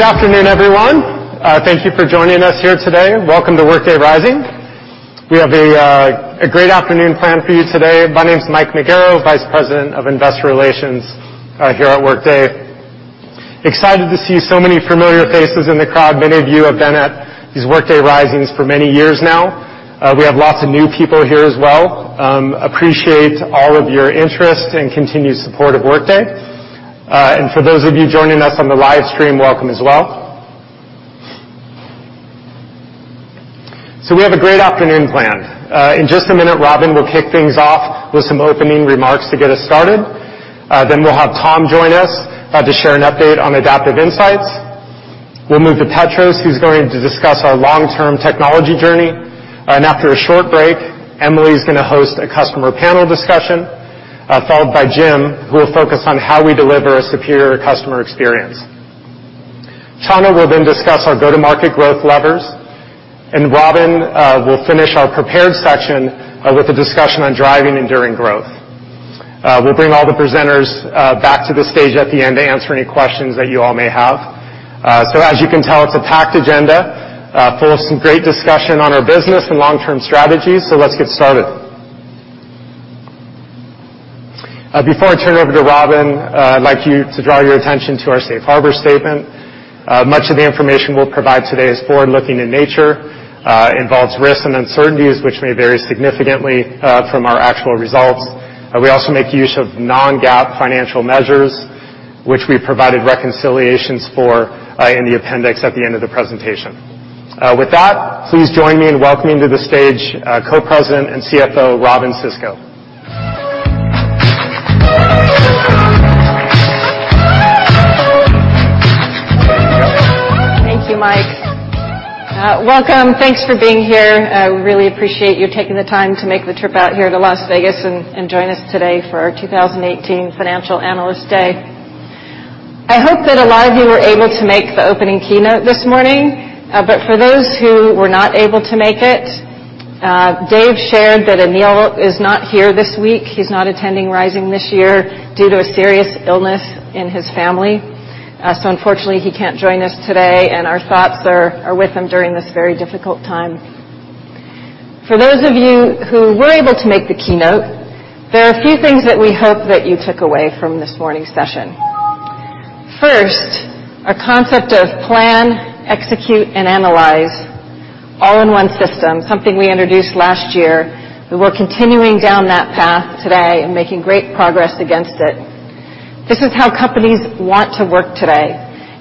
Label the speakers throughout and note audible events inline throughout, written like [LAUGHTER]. Speaker 1: Good afternoon, everyone. Thank you for joining us here today. Welcome to Workday Rising. We have a great afternoon planned for you today. My name's Michael Magaro, Vice President of Investor Relations here at Workday. Excited to see so many familiar faces in the crowd. Many of you have been at these Workday Risings for many years now. We have lots of new people here as well. Appreciate all of your interest and continued support of Workday. For those of you joining us on the live stream, welcome as well. We have a great afternoon planned. In just a minute, Robynne will kick things off with some opening remarks to get us started. Then we'll have Tom join us to share an update on Adaptive Insights. We'll move to Petros, who's going to discuss our long-term technology journey. After a short break, Emily's going to host a customer panel discussion, followed by Jim, who will focus on how we deliver a superior customer experience. Chano will then discuss our go-to-market growth levers, and Robynne will finish our prepared section with a discussion on driving enduring growth. We'll bring all the presenters back to the stage at the end to answer any questions that you all may have. As you can tell, it's a packed agenda full of some great discussion on our business and long-term strategies, so let's get started. Before I turn it over to Robynne, I'd like to draw your attention to our safe harbor statement. Much of the information we'll provide today is forward-looking in nature, involves risks and uncertainties, which may vary significantly from our actual results. We also make use of non-GAAP financial measures, which we provided reconciliations for in the appendix at the end of the presentation. With that, please join me in welcoming to the stage Co-President and CFO, Robynne Sisco.
Speaker 2: Thank you, Mike. Welcome. Thanks for being here. We really appreciate you taking the time to make the trip out here to Las Vegas and join us today for our 2018 Financial Analyst Day. I hope that a lot of you were able to make the opening keynote this morning. For those who were not able to make it, Dave shared that Aneel is not here this week. He's not attending Rising this year due to a serious illness in his family. Unfortunately, he can't join us today, and our thoughts are with him during this very difficult time. For those of you who were able to make the keynote, there are a few things that we hope that you took away from this morning's session. First, our concept of plan, execute, and analyze all in one system, something we introduced last year. We're continuing down that path today and making great progress against it. This is how companies want to work today,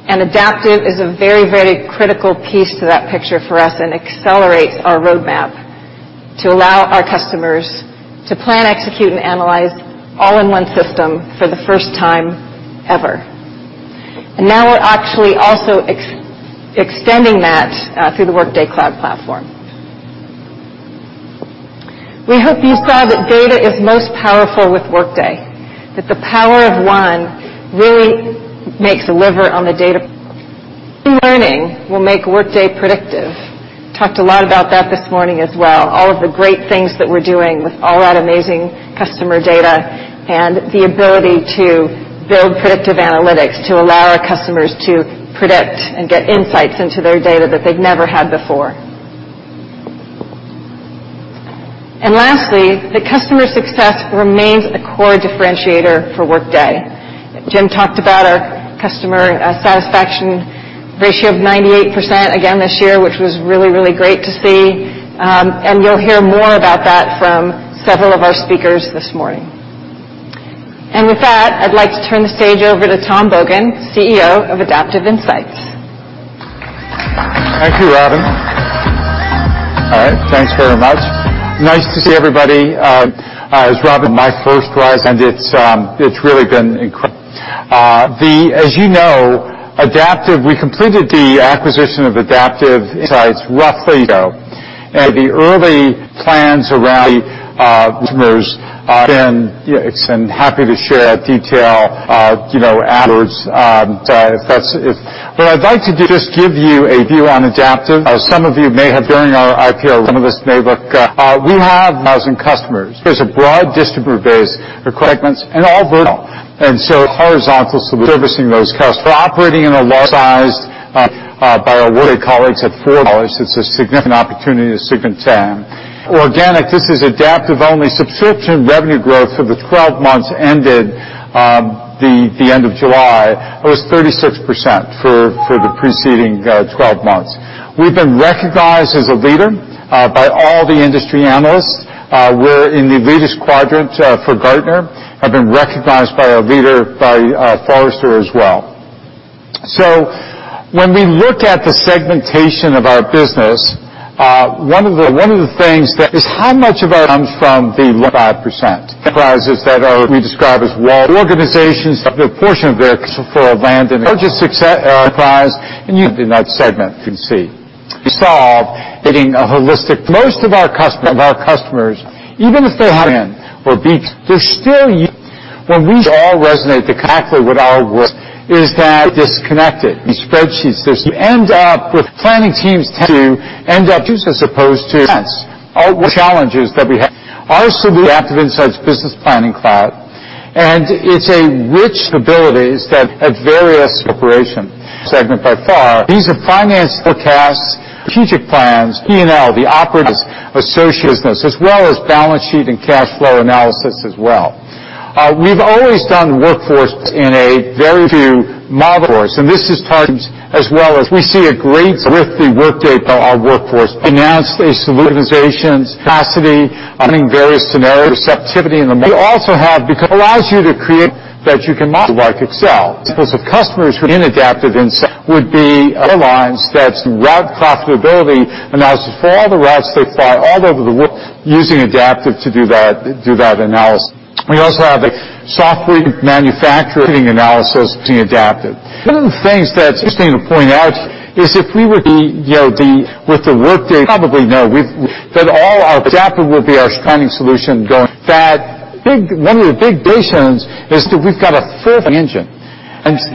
Speaker 2: Adaptive is a very critical piece to that picture for us and accelerates our roadmap to allow our customers to plan, execute, and analyze all in one system for the first time ever. Now we're actually also extending that through the Workday Cloud Platform. We hope you saw that data is most powerful with Workday, that the power of one really makes a lever on the data. Machine learning will make Workday predictive. Talked a lot about that this morning as well, all of the great things that we're doing with all that amazing customer data and the ability to build predictive analytics to allow our customers to predict and get insights into their data that they've never had before. Lastly, that customer success remains a core differentiator for Workday. Jim talked about our customer satisfaction ratio of 98% again this year, which was really great to see. You'll hear more about that from several of our speakers this morning. With that, I'd like to turn the stage over to Tom Bogan, Chief Executive Officer of Adaptive Insights.
Speaker 3: Thank you, Robynne. All right. Thanks very much. Nice to see everybody. As Robynne. My first Workday Rising, and it's really been incredible. As you know, we completed the acquisition of Adaptive Insights roughly a year ago. The early plans around customers have been, and happy to share that detail outwards. I'd like to just give you a view on Adaptive. Some of you may have during our IPO, some of us may look. We have amazing customers. There's a broad distributor base for segments and all verticals.
Speaker 2: Horizontal solution servicing those customers. We're operating in a large size by our Workday colleagues at. [INAUDIBLE] It's a significant opportunity, a significant TAM. Organic, this is Adaptive only subscription revenue growth for the 12 months ended the end of July, was 36% for the preceding 12 months. We've been recognized as a leader by all the industry analysts. We're in the leaders quadrant for Gartner, have been recognized by a leader by Forrester as well. When we look at the segmentation of our business, one of the things is how much of it comes from the low 5%? Enterprises that we describe as organizations, [INAUDIBLE] and you in that segment can see. Solve getting a holistic. Most of our customers, even if they have, [INAUDIBLE] they're still us.
Speaker 3: When we should all [inaudble]. These spreadsheets, you end up with planning teams tend to end up, as opposed to sense. One of the challenges that we have, our solution Adaptive Insights Business Planning Cloud, it's rich capabilities that at various corporation segments, by far, these are finance forecasts, strategic plans, P&L, the operatives, associated business, as well as balance sheet and cash flow analysis as well. We've always done workforce in a very few model. [INAUDIBLE] This is part as well as we see a great with the Workday our workforce announced a solution, capacity, planning various scenarios, receptivity in the. We also have, because it allows you to create that you can model like Excel. Examples of customers who in Adaptive Insights would be airlines that route profitability analysis for all the routes they fly all over the world using Adaptive to do that analysis. We also have a software manufacturer doing analysis using Adaptive. One of the things that's interesting to point out is. [INAUDIBLE] One of the big decisions is that we've got a full engine.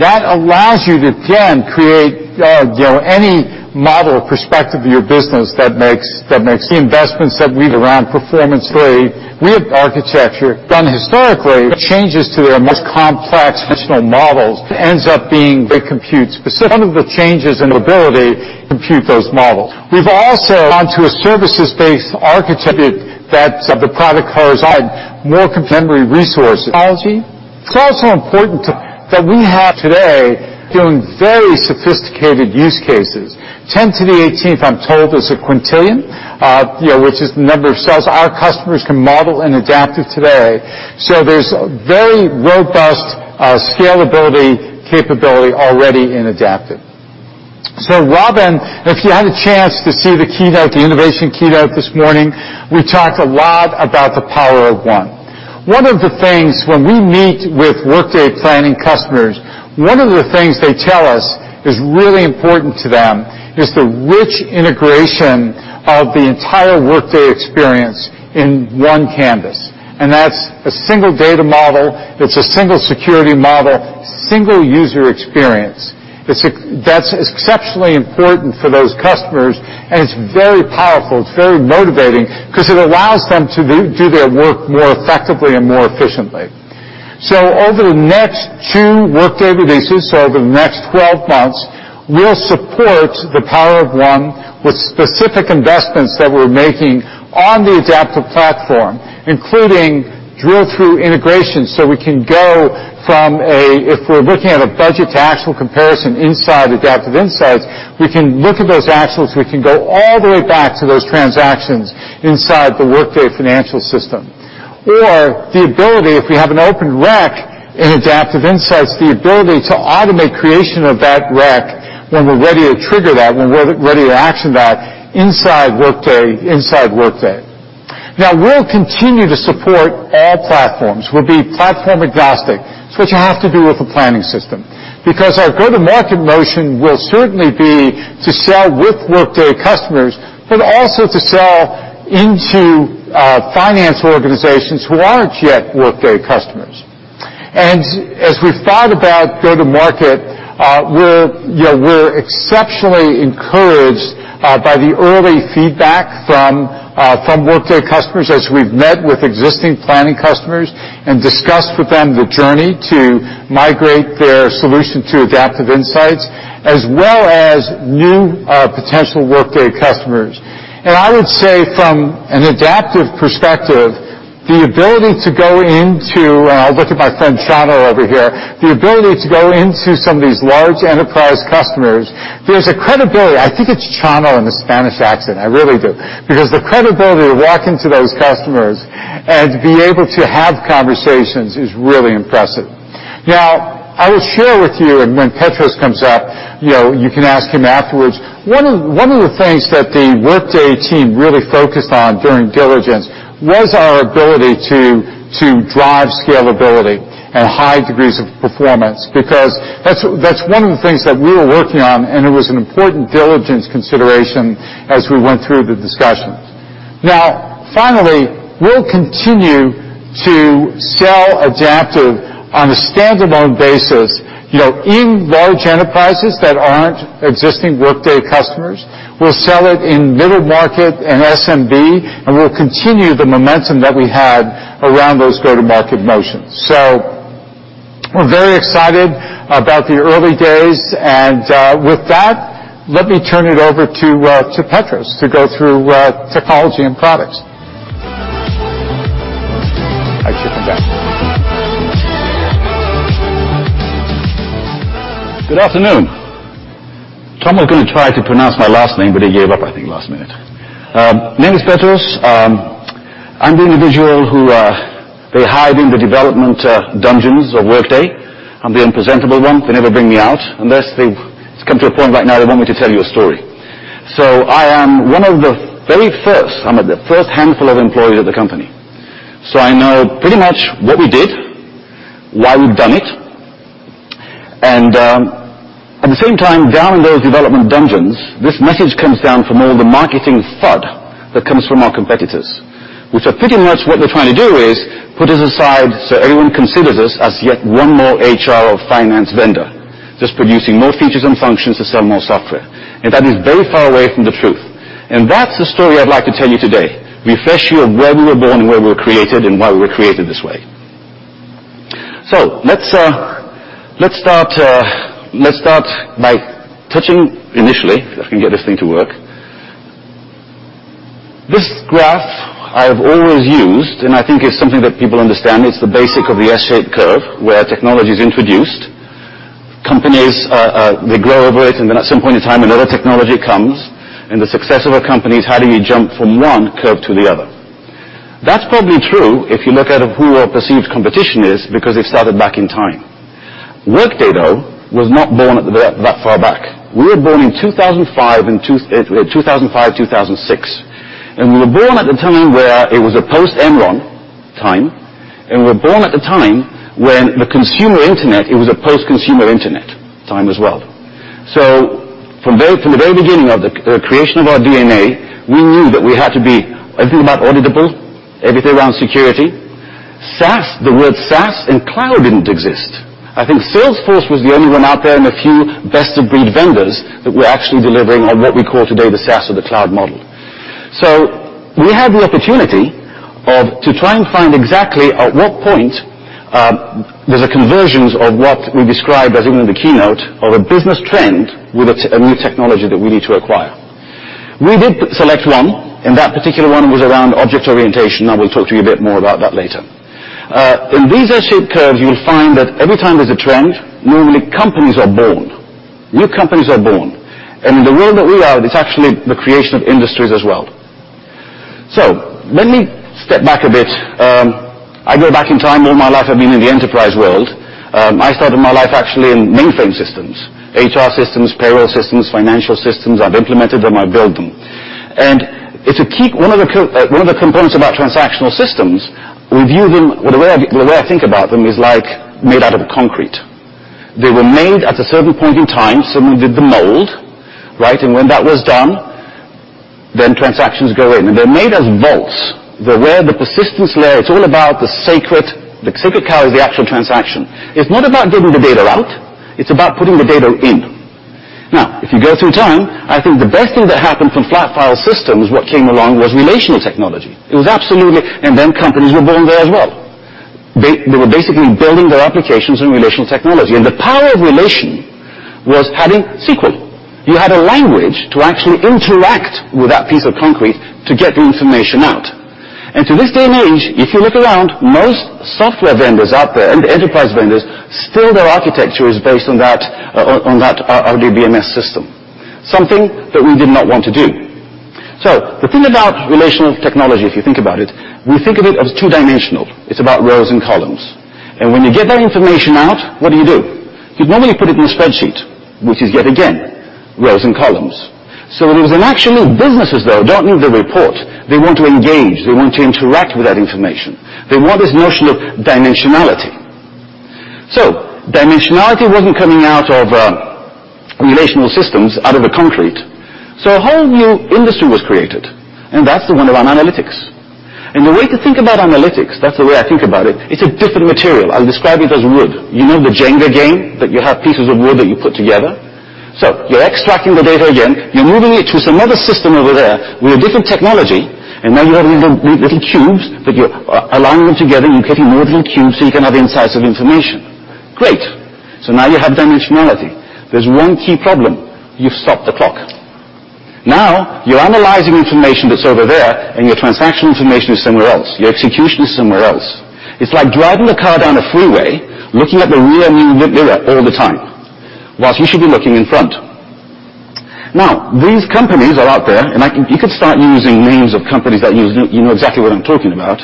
Speaker 3: That allows you to then create any model perspective of your business that makes the investments that we've around performance. [INAUDIBLE] We have architecture done historically. The changes to their most complex functional models ends up being they compute-specific. One of the changes in ability to compute those models. We've also gone to a services-based architecture that the product runs on more contemporary resource technology. It's also important that we have today doing very sophisticated use cases. 10 to the 18th, I'm told, is a quintillion, which is the number of cells our customers can model in Adaptive today. There's very robust scalability capability already in Adaptive. Robynne, if you had a chance to see the keynote, the Innovation Keynote this morning, we talked a lot about the power of one. One of the things when we meet with Workday planning customers, one of the things they tell us is really important to them is the rich integration of the entire Workday experience in one canvas. That's a single data model, it's a single security model, single user experience. That's exceptionally important for those customers, and it's very powerful, it's very motivating because it allows them to do their work more effectively and more efficiently. Over the next two Workday releases, over the next 12 months, we'll support the power of one with specific investments that we're making on the Adaptive platform, including drill-through integration, so we can go from a, if we're looking at a budget to actual comparison inside Adaptive Insights, we can look at those actuals, we can go all the way back to those transactions inside the Workday financial system. Or the ability, if we have an open req in Adaptive Insights, the ability to automate creation of that req when we're ready to trigger that, when we're ready to action that inside Workday. We'll continue to support all platforms. We'll be platform-agnostic. It's what you have to do with a planning system. Our go-to-market motion will certainly be to sell with Workday customers, but also to sell into finance organizations who aren't yet Workday customers. As we thought about go-to-market, we're exceptionally encouraged by the early feedback from Workday customers as we've met with existing planning customers and discussed with them the journey to migrate their solution to Adaptive Insights, as well as new potential Workday customers. I would say from an Adaptive perspective, the ability to go into, look at my friend Chano over here, the ability to go into some of these large enterprise customers, there's a credibility. I think it's Chano in the Spanish accent, I really do. The credibility to walk into those customers and be able to have conversations is really impressive. I will share with you, and when Petros comes up, you can ask him afterwards, one of the things that the Workday team really focused on during diligence was our ability to drive scalability and high degrees of performance, because that's one of the things that we were working on, and it was an important diligence consideration as we went through the discussions. Finally, we'll continue to sell Adaptive on a standalone basis in large enterprises that aren't existing Workday customers. We'll sell it in middle market and SMB, and we'll continue the momentum that we had around those go-to-market motions. We're very excited about the early days. With that, let me turn it over to Petros to go through technology and products.
Speaker 4: I should come back. Good afternoon. Tom was going to try to pronounce my last name, but he gave up, I think, last minute. Name is Petros. I'm the individual who they hide in the development dungeons of Workday. I'm the unpresentable one. They never bring me out unless it's come to a point right now they want me to tell you a story. I am one of the very first, I'm of the first handful of employees at the company. I know pretty much what we did, why we've done it. At the same time, down in those development dungeons, this message comes down from all the marketing FUD that comes from our competitors, which are pretty much what they're trying to do is put us aside so everyone considers us as yet one more HR or finance vendor, just producing more features and functions to sell more software. That is very far away from the truth. That's the story I'd like to tell you today, refresh you of where we were born, where we were created, and why we were created this way. Let's start by touching initially, if I can get this thing to work. This graph I have always used, and I think it's something that people understand. It's the basic of the S-shaped curve, where technology is introduced. Companies, they grow over it, and then at some point in time, another technology comes, and the success of a company is how do you jump from one curve to the other. That's probably true if you look at who our perceived competition is because they started back in time. Workday, though, was not born that far back. We were born in 2005, 2006. We were born at the time where it was a post-Enron time, and we were born at the time when the consumer internet, it was a post-consumer internet time as well. From the very beginning of the creation of our DNA, we knew that we had to be everything about auditable, everything around security. SaaS, the word SaaS and cloud didn't exist. I think Salesforce was the only one out there and a few best-of-breed vendors that were actually delivering on what we call today the SaaS or the cloud model. We had the opportunity to try and find exactly at what point there's a convergence of what we described as even in the keynote of a business trend with a new technology that we need to acquire. We did select one, and that particular one was around object orientation. I will talk to you a bit more about that later. In these S-shaped curves, you'll find that every time there's a trend, normally companies are born. New companies are born. In the world that we are, it's actually the creation of industries as well. Let me step back a bit. I go back in time, all my life I've been in the enterprise world. I started my life actually in mainframe systems, HR systems, payroll systems, financial systems. I've implemented them, I've built them. One of the components about transactional systems, the way I think about them is like made out of concrete. They were made at a certain point in time. Someone did the mold. When that was done, then transactions go in. They're made as vaults. They're where the persistence layer, it's all about the sacred cow is the actual transaction. It's not about getting the data out. It's about putting the data in. If you go through time, I think the best thing that happened from flat file systems, what came along was relational technology. Companies were born there as well. They were basically building their applications on relational technology. The power of relation was having SQL. You had a language to actually interact with that piece of concrete to get the information out. To this day and age, if you look around, most software vendors out there and enterprise vendors, still their architecture is based on that RDBMS system. Something that we did not want to do. The thing about relational technology, if you think about it, we think of it as two-dimensional. It's about rows and columns. When you get that information out, what do you do? You'd normally put it in a spreadsheet, which is yet again, rows and columns. There was an actual need. Businesses, though, don't need the report. They want to engage. They want to interact with that information. They want this notion of dimensionality. Dimensionality wasn't coming out of relational systems, out of the concrete. A whole new industry was created, and that's the one around analytics. The way to think about analytics, that's the way I think about it's a different material. I'll describe it as wood. You know the Jenga game, that you have pieces of wood that you put together? You're extracting the data again, you're moving it to some other system over there with a different technology, and now you have little cubes, but you're aligning them together, you're getting more little cubes, so you can have insights of information. Great. Now you have dimensionality. There's one key problem. You've stopped the clock. You're analyzing information that's over there, and your transaction information is somewhere else. Your execution is somewhere else. It's like driving a car down a freeway, looking at the rear view mirror all the time, whilst you should be looking in front. These companies are out there, you could start using names of companies that you know exactly what I'm talking about.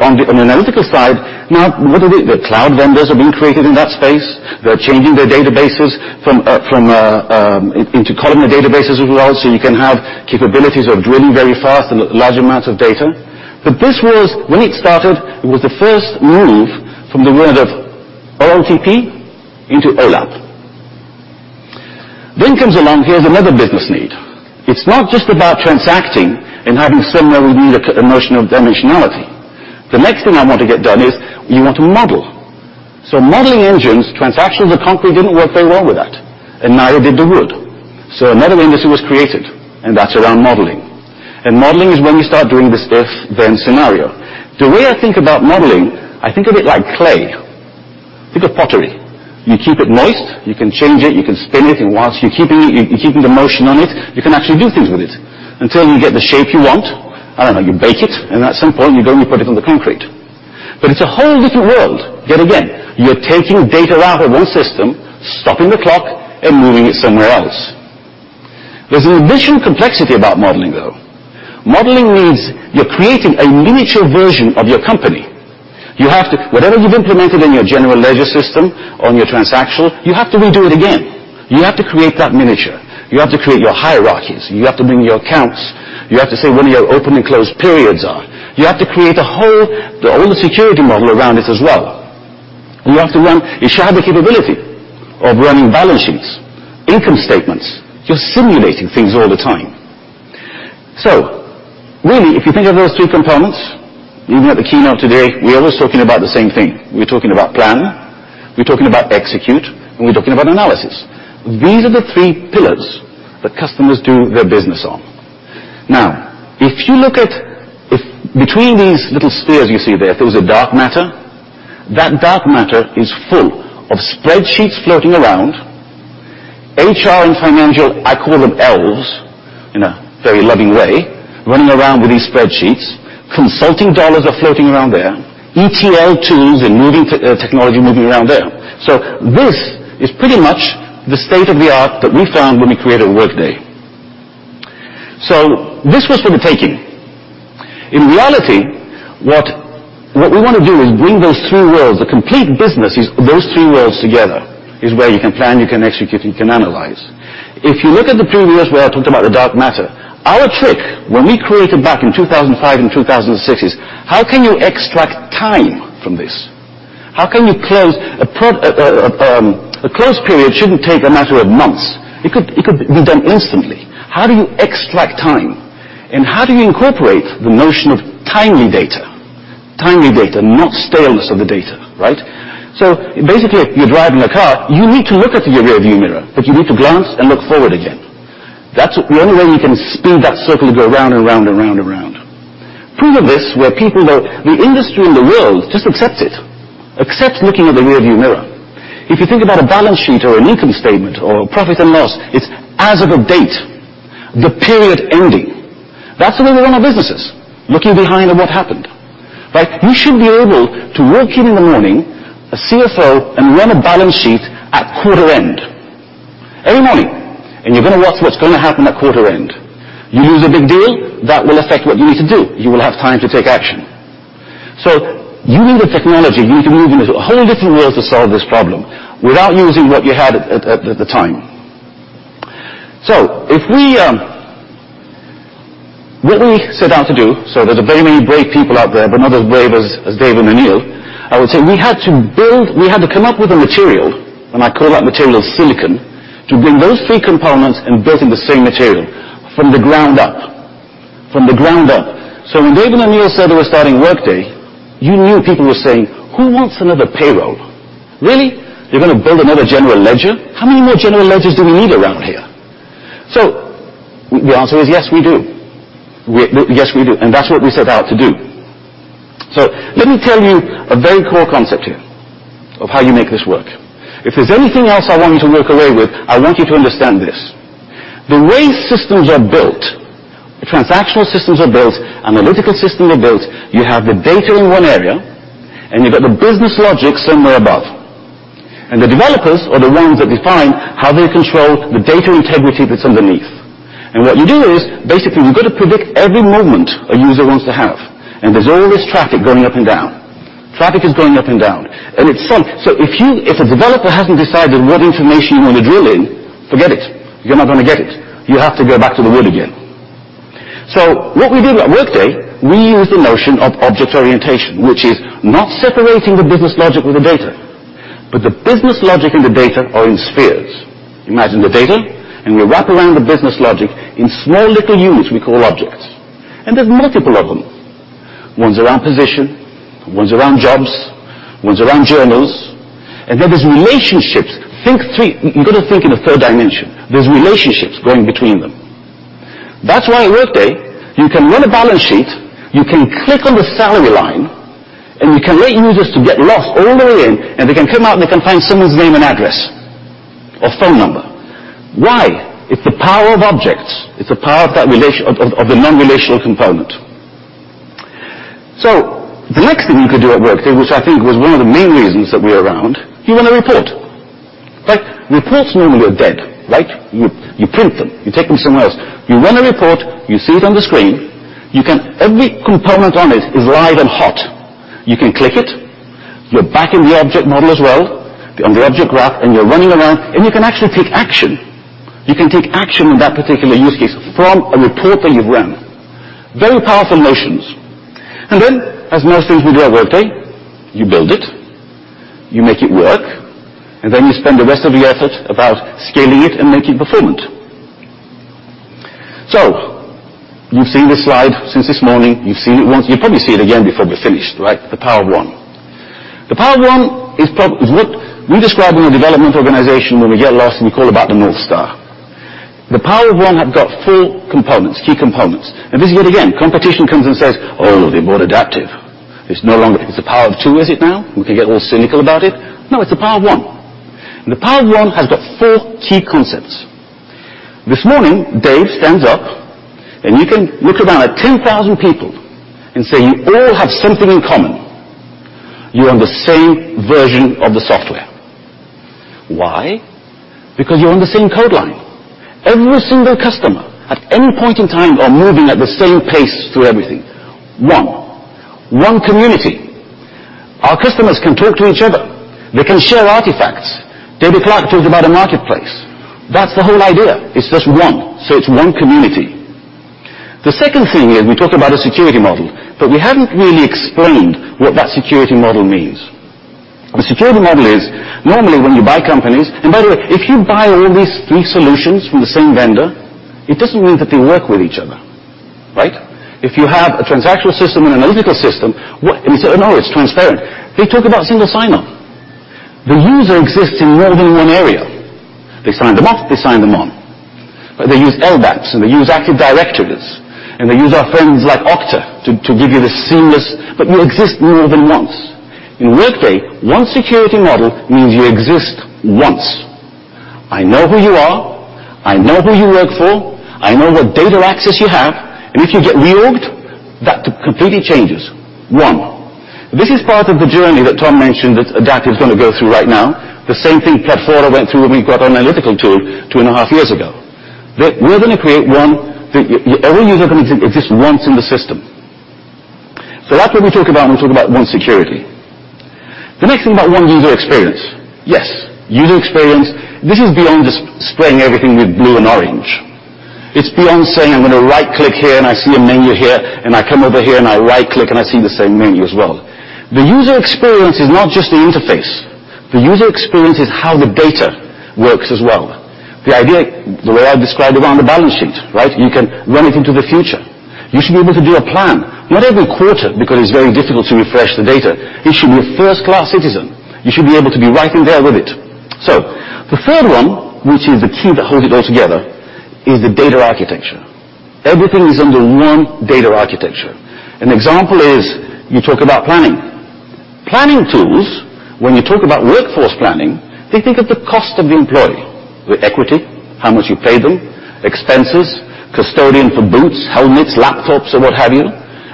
Speaker 4: On the analytical side, what are they? The cloud vendors are being created in that space. They're changing their databases into columnar databases as well, so you can have capabilities of drilling very fast in large amounts of data. When it started, it was the first move from the world of OLTP into OLAP. Comes along, here's another business need. It's not just about transacting and having somewhere we need a notion of dimensionality. The next thing I want to get done is we want to model. Modeling engines, transactional, the concrete didn't work very well with that. Neither did the wood. Another industry was created, and that's around modeling. Modeling is when you start doing this if-then scenario. The way I think about modeling, I think of it like clay. Think of pottery. You keep it moist, you can change it, you can spin it, whilst you're keeping the motion on it, you can actually do things with it until you get the shape you want. I don't know, you bake it, at some point, you go and you put it on the concrete. It's a whole different world, yet again. You're taking data out of one system, stopping the clock, moving it somewhere else. There's an additional complexity about modeling, though. Modeling means you're creating a miniature version of your company. Whatever you've implemented in your general ledger system, on your transactional, you have to redo it again. You have to create that miniature. You have to create your hierarchies, you have to bring your accounts, you have to say when your open and closed periods are. You have to create a whole security model around it as well. You should have the capability of running balance sheets, income statements. You're simulating things all the time. Really, if you think of those three components, even at the keynote today, we're always talking about the same thing. We're talking about plan, we're talking about execute, we're talking about analysis. These are the three pillars that customers do their business on. If you look at between these little spheres you see there's a dark matter. That dark matter is full of spreadsheets floating around, HR and financial, I call them elves, in a very loving way, running around with these spreadsheets. Consulting dollars are floating around there. ETL tools and technology moving around there. This is pretty much the state of the art that we found when we created Workday. This was for the taking. In reality, what we want to do is bring those three worlds, the complete business, is those three worlds together, is where you can plan, you can execute, you can analyze. If you look at the previous, where I talked about the dark matter, our trick when we created back in 2005 and 2006, is how can you extract time from this? How can you close a close period shouldn't take a matter of months. It could be done instantly. How do you extract time? How do you incorporate the notion of timely data? Timely data, not staleness of the data, right? Basically, if you're driving a car, you need to look at your rearview mirror, but you need to glance and look forward again. That's the only way you can speed that circle to go round and round and round and round. Proof of this, where people, the industry and the world just accepts looking at the rearview mirror. If you think about a balance sheet or an income statement or profit and loss, it's as of a date, the period ending. That's the way we run our businesses, looking behind at what happened, right? You should be able to walk in in the morning, a CFO, and run a balance sheet at quarter end. Every morning. You're going to watch what's going to happen at quarter end. You lose a big deal, that will affect what you need to do. You will have time to take action. You need the technology. You need to move into a whole different world to solve this problem without using what you had at the time. What we set out to do, there's very many brave people out there, but none as brave as Dave and Aneel. I would say we had to come up with a material, I call that material silicon, to bring those three components embedded in the same material from the ground up. From the ground up. When Dave and Aneel said they were starting Workday, you knew people were saying, "Who wants another payroll?" Really? They're going to build another general ledger? How many more general ledgers do we need around here? The answer is yes, we do. Yes, we do. That's what we set out to do. Let me tell you a very core concept here of how you make this work. If there's anything else I want you to walk away with, I want you to understand this. The way systems are built, transactional systems are built, analytical systems are built, you have the data in one area, you've got the business logic somewhere above. The developers are the ones that define how they control the data integrity that's underneath. What you do is, basically, you've got to predict every movement a user wants to have. There's all this traffic going up and down. Traffic is going up and down. If a developer hasn't decided what information you want to drill in, forget it. You're not going to get it. You have to go back to the wood again. What we did at Workday, we used the notion of object orientation, which is not separating the business logic with the data, but the business logic and the data are in spheres. Imagine the data, we wrap around the business logic in small little units we call objects. There's multiple of them. One's around position, one's around jobs, one's around journals. There's relationships. You've got to think in the third dimension. There's relationships going between them. That's why at Workday, you can run a balance sheet, you can click on the salary line, you can let users get lost all the way in, they can come out they can find someone's name and address or phone number. Why? It's the power of objects. It's the power of the non-relational component. The next thing you could do at Workday, which I think was one of the main reasons that we are around, you run a report, right. Reports normally are dead, right. You print them, you take them somewhere else. You run a report, you see it on the screen. Every component on it is live and hot. You can click it. You're back in the object model as well on the object graph, and you're running around, and you can actually take action. You can take action on that particular use case from a report that you've run. Very powerful notions. As most things we do at Workday, you build it, you make it work, and then you spend the rest of the effort about scaling it and make it performant. You've seen this slide since this morning. You've seen it once. One community. Our customers can talk to each other. They can share artifacts. David Clarke talked about a marketplace. That's the whole idea. It's just one. It's one community. The second thing is we talked about a security model, but we haven't really explained what that security model means. The security model is normally when you buy companies. By the way, if you buy all these three solutions from the same vendor, it doesn't mean that they work with each other. If you have a transactional system and an analytical system, and you say, "Oh, no, it's transparent," they talk about single sign-on. The user exists in more than one area. They sign them off, they sign them on. They use LDAP, and they use active directories, and they use our friends like Okta to give you this seamless. You exist more than once. In Workday, one security model means you exist once. I know who you are, I know who you work for, I know what data access you have, It's beyond saying, "I'm going to right-click here, and I see a menu here, and I come over here and I right-click, and I see the same menu as well." The user experience is not just the interface. The user experience is how the data works as well. The idea, the way I described around the balance sheet. You can run it into the future. You should be able to do a plan, not every quarter, because it's very difficult to refresh the data. It should be a first-class citizen. You should be able to be right in there with it. The third one, which is the key that holds it all together, is the data architecture. Everything is under one data architecture. An example is you talk about planning. Planning tools, when you talk about workforce planning, they think of the cost of the employee, the equity, how much you pay them, expenses, custodian for boots, helmets, laptops, or what have you,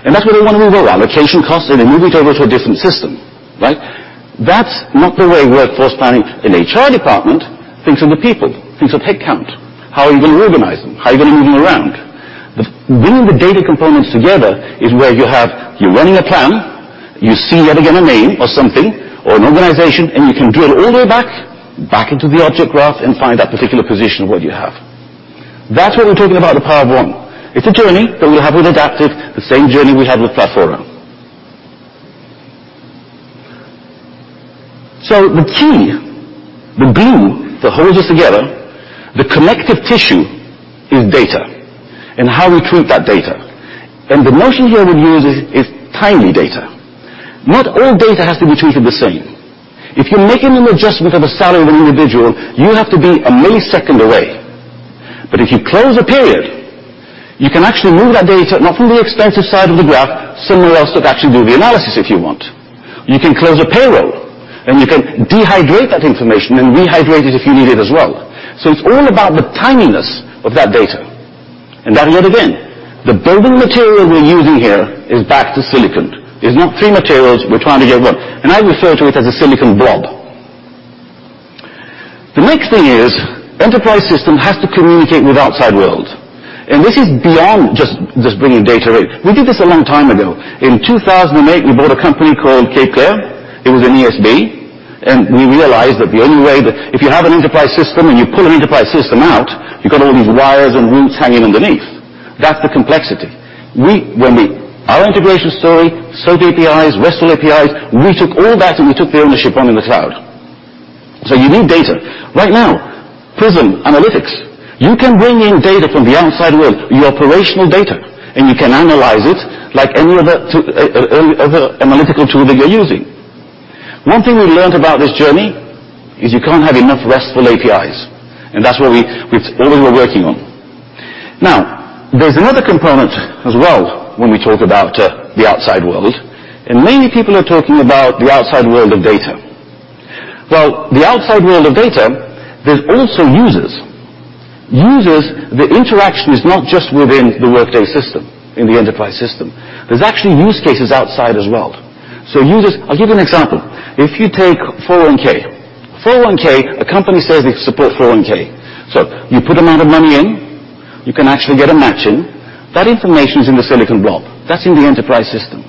Speaker 4: and that's what they want to move around. Allocation costs, they move it over to a different system. That's not the way workforce planning in HR department thinks of the people, thinks of headcount. How are you going to organize them? How are you going to move them around? Bringing the data components together is where you have, you're running a plan, you see yet again a name or something, or an organization, and you can drill all the way back into the object graph and find that particular position of what you have. That's what we're talking about, the power of one. It's a journey that we have with Adaptive, the same journey we had with Platfora. The key, the glue that holds us together, the connective tissue is data and how we treat that data. The notion here we use is timely data. Not all data has to be treated the same. If you're making an adjustment of a salary of an individual, you have to be a millisecond away. If you close a period, you can actually move that data, not from the expensive side of the graph, somewhere else that actually do the analysis if you want. You can close a payroll, you can dehydrate that information and rehydrate it if you need it as well. It's all about the timeliness of that data. That yet again, the building material we're using here is back to silicon. It's not three materials, we're trying to get one. I refer to it as a silicon blob. The next thing is enterprise system has to communicate with outside world. This is beyond just bringing data in. We did this a long time ago. In 2008, we bought a company called Cape Clear. It was an ESB, and we realized that the only way that if you have an enterprise system and you pull an enterprise system out, you got all these wires and roots hanging underneath. That's the complexity. Our integration story, SOAP APIs, RESTful APIs, we took all that and we took the ownership on in the cloud. You need data. Right now, Workday Prism Analytics. You can bring in data from the outside world, your operational data, you can analyze it like any other analytical tool that you're using. One thing we learned about this journey is you can't have enough RESTful APIs. That's all we're working on. There's another component as well when we talk about the outside world, and mainly people are talking about the outside world of data. The outside world of data, there's also users. Users, the interaction is not just within the Workday system, in the enterprise system. There's actually use cases outside as well. Users I'll give you an example. If you take 401(k). 401(k), a company says they support 401(k). You put amount of money in, you can actually get a match in. That information's in the silicon blob. That's in the enterprise system.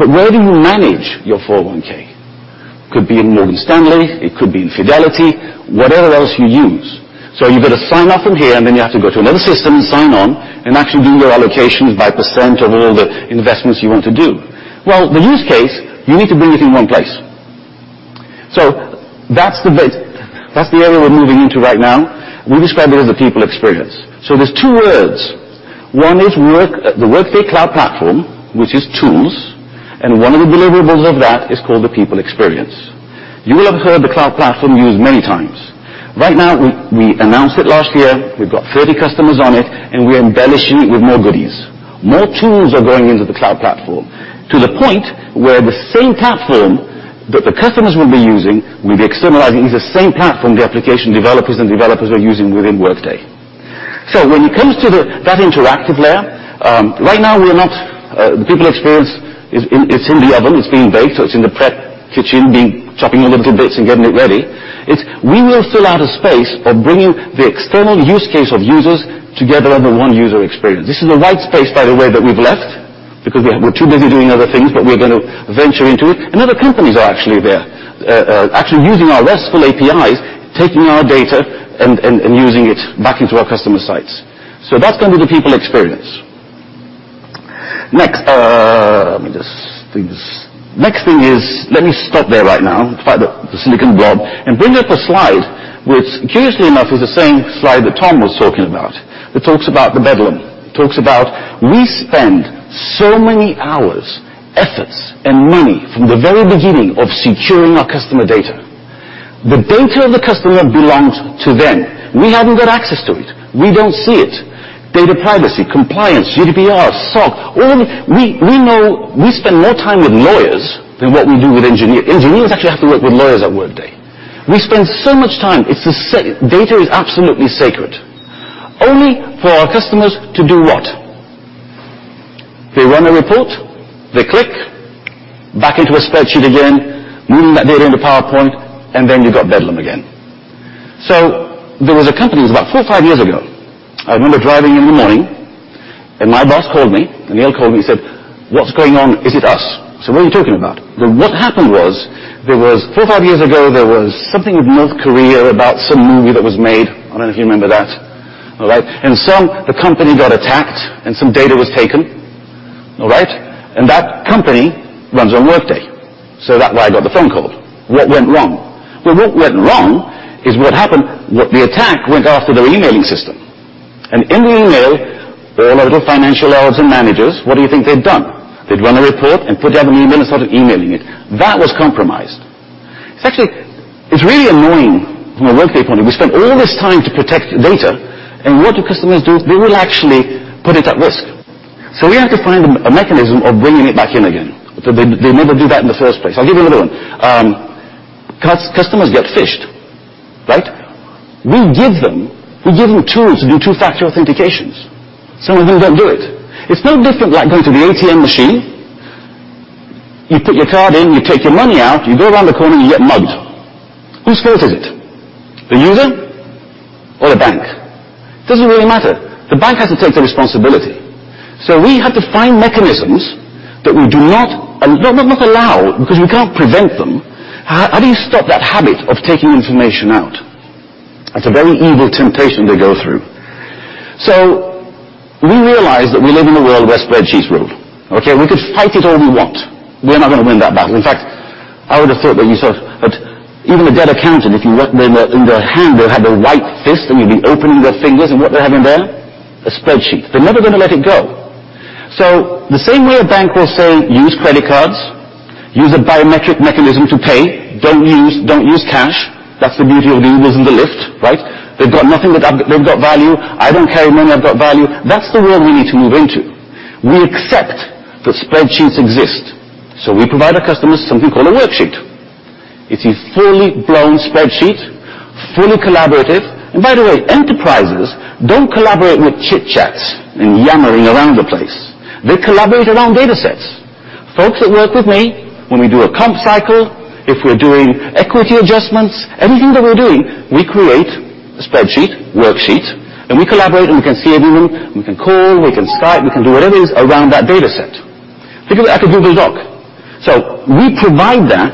Speaker 4: But where do you manage your 401(k)? Could be in Morgan Stanley, it could be in Fidelity, whatever else you use. You've got to sign off from here, and then you have to go to another system and sign on and actually do your allocations by percent of all the investments you want to do. The use case, you need to bring it in one place. That's the area we're moving into right now. We describe it as a People Experience. There's two words. One is the Workday Cloud Platform, which is tools, and one of the deliverables of that is called the People Experience. You will have heard the Workday Cloud Platform used many times. We announced it last year. We've got 30 customers on it, and we're embellishing it with more goodies. More tools are going into the Workday Cloud Platform, to the point where the same platform that the customers will be using, we'll be externalizing is the same platform the application developers and developers are using within Workday. When it comes to that interactive layer, right now we are not The People Experience, it's in the oven. It's being baked, it's in the prep kitchen being chopping all the good bits and getting it ready. We will fill out a space for bringing the external use case of users together under one user experience. This is a white space, by the way, that we've left because we're too busy doing other things, but we're going to venture into it, and other companies are actually there. Using our RESTful APIs, taking our data, and using it back into our customer sites. That's going to be the People Experience. Let me stop there right now, the Silicon Blob, and bring up a slide, which curiously enough, is the same slide that Tom was talking about. That talks about the bedlam. Talks about we spend so many hours, efforts, and money from the very beginning of securing our customer data. The data of the customer belongs to them. We haven't got access to it. We don't see it. Data privacy, compliance, GDPR, SOC. We spend more time with lawyers than what we do with engineers. Engineers actually have to work with lawyers at Workday. We spend so much time. Data is absolutely sacred. Only for our customers to do what? They run a report, they click back into a spreadsheet again, move that data into PowerPoint, and then you've got bedlam again. There was a company, it was about four or five years ago. I remember driving in in the morning, my boss called me, Aneel called me. He said, "What's going on? Is it us?" I said, "What are you talking about?" What happened was, four or five years ago, there was something with North Korea about some movie that was made. I don't know if you remember that. All right. The company got attacked and some data was taken. All right. That company runs on Workday, so that why I got the phone call. What went wrong? Well, what went wrong is what happened, the attack went after their emailing system. In the email, all of the financial files and managers, what do you think they'd done? They'd run a report and put it together in an email and started emailing it. That was compromised. It's really annoying from a Workday point of view. We spend all this time to protect data, what do customers do? They will actually put it at risk. We have to find a mechanism of bringing it back in again, so they never do that in the first place. I'll give you another one. Customers get phished, right? We give them tools to do 2-factor authentications. Some of them don't do it. It's no different like going to the ATM machine. You put your card in, you take your money out, you go around the corner, you get mugged. Whose fault is it? The user or the bank? Doesn't really matter. The bank has to take the responsibility. We have to find mechanisms that we do not allow because we can't prevent them. How do you stop that habit of taking information out? It's a very evil temptation to go through. We realize that we live in a world where spreadsheets rule. Okay? We could fight it all we want. We're not going to win that battle. In fact, I would have thought that even a dead accountant, if you went in their hand, they'll have a white fist, you'd be opening their fingers, what they have in there? A spreadsheet. They're never going to let it go. The same way a bank will say, "Use credit cards, use a biometric mechanism to pay. Don't use cash." That's the beauty of the Uber and the Lyft, right? They've got nothing, but they've got value. I don't carry money. I've got value. That's the world we need to move into. We accept that spreadsheets exist. We provide our customers something called a worksheet. It's a fully blown spreadsheet, fully collaborative. By the way, enterprises don't collaborate with chit-chats and yammering around the place. They collaborate around data sets. Folks that work with me, when we do a comp cycle, if we're doing equity adjustments, anything that we're doing, we create a spreadsheet, worksheet, we collaborate, we can see it in them. We can call, we can Skype, we can do whatever it is around that data set. Think of it like a Google Doc. We provide that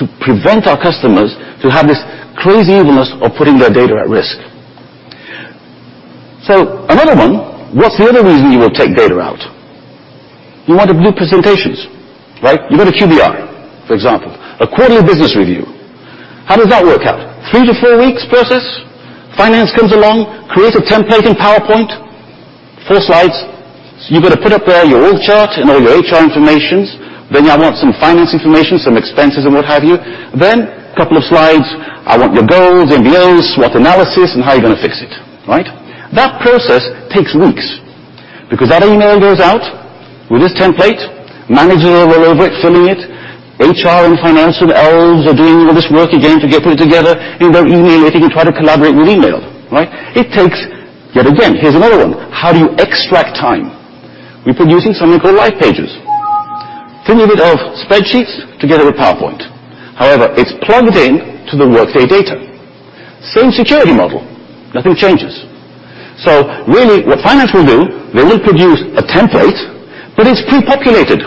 Speaker 4: to prevent our customers to have this crazy evilness of putting their data at risk. Another one. What's the other reason you would take data out? You want to do presentations, right? You've got a QBR, for example, a quarterly business review. How does that work out? Three to four weeks process. Finance comes along, creates a template in PowerPoint, four slides. You've got to put up there your org chart and all your HR information. I want some finance information, some expenses, and what have you. Couple of slides, I want your goals, MBOs, SWOT analysis, and how you're going to fix it. Right? That process takes weeks because that email goes out with this template. Managers are all over it, filling it. HR and financial elves are doing all this work, getting it together, and they're emailing it and try to collaborate with email. Right? It takes, yet again, here's another one, how do you extract time? We're producing something called Livepages. Think of it of spreadsheets together with PowerPoint. However, it's plugged in to the Workday data. Same security model, nothing changes. Really, what finance will do, they will produce a template, but it's prepopulated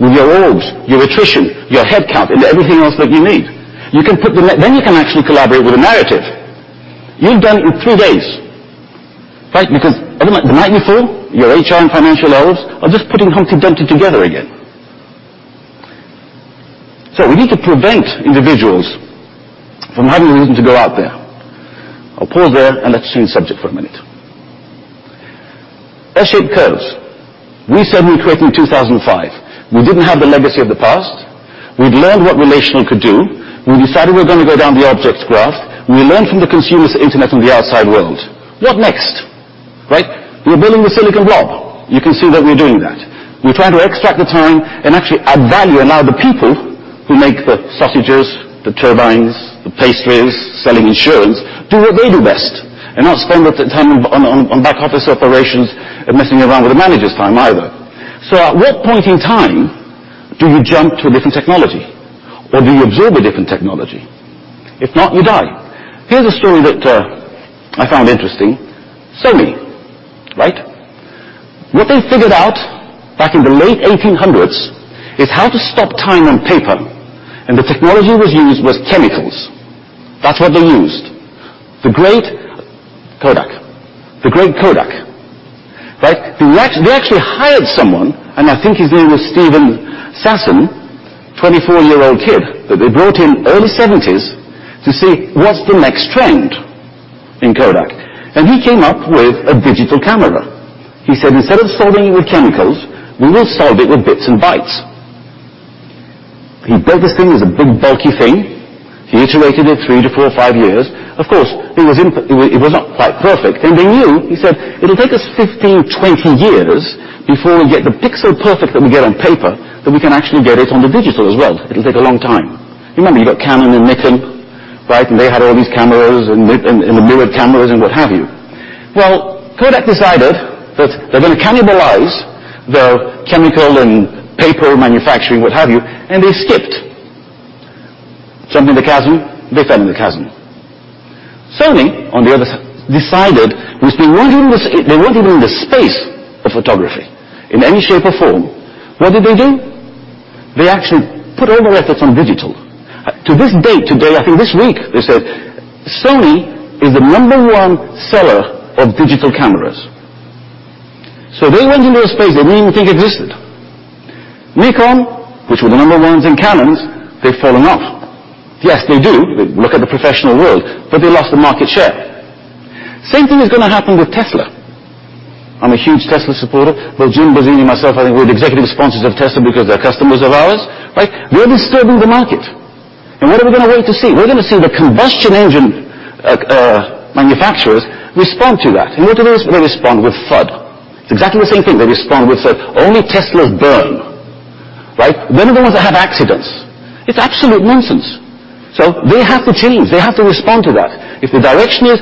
Speaker 4: with your orgs, your attrition, your headcount, and everything else that you need. You can actually collaborate with a narrative. You're done in three days. Right? Because the night before, your HR and financial elves are just putting Humpty Dumpty together again. We need to prevent individuals from having a reason to go out there. I'll pause there and let's change the subject for a minute. S-shaped curves. We started recreating in 2005. We didn't have the legacy of the past. We'd learned what relational could do. We decided we're going to go down the object graph. We learned from the consumer's internet and the outside world. What next? Right? We're building the Silicon Blob. You can see that we're doing that. We're trying to extract the time and actually add value and allow the people who make the sausages, the turbines, the pastries, selling insurance, do what they do best, and not spend all their time on back office operations and messing around with the managers' time either. At what point in time do you jump to a different technology, or do you absorb a different technology? If not, you die. Here's a story that I found interesting. Sony. What they figured out back in the late 1800s is how to stop time on paper, and the technology was used was chemicals. That's what they used. The great Kodak. They actually hired someone, and I think his name was Steven Sasson, 24-year-old kid, that they brought in early 70s to see what's the next trend in Kodak. He came up with a digital camera. He said, "Instead of solving it with chemicals, we will solve it with bits and bytes." He built this thing. It was a big, bulky thing. He iterated it three to four or five years. Of course, it was not quite perfect, and they knew. He said, "It'll take us 15, 20 years before we get the pixel perfect that we get on paper, that we can actually get it onto digital as well. It'll take a long time." Remember, you got Canon and Nikon, and they had all these cameras and the mirrored cameras and what have you. Kodak decided that they're going to cannibalize their chemical and paper manufacturing, what have you, and they skipped. Jumped in the chasm, they fell in the chasm. Sony, on the other side, decided, they weren't even in the space of photography in any shape or form. What did they do? They actually put all their efforts on digital. To this date, today, I think this week, they said Sony is the number one seller of digital cameras. They went into a space they didn't even think existed. Nikon, which were the number ones, and Canon, they've fallen off. Yes, they do. Look at the professional world, they lost the market share. Same thing is going to happen with Tesla. I'm a huge Tesla supporter. Both Jim Bozzini and myself, I think we're the executive sponsors of Tesla because they're customers of ours. We're disturbing the market. What are we going to wait to see? We're going to see the combustion engine manufacturers respond to that. What do they respond? They respond with FUD. It's exactly the same thing. They respond with FUD. Only Teslas burn. None of those have accidents. It's absolute nonsense. They have to change. They have to respond to that. If the direction is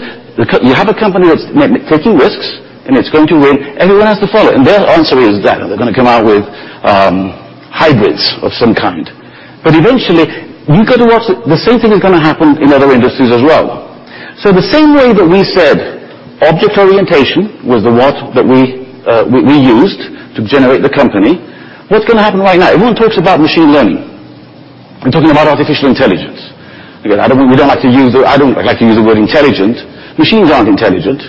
Speaker 4: you have a company that's taking risks and it's going to win, everyone has to follow. Their answer is that. They're going to come out with hybrids of some kind. Eventually, you got to watch, the same thing is going to happen in other industries as well. The same way that we said object orientation was the what that we used to generate the company, what's going to happen right now? Everyone talks about machine learning and talking about artificial intelligence. Again, I don't like to use the word intelligent. Machines aren't intelligent.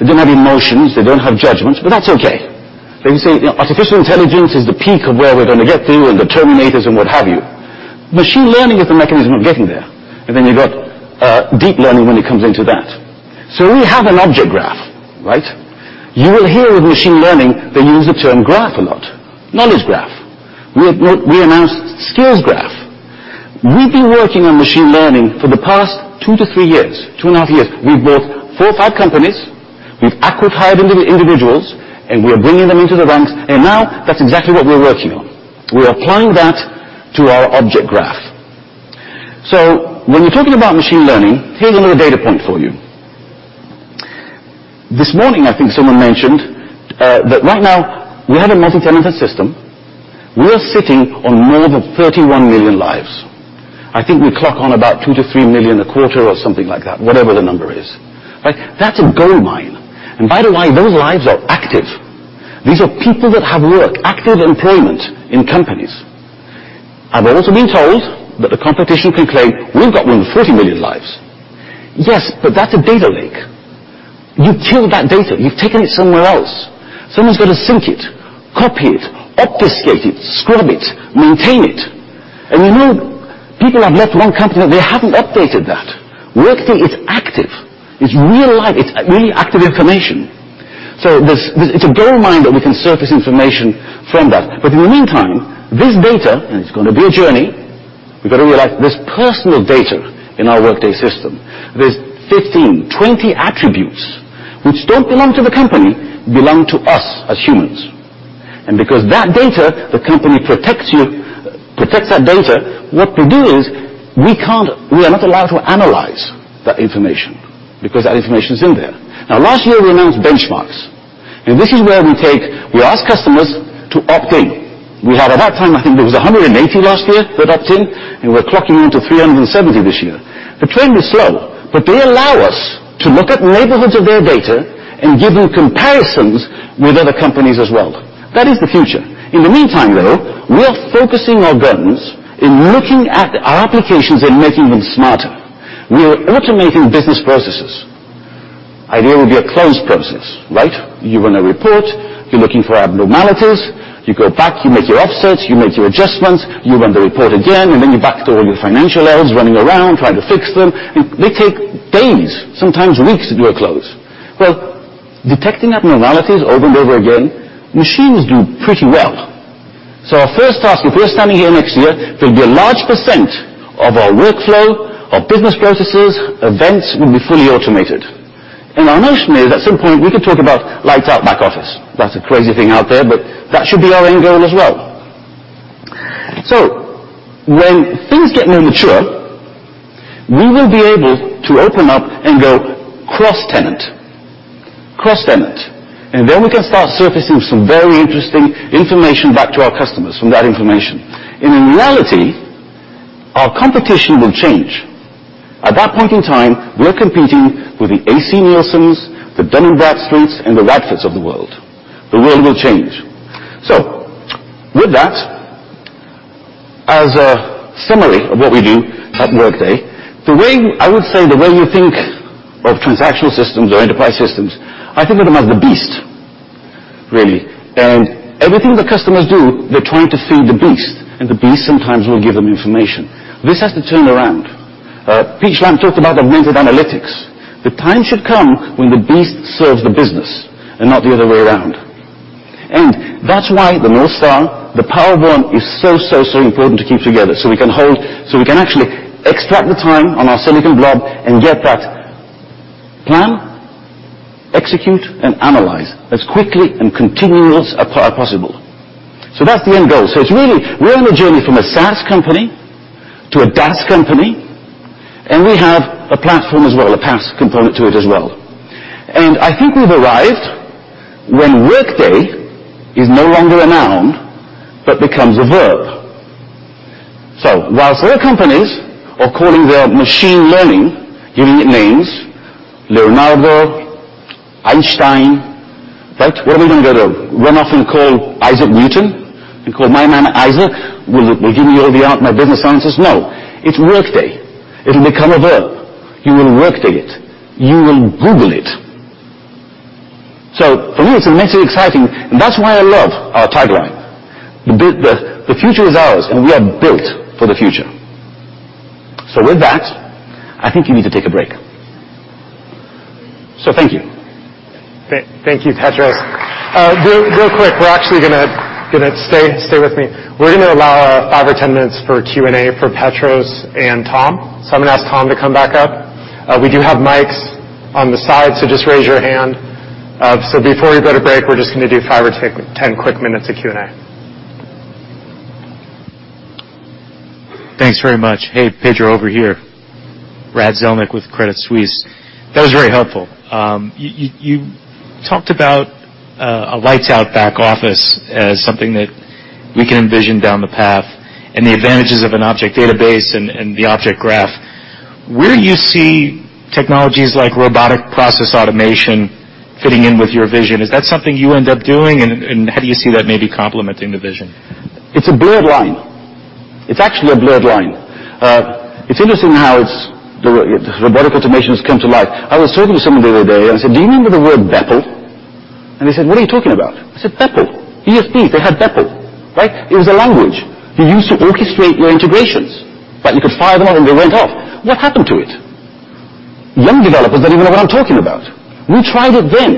Speaker 4: They don't have emotions. They don't have judgments, that's okay. They say artificial intelligence is the peak of where we're going to get to and the Terminators and what have you. Machine learning is the mechanism of getting there. You've got deep learning when it comes into that. We have an object graph. You will hear with machine learning, they use the term graph a lot. Knowledge graph. We announced skills graph. We've been working on machine learning for the past two to three years, two and a half years. We've bought four or five companies. We've acqui-hired individuals, we are bringing them into the ranks, now that's exactly what we're working on. We're applying that to our object graph. When you're talking about machine learning, here's a little data point for you. This morning, I think someone mentioned that right now we have a multi-tenant system. We're sitting on more than 31 million lives. I think we clock on about two to three million a quarter or something like that, whatever the number is. That's a goldmine. By the way, those lives are active. These are people that have work, active employment in companies. I've also been told that the competition can claim we've got more than 40 million lives. Yes, that's a data lake. You've killed that data. You've taken it somewhere else. Someone's got to sync it, copy it, obfuscate it, scrub it, maintain it. We know people have left one company, they haven't updated that. Workday is active. It's real life. It's really active information. It's a goldmine that we can surface information from that. In the meantime, this data, it's going to be a journey, we've got to realize this personal data in our Workday system, there's 15-20 attributes which don't belong to the company, belong to us as humans. Because that data, the company protects that data, what we do is we are not allowed to analyze that information because that information's in there. Last year, we announced benchmarks, and this is where we ask customers to opt in. We had, at that time, I think there was 180 last year that opt in, and we're clocking into 370 this year. The trend is slow, but they allow us to look at neighborhoods of their data and give them comparisons with other companies as well. That is the future. In the meantime, though, we are focusing our guns in looking at our applications and making them smarter. We are automating business processes. Idea would be a closed process. You run a report, you're looking for abnormalities. You go back, you make your offsets, you make your adjustments, you run the report again, then you're back to all your financial close running around trying to fix them. They take days, sometimes weeks to do a close. Detecting abnormalities over and over again, machines do pretty well. Our first task, if we're standing here next year, there'll be a large percent of our workflow, our business processes, events will be fully automated. Our notion is, at some point, we could talk about lights out back office. That's a crazy thing out there, but that should be our end goal as well. When things get more mature, we will be able to open up and go cross-tenant. Cross-tenant. Then we can start surfacing some very interesting information back to our customers from that information. In reality, our competition will change. At that point in time, we are competing with the ACNielsens, the Dun & Bradstreets, and the Radfords of the world. The world will change. With that, as a summary of what we do at Workday, I would say the way you think of transactional systems or enterprise systems, I think of them as the beast, really. Everything the customers do, they're trying to feed the beast, and the beast sometimes will give them information. This has to turn around. Pete Schlampp talked about augmented analytics. The time should come when the beast serves the business and not the other way around. That's why the north star, the power one, is so, so important to keep together, so we can actually extract the time on our silicon blob and get that plan, execute, and analyze as quickly and continuous as possible. That's the end goal. Really, we're on a journey from a SaaS company to a DaaS company, we have a platform as well, a PaaS component to it as well. I think we've arrived when Workday is no longer a noun but becomes a verb. Whilst other companies are calling their machine learning, giving it names, Leonardo, Einstein, right? What are we going to go to? Run off and call Isaac Newton and call my man Isaac will give me all the business answers? No. It's Workday. It'll become a verb. You will Workday it. You will Google it. For me, it's immensely exciting, and that's why I love our tagline. The future is ours, and we are built for the future. With that, I think you need to take a break. Thank you.
Speaker 1: Thank you, Petros. Real quick. Stay with me. We're going to allow 5 or 10 minutes for Q&A for Petros and Tom. I'm going to ask Tom to come back up. We do have mics on the side, just raise your hand. Before we go to break, we're just going to do 5 or 10 quick minutes of Q&A.
Speaker 5: Thanks very much. Hey, Petros, over here. Brad Zelnick with Credit Suisse. That was very helpful. You talked about a lights-out back office as something that we can envision down the path and the advantages of an object database and the object graph. Where do you see technologies like robotic process automation fitting in with your vision? Is that something you end up doing? How do you see that maybe complementing the vision?
Speaker 4: It's a blurred line. It's actually a blurred line. It's interesting how robotic automations come to life. I was talking to someone the other day, I said, "Do you remember the word BPEL?" They said, "What are you talking about?" I said, "BPEL. ESP, they had BPEL," right? It was a language you used to orchestrate your integrations. You could fire them all, they went off. What happened to it? Young developers don't even know what I'm talking about. We tried it then,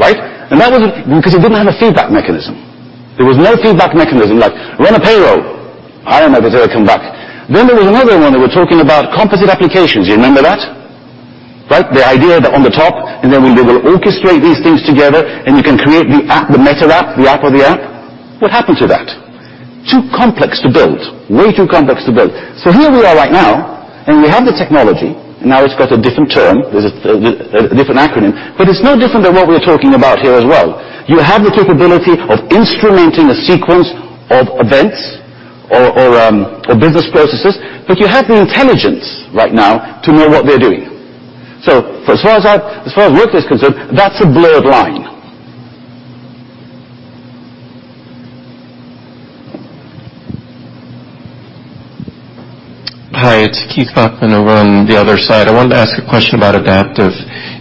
Speaker 4: right? That was because it didn't have a feedback mechanism. There was no feedback mechanism like run a payroll, hire them up until they come back. There was another one. They were talking about composite applications. You remember that? Right. The idea that on the top, then we will orchestrate these things together, you can create the app, the meta app, the app of the app. What happened to that? Too complex to build. Way too complex to build. Here we are right now, we have the technology. Now it's got a different term. There's a different acronym. It's no different than what we're talking about here as well. You have the capability of instrumenting a sequence of events or business processes, you have the intelligence right now to know what they're doing. For as far as Workday is concerned, that's a blurred line.
Speaker 6: Hi, it's Keith Bachman over on the other side. I wanted to ask a question about Adaptive.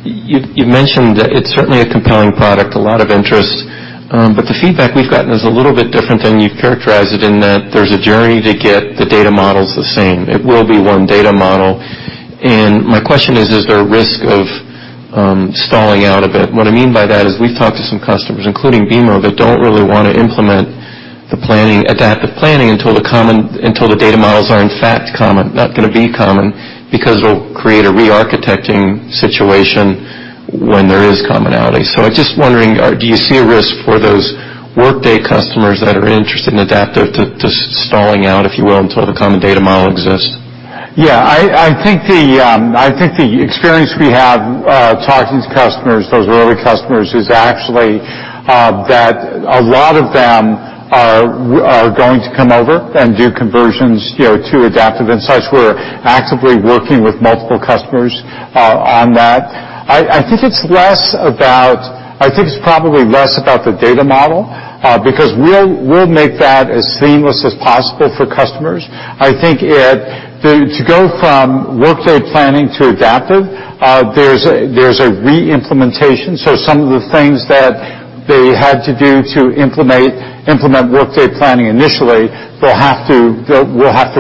Speaker 6: You've mentioned that it's certainly a compelling product, a lot of interest. The feedback we've gotten is a little bit different than you've characterized it in that there's a journey to get the data models the same. It will be one data model. My question is there a risk of stalling out a bit? What I mean by that is we've talked to some customers, including, that don't really want to implement Adaptive Planning until the data models are in fact common, not going to be common, because it'll create a re-architecting situation when there is commonality. I'm just wondering, do you see a risk for those Workday customers that are interested in Adaptive to stalling out, if you will, until the common data model exists?
Speaker 3: I think the experience we have talking to customers, those early customers, is actually that a lot of them are going to come over and do conversions to Adaptive and such. We're actively working with multiple customers on that. I think it's probably less about the data model, because we'll make that as seamless as possible for customers. I think to go from Workday Planning to Adaptive, there's a re-implementation. Some of the things that they had to do to implement Workday Planning initially, they'll have to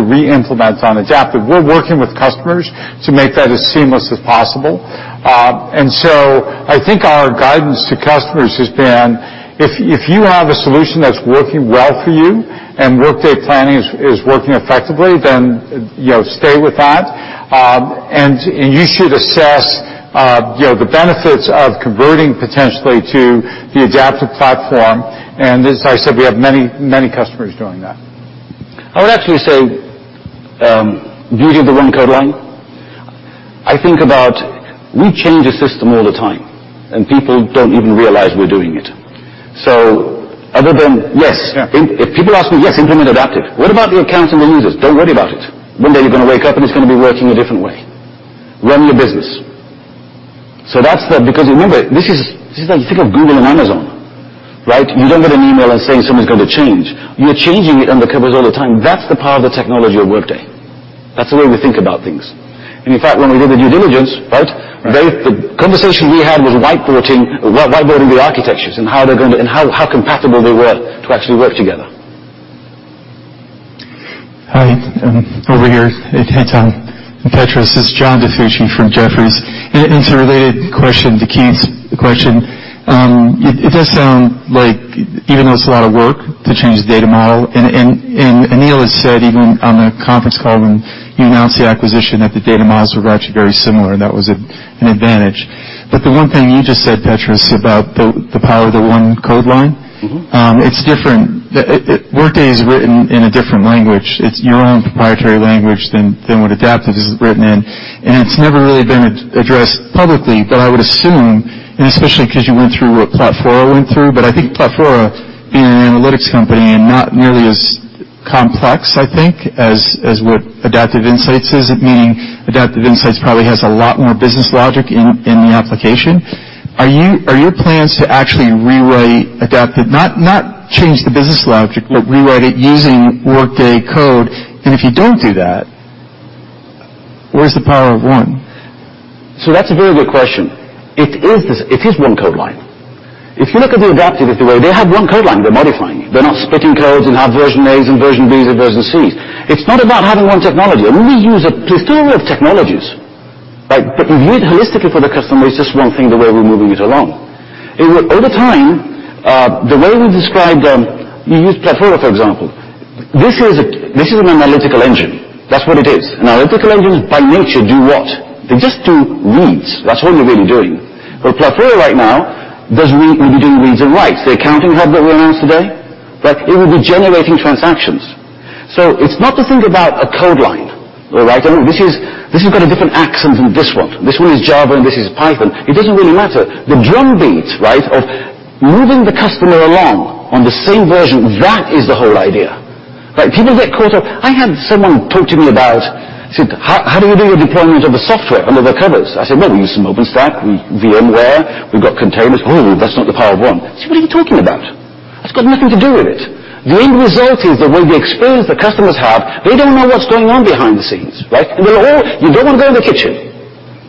Speaker 3: re-implement on Adaptive. We're working with customers to make that as seamless as possible. I think our guidance to customers has been, if you have a solution that's working well for you and Workday Planning is working effectively, then stay with that. You should assess the benefits of converting potentially to the Adaptive platform. As I said, we have many, many customers doing that.
Speaker 4: I would actually say, beauty of the one code line. I think about we change the system all the time, and people don't even realize we're doing it. Other than, yes-
Speaker 3: Yeah If people ask me, yes, implement Adaptive. What about the accounts and the users? Don't worry about it. One day you're going to wake up, and it's going to be working a different way. Run your business. Remember, this is like you think of Google and Amazon, right? You don't get an email that's saying something's going to change. You are changing it under covers all the time. That's the power of the technology of Workday. That's the way we think about things. In fact, when we did the due diligence, right? Right.
Speaker 4: The conversation we had was whiteboarding the architectures and how compatible they were to actually work together.
Speaker 7: Hi, over here. Hey, Tom and Petros. This is John DiFucci from Jefferies. It's a related question to Keith's question. It does sound like even though it's a lot of work to change the data model and Aneel has said, even on the conference call when you announced the acquisition, that the data models were actually very similar and that was an advantage. The one thing you just said, Petros, about the power of the one code line. It's different. Workday is written in a different language. It's your own proprietary language than what Adaptive is written in, and it's never really been addressed publicly, but I would assume, and especially because you went through what Platfora went through, but I think Platfora being an analytics company and not nearly as complex, I think, as what Adaptive Insights is. Meaning Adaptive Insights probably has a lot more business logic in the application. Are your plans to actually rewrite Adaptive, not change the business logic, but rewrite it using Workday code? If you don't do that, where's the power of one?
Speaker 4: That's a very good question. It is one code line. If you look at the Adaptive, if you will, they have one code line they're modifying. They're not splitting codes and have version A's and version B's and version C's. It's not about having one technology. We use a plethora of technologies, right? But we view it holistically for the customer. It's just one thing the way we're moving it along. Over time, the way we describe them, you use Platfora, for example. This is an analytical engine. That's what it is. Analytical engines by nature do what? They just do reads. That's all they're really doing. But Platfora right now will be doing reads and writes. The accounting hub that we announced today, right? It will be generating transactions. It's not to think about a code line. All right? This has got a different accent than this one. This one is Java, and this is Python. It doesn't really matter. The drumbeat, right, of moving the customer along on the same version, that is the whole idea, right? People get caught up. I had someone talk to me about, said, "How do you do your deployment of the software under the covers?" I said, "We use some OpenStack. We VMware. We've got containers." "Oh, that's not the power of one." I said, "What are you talking about? That's got nothing to do with it." The end result is the way the experience the customers have, they don't know what's going on behind the scenes, right? You don't want to go in the kitchen,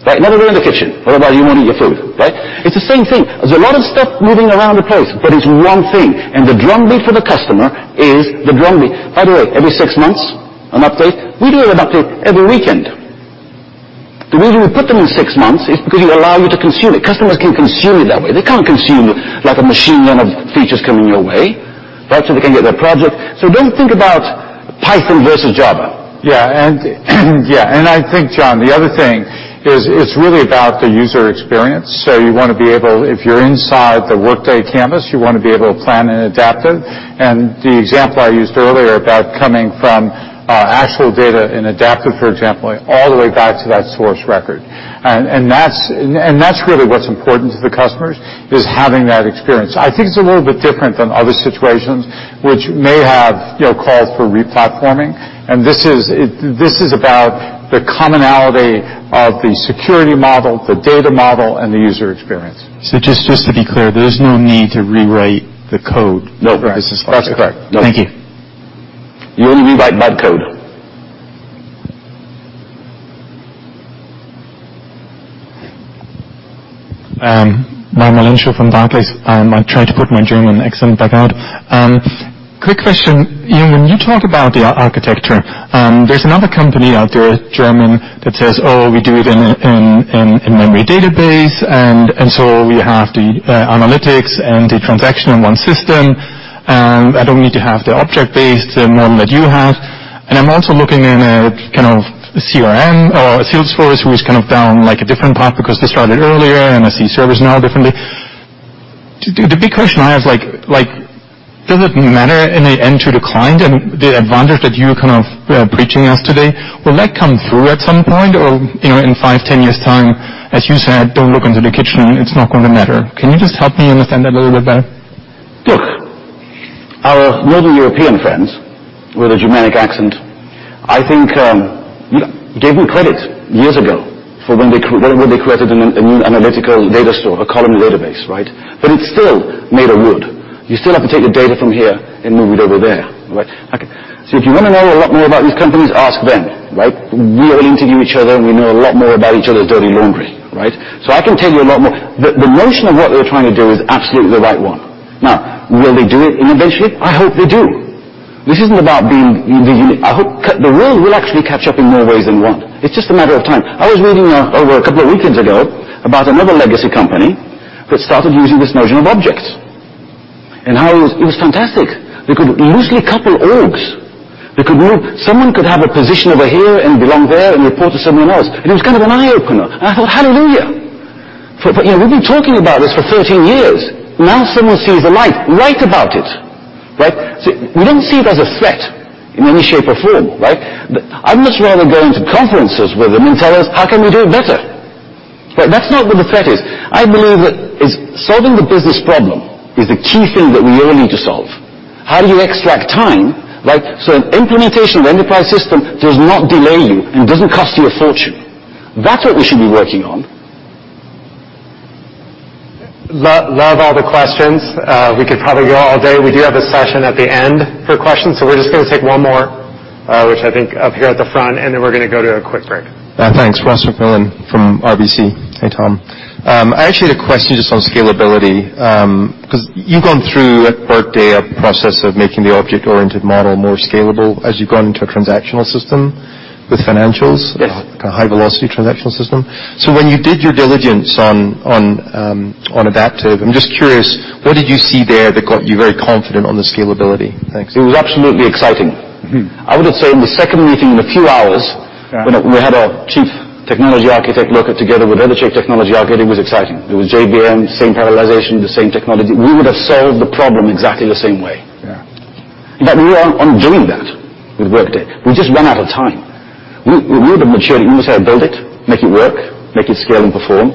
Speaker 4: right? Never go in the kitchen. What about you want to eat your food, right? It's the same thing. There's a lot of stuff moving around the place, but it's one thing, and the drumbeat for the customer is the drumbeat. By the way, every 6 months, an update. We do an update every weekend. The reason we put them in 6 months is because we allow you to consume it. Customers can consume it that way. They can't consume like a machine run of features coming your way, right? They can get their project. Don't think about Python versus Java.
Speaker 3: Yeah. I think, John, the other thing is it's really about the user experience. You want to be able, if you're inside the Workday canvas, you want to be able to plan in Adaptive. The example I used earlier about coming from actual data in Adaptive, for example, all the way back to that source record. That's really what's important to the customers is having that experience. I think it's a little bit different than other situations which may have calls for replatforming. This is about the commonality of the security model, the data model, and the user experience.
Speaker 7: just to be clear, there's no need to rewrite the code
Speaker 4: No
Speaker 7: for this platform.
Speaker 4: That's correct. No.
Speaker 7: Thank you.
Speaker 4: You only rewrite bad code.
Speaker 8: Raimo Lenschow from Barclays. I might try to put my German accent back out. Quick question. When you talk about the architecture, there's another company out there, German, that says, "Oh, we do it in memory database, and so we have the analytics and the transaction in one system. I don't need to have the object-based model that you have." I'm also looking in a kind of CRM or a Salesforce who has kind of down like a different path because they started earlier, and I see ServiceNow differently. The big question I have, like, does it matter in the end to the client and the advantage that you're kind of preaching us today? Will that come through at some point or in five, 10 years' time? As you said, don't look into the kitchen. It's not going to matter. Can you just help me understand that a little bit better?
Speaker 4: Look, our northern European friends with a Germanic accent, I think, gave me credit years ago for when they created a new analytical data store, a column database, right? It's still made of wood. You still have to take the data from here and move it over there, right? If you want to know a lot more about these companies, ask them, right? We all interview each other, and we know a lot more about each other's dirty laundry, right? I can tell you a lot more. The notion of what they're trying to do is absolutely the right one. Now, will they do it eventually? I hope they do. This isn't about being. I hope the world will actually catch up in more ways than one. It's just a matter of time. I was reading over a couple of weekends ago about another legacy company that started using this notion of objects and how it was fantastic. They could loosely couple orgs. Someone could have a position over here and belong there and report to someone else. It was kind of an eye-opener. I thought, "Hallelujah. We've been talking about this for 13 years. Now someone sees the light. Write about it. Right? We don't see it as a threat in any shape or form, right? I'd much rather go into conferences with them and tell us, how can we do it better, right? That's not what the threat is. I believe that solving the business problem is the key thing that we all need to solve. How do you extract time, right, so an implementation of the enterprise system does not delay you and doesn't cost you a fortune. That's what we should be working on.
Speaker 1: Love all the questions. We could probably go all day. We do have a session at the end for questions, we're just going to take one more, which I think up here at the front, we're going to go to a quick break.
Speaker 9: Thanks. Ross MacMillan from RBC. Hey, Tom. I actually had a question just on scalability, because you've gone through, at Workday, a process of making the object-oriented model more scalable as you've gone into a transactional system with financials.
Speaker 4: Yes
Speaker 9: a high-velocity transactional system. When you did your diligence on Adaptive, I'm just curious, what did you see there that got you very confident on the scalability? Thanks.
Speaker 4: It was absolutely exciting. I would have said in the second meeting, in a few hours.
Speaker 3: Yeah We had our chief technology architect look at it together with the other chief technology architect, it was exciting. It was JVM, the same parallelization, the same technology. We would've solved the problem exactly the same way. Yeah.
Speaker 4: In fact, we are on doing that with Workday. We just ran out of time. We'd matured. We knew how to build it, make it work, make it scale and perform.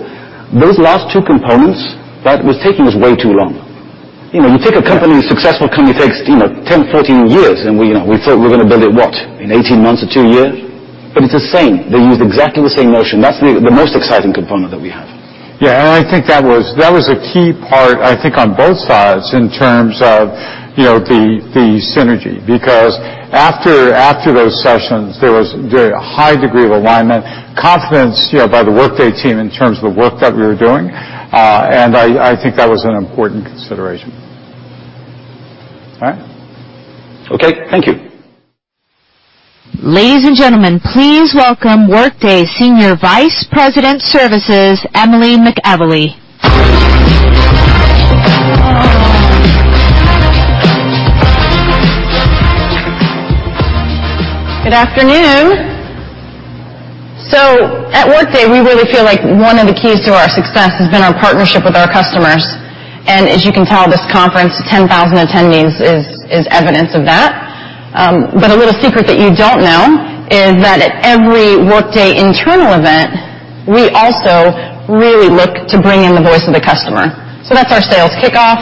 Speaker 4: Those last two components, that was taking us way too long. You take a company, a successful company, it takes 10, 14 years. We thought we were going to build it, what, in 18 months or two years? It's the same. They use exactly the same motion. That's the most exciting component that we have.
Speaker 3: I think that was a key part, I think, on both sides in terms of the synergy. Because after those sessions, there was a very high degree of alignment, confidence by the Workday team in terms of the work that we were doing, and I think that was an important consideration. All right?
Speaker 4: Okay. Thank you.
Speaker 10: Ladies and gentlemen, please welcome Workday Senior Vice President Services, Emily McEvilly.
Speaker 11: Good afternoon. At Workday, we really feel like one of the keys to our success has been our partnership with our customers, and as you can tell, this conference, 10,000 attendees, is evidence of that. A little secret that you don't know is that at every Workday internal event, we also really look to bring in the voice of the customer. That's our sales kickoff,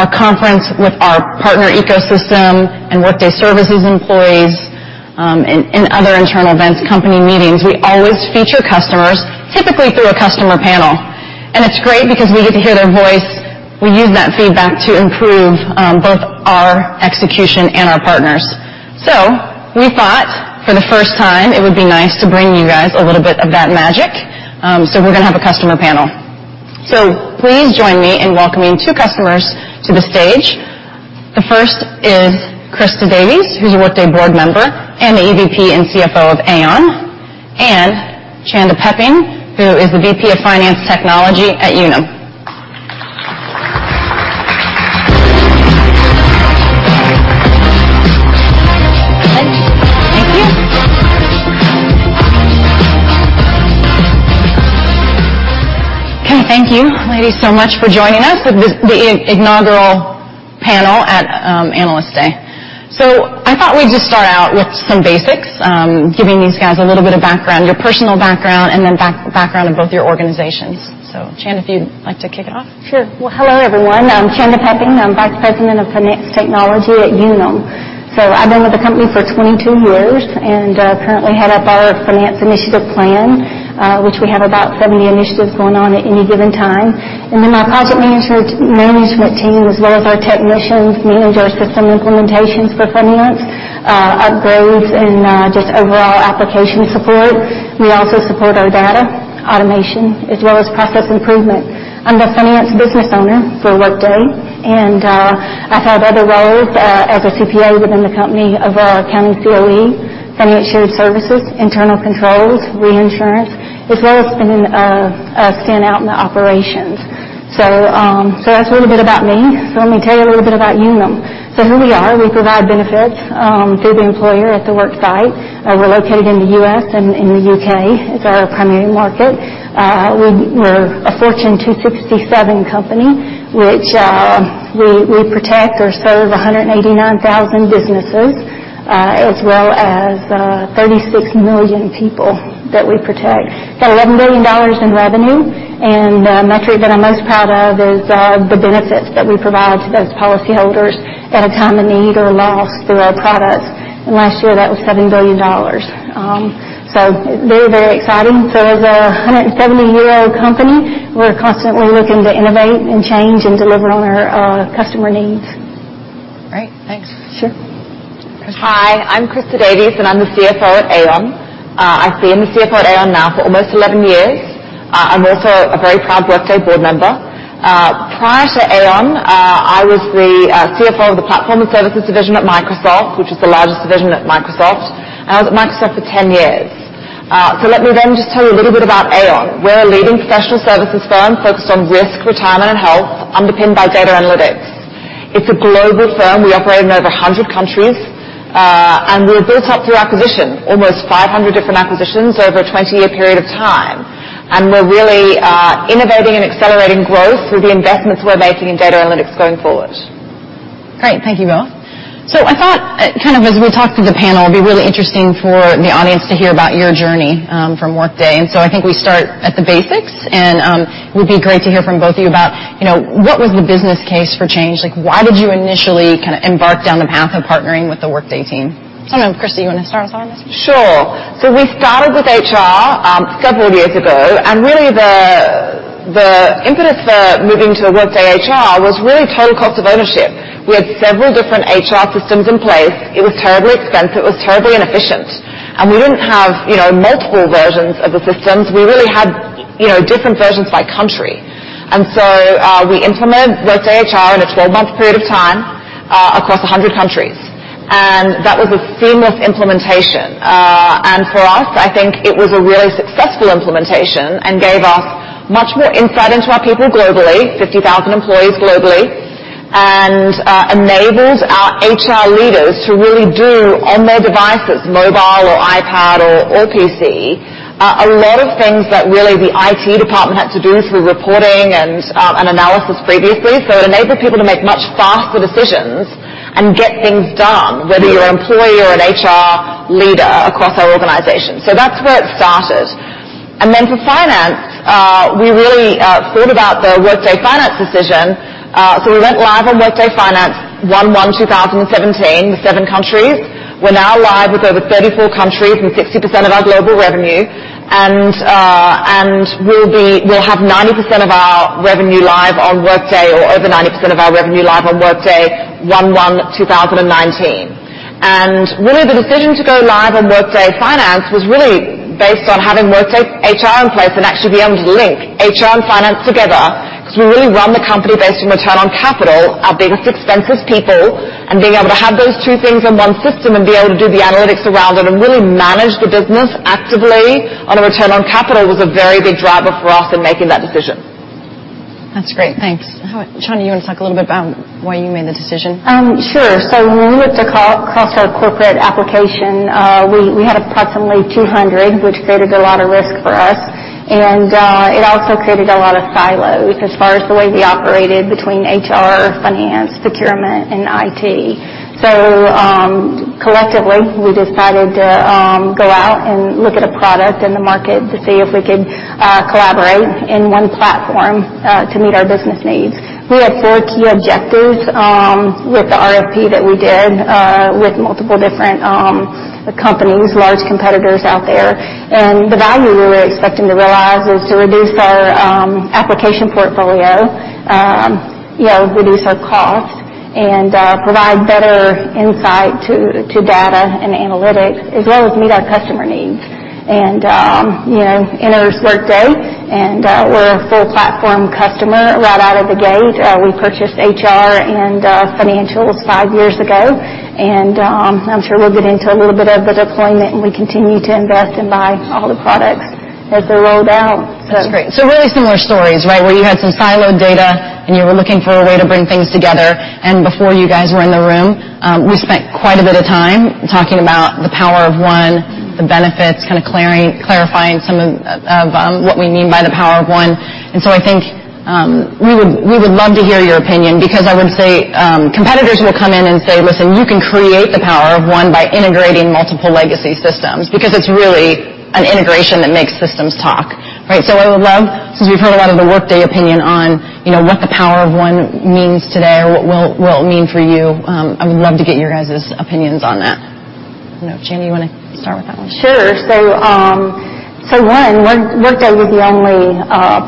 Speaker 11: our conference with our partner ecosystem and Workday Services employees, and other internal events, company meetings. We always feature customers, typically through a customer panel. It's great because we get to hear their voice. We use that feedback to improve both our execution and our partners. We thought, for the first time, it would be nice to bring you guys a little bit of that magic, so we're going to have a customer panel. Please join me in welcoming two customers to the stage. The first is Christa Davies, who's a Workday board member and the EVP and CFO of Aon, and Chanda Pepping, who is the VP of Finance Technology at Unum. Thanks. Thank you. Thank you, ladies, so much for joining us at this, the inaugural panel at Analyst Day. I thought we'd just start out with some basics, giving these guys a little bit of background, your personal background, and then background of both your organizations. Chanda, if you'd like to kick it off?
Speaker 12: Sure. Hello, everyone. I'm Chanda Pepping. I'm Vice President of Finance Technology at Unum. I've been with the company for 22 years and currently head up our finance initiative plan, which we have about 70 initiatives going on at any given time. Our project management team, as well as our technicians, manage our system implementations for finance, upgrades, and just overall application support. We also support our data automation as well as process improvement. I'm the finance business owner for Workday, and I've had other roles, as a CPA within the company, overall accounting COE, financial services, internal controls, reinsurance, as well as being a stand out in the operations. That's a little bit about me. Let me tell you a little bit about Unum. Who we are, we provide benefits through the employer at the work site. We're located in the U.S. and in the U.K. as our primary market. We're a Fortune 267 company, which we protect or serve 189,000 businesses as well as 36 million people that we protect. Got $11 billion in revenue, and the metric that I'm most proud of is the benefits that we provide to those policyholders at a time of need or loss through our products. Last year, that was $7 billion. Very, very exciting. As a 170-year-old company, we're constantly looking to innovate and change and deliver on our customer needs.
Speaker 11: Great. Thanks.
Speaker 12: Sure.
Speaker 11: Christa?
Speaker 13: Hi, I'm Christa Davies, I'm the CFO at Aon. I've been the CFO at Aon now for almost 11 years. I'm also a very proud Workday board member. Prior to Aon, I was the CFO of the Platfora and Services division at Microsoft, which was the largest division at Microsoft, I was at Microsoft for 10 years. Let me just tell you a little bit about Aon. We're a leading professional services firm focused on risk, retirement, and health, underpinned by data analytics. It's a global firm. We operate in over 100 countries, we're built up through acquisition, almost 500 different acquisitions over a 20-year period of time. We're really innovating and accelerating growth through the investments we're making in data analytics going forward.
Speaker 11: Great. Thank you both. I thought, kind of as we talk through the panel, it'd be really interesting for the audience to hear about your journey from Workday. I think we start at the basics, would be great to hear from both of you about what was the business case for change? Why did you initially embark down the path of partnering with the Workday team? I don't know, Christa, you want to start us off?
Speaker 13: Sure. We started with HR a couple of years ago, really the impetus for moving to Workday HR was really total cost of ownership. We had several different HR systems in place. It was terribly expensive. It was terribly inefficient. We didn't have multiple versions of the systems. We really had different versions by country. We implement Workday HR in a 12-month period of time, across 100 countries. That was a seamless implementation. For us, I think it was a really successful implementation, gave us much more insight into our people globally, 50,000 employees globally. Enables our HR leaders to really do on their devices, mobile or iPad or PC, a lot of things that really the IT department had to do through reporting and analysis previously. It enabled people to make much faster decisions and get things done, whether you're an employee or an HR leader across our organization. That's where it started. For finance, we really thought about the Workday finance decision. We went live on Workday finance 01/01/2017 with seven countries. We're now live with over 34 countries and 60% of our global revenue. We'll have 90% of our revenue live on Workday, or over 90% of our revenue live on Workday 01/01/2019. Really, the decision to go live on Workday finance was really based on having Workday HR in place and actually being able to link HR and finance together, because we really run the company based on return on capital. Our biggest expense is people, being able to have those two things in one system and be able to do the analytics around it and really manage the business actively on a return on capital was a very big driver for us in making that decision.
Speaker 11: That's great. Thanks, Chanda, you want to talk a little bit about why you made the decision?
Speaker 12: Sure. When we looked across our corporate application, we had approximately 200, which created a lot of risk for us, and it also created a lot of silos as far as the way we operated between HR, finance, procurement, and IT. Collectively, we decided to go out and look at a product in the market to see if we could collaborate in one platform to meet our business needs. We had four key objectives with the RFP that we did with multiple different companies, large competitors out there. The value we were expecting to realize is to reduce our application portfolio, reduce our costs, and provide better insight to data and analytics as well as meet our customer needs. Enters Workday, and we're a full platform customer right out of the gate. We purchased HR and Financials five years ago. I'm sure we'll get into a little bit of the deployment, and we continue to invest and buy all the products as they're rolled out.
Speaker 11: That's great. Really similar stories, where you had some siloed data, and you were looking for a way to bring things together. Before you guys were in the room, we spent quite a bit of time talking about the Power of One, the benefits, kind of clarifying some of what we mean by the Power of One. I think, we would love to hear your opinion, because I would say competitors will come in and say, "Listen, you can create the Power of One by integrating multiple legacy systems," because it's really an integration that makes systems talk, right? I would love, since we've heard a lot of the Workday opinion on what the Power of One means today or will mean for you, I would love to get your guys' opinions on that. I don't know, Chanda, you want to start with that one?
Speaker 12: Sure. One, Workday was the only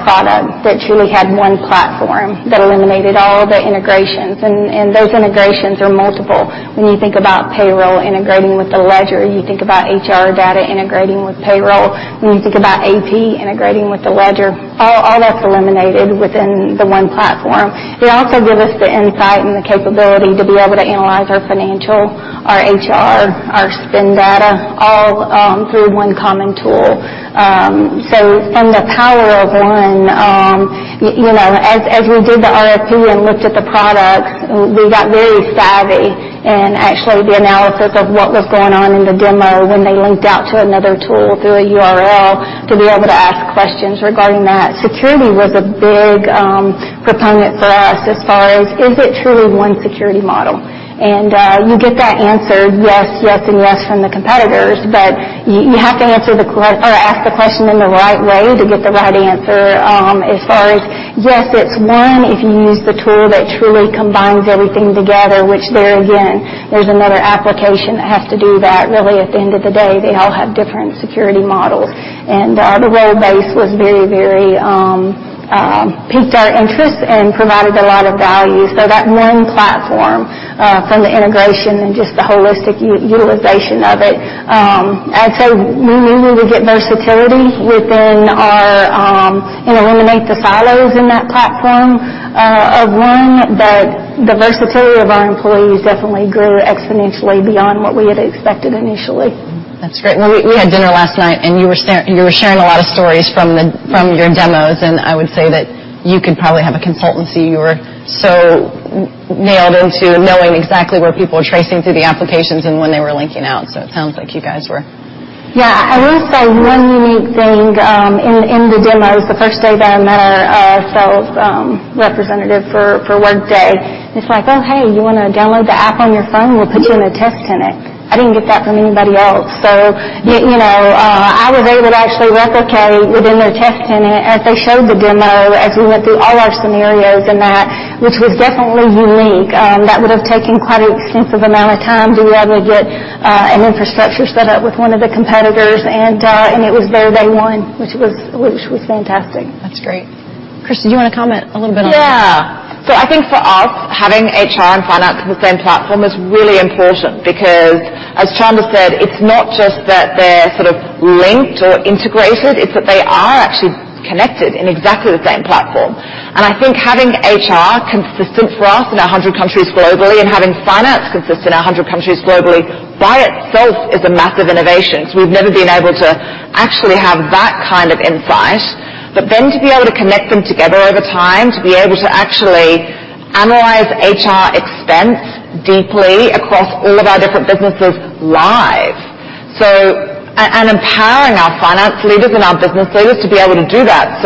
Speaker 12: product that truly had one platform that eliminated all the integrations, and those integrations are multiple. When you think about payroll integrating with the ledger, you think about HR data integrating with payroll, when you think about AP integrating with the ledger, all that's eliminated within the one platform. They also give us the insight and the capability to be able to analyze our financial, our HR, our spend data, all through one common tool. In the Power of One, as we did the RFP and looked at the products, we got very savvy in actually the analysis of what was going on in the demo when they linked out to another tool through a URL to be able to ask questions regarding that. Security was a big proponent for us as far as is it truly one security model? You get that answer, yes, and yes from the competitors, but you have to ask the question in the right way to get the right answer. As far as, yes, it's one, if you use the tool that truly combines everything together, which there again, there's another application that has to do that. Really at the end of the day, they all have different security models. The role-based really piqued our interest and provided a lot of value. That one platform, from the integration and just the holistic utilization of it, I'd say we knew we would get versatility and eliminate the silos in that platform of one, but the versatility of our employees definitely grew exponentially beyond what we had expected initially.
Speaker 11: That's great. We had dinner last night, and you were sharing a lot of stories from your demos, and I would say that you could probably have a consultancy. You were so nailed into knowing exactly where people were tracing through the applications and when they were linking out. It sounds like you guys were
Speaker 12: Yeah, I will say one unique thing in the demos the first day that I met our sales representative for Workday, it's like, "Oh, hey, you want to download the app on your phone? We'll put you in a test tenant." I didn't get that from anybody else. I was able to actually replicate within their test tenant as they showed the demo, as we went through all our scenarios and that, which was definitely unique. That would have taken quite an extensive amount of time to be able to get an infrastructure set up with one of the competitors, and it was there day one, which was fantastic.
Speaker 11: That's great. Christa, do you want to comment a little bit on that?
Speaker 13: Yeah. I think for us, having HR and finance in the same platform is really important because as Chanda said, it's not just that they're sort of linked or integrated, it's that they are actually connected in exactly the same platform. I think having HR consistent for us in 100 countries globally and having finance consistent in 100 countries globally by itself is a massive innovation. We've never been able to actually have that kind of insight. To be able to connect them together over time, to be able to actually analyze HR expense deeply across all of our different businesses live. Empowering our finance leaders and our business leaders to be able to do that.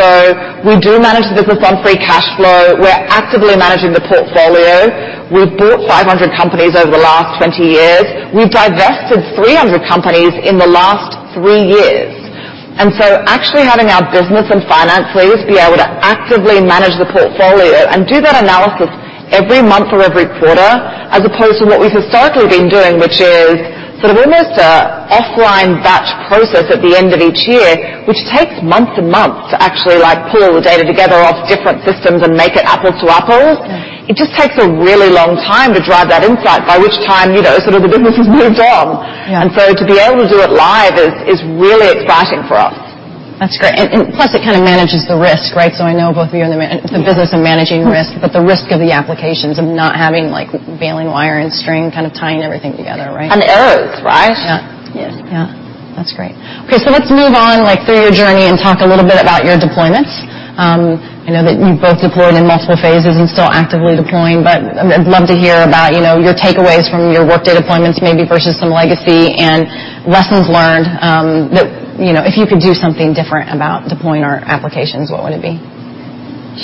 Speaker 13: We do manage the business on free cash flow. We're actively managing the portfolio. We've bought 500 companies over the last 20 years. We've divested 300 companies in the last three years. Actually having our business and finance leaders be able to actively manage the portfolio and do that analysis every month or every quarter, as opposed to what we've historically been doing, which is sort of almost an off-line batch process at the end of each year. Which takes months and months to actually pull the data together off different systems and make it apples to apples.
Speaker 11: Yeah.
Speaker 13: It just takes a really long time to drive that insight, by which time the business has moved on.
Speaker 11: Yeah.
Speaker 13: To be able to do it live is really exciting for us.
Speaker 11: That's great. Plus it kind of manages the risk, right? I know both of you are in the business.
Speaker 13: Yeah
Speaker 11: Of managing risk, the risk of the applications of not having bailing wire and string kind of tying everything together, right?
Speaker 13: Errors, right?
Speaker 11: Yeah.
Speaker 13: Yes.
Speaker 11: Yeah. That's great. Okay, let's move on through your journey and talk a little bit about your deployments. I know that you've both deployed in multiple phases and still actively deploying, but I'd love to hear about your takeaways from your Workday deployments maybe versus some legacy, and lessons learned. If you could do something different about deploying our applications, what would it be?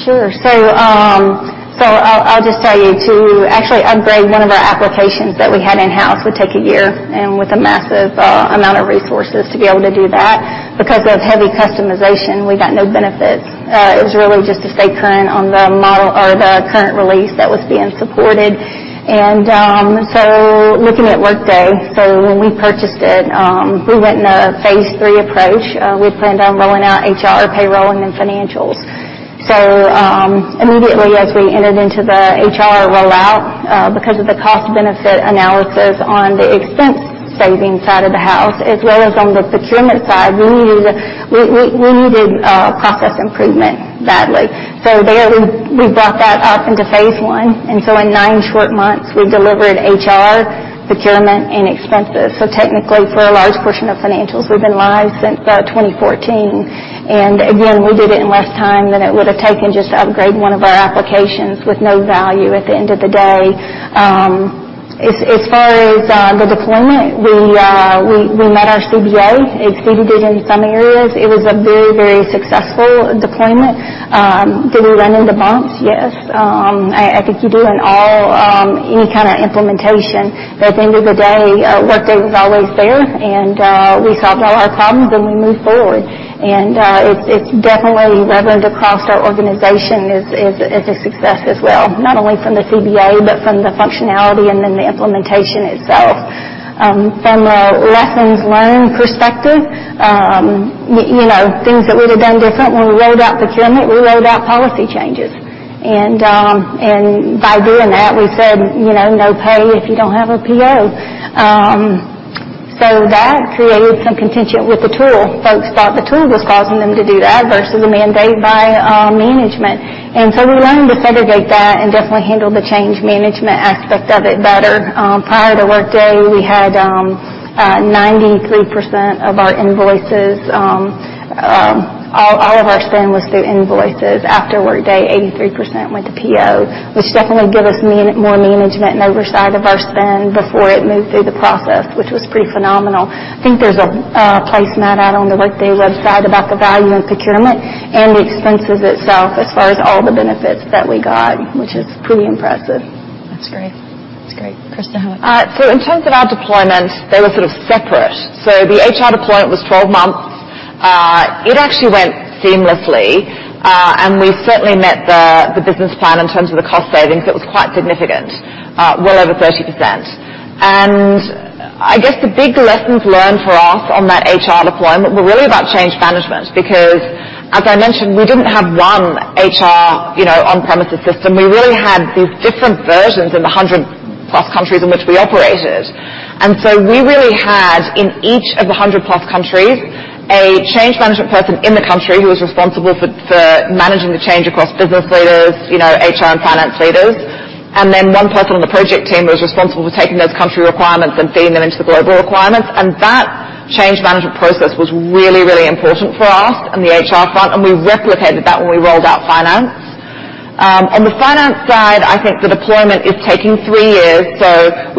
Speaker 12: Sure. I'll just tell you to actually upgrade one of our applications that we had in-house would take a year, and with a massive amount of resources to be able to do that. Because of heavy customization, we got no benefits. It was really just to stay current on the model or the current release that was being supported. Looking at Workday, when we purchased it, we went in a phase 3 approach. We planned on rolling out HR, payroll, and then financials. Immediately as we entered into the HR rollout, because of the cost-benefit analysis on the expense saving side of the house, as well as on the procurement side, we needed process improvement badly. There, we brought that up into phase 1, in nine short months, we delivered HR, procurement, and expenses. Technically, for a large portion of financials, we've been live since 2014. Again, we did it in less time than it would have taken just to upgrade one of our applications with no value at the end of the day. As far as the deployment, we met our CBA, exceeded it in some areas. It was a very, very successful deployment. Did we run into bumps? Yes. I think you do in any kind of implementation. At the end of the day, Workday was always there, and we solved all our problems, and we moved forward. It's definitely reverberated across our organization as a success as well. Not only from the CBA, but from the functionality and then the implementation itself. From a lessons learned perspective, things that we'd have done different, when we rolled out procurement, we rolled out policy changes. By doing that, we said, "No pay if you don't have a PO." That created some contention with the tool. Folks thought the tool was causing them to do that versus a mandate by management. We learned to federate that and definitely handle the change management aspect of it better. Prior to Workday, we had 93% of our invoices, all of our spend was through invoices. After Workday, 83% went to PO, which definitely gave us more management and oversight of our spend before it moved through the process, which was pretty phenomenal. I think there's a placement out on the Workday website about the value in procurement and the expenses itself as far as all the benefits that we got, which is pretty impressive.
Speaker 11: That's great. Christa, how about you?
Speaker 13: In terms of our deployment, they were sort of separate. The HR deployment was 12 months. It actually went seamlessly. We certainly met the business plan in terms of the cost savings. It was quite significant. Well over 30%. I guess the big lessons learned for us on that HR deployment were really about change management because, as I mentioned, we didn't have one HR on-premises system. We really had these different versions in the 100 plus countries in which we operated. We really had, in each of the 100 plus countries, a change management person in the country who was responsible for managing the change across business leaders, HR, and finance leaders. Then one person on the project team was responsible for taking those country requirements and feeding them into the global requirements. That change management process was really, really important for us on the HR front. We replicated that when we rolled out finance. The finance side, I think the deployment is taking three years.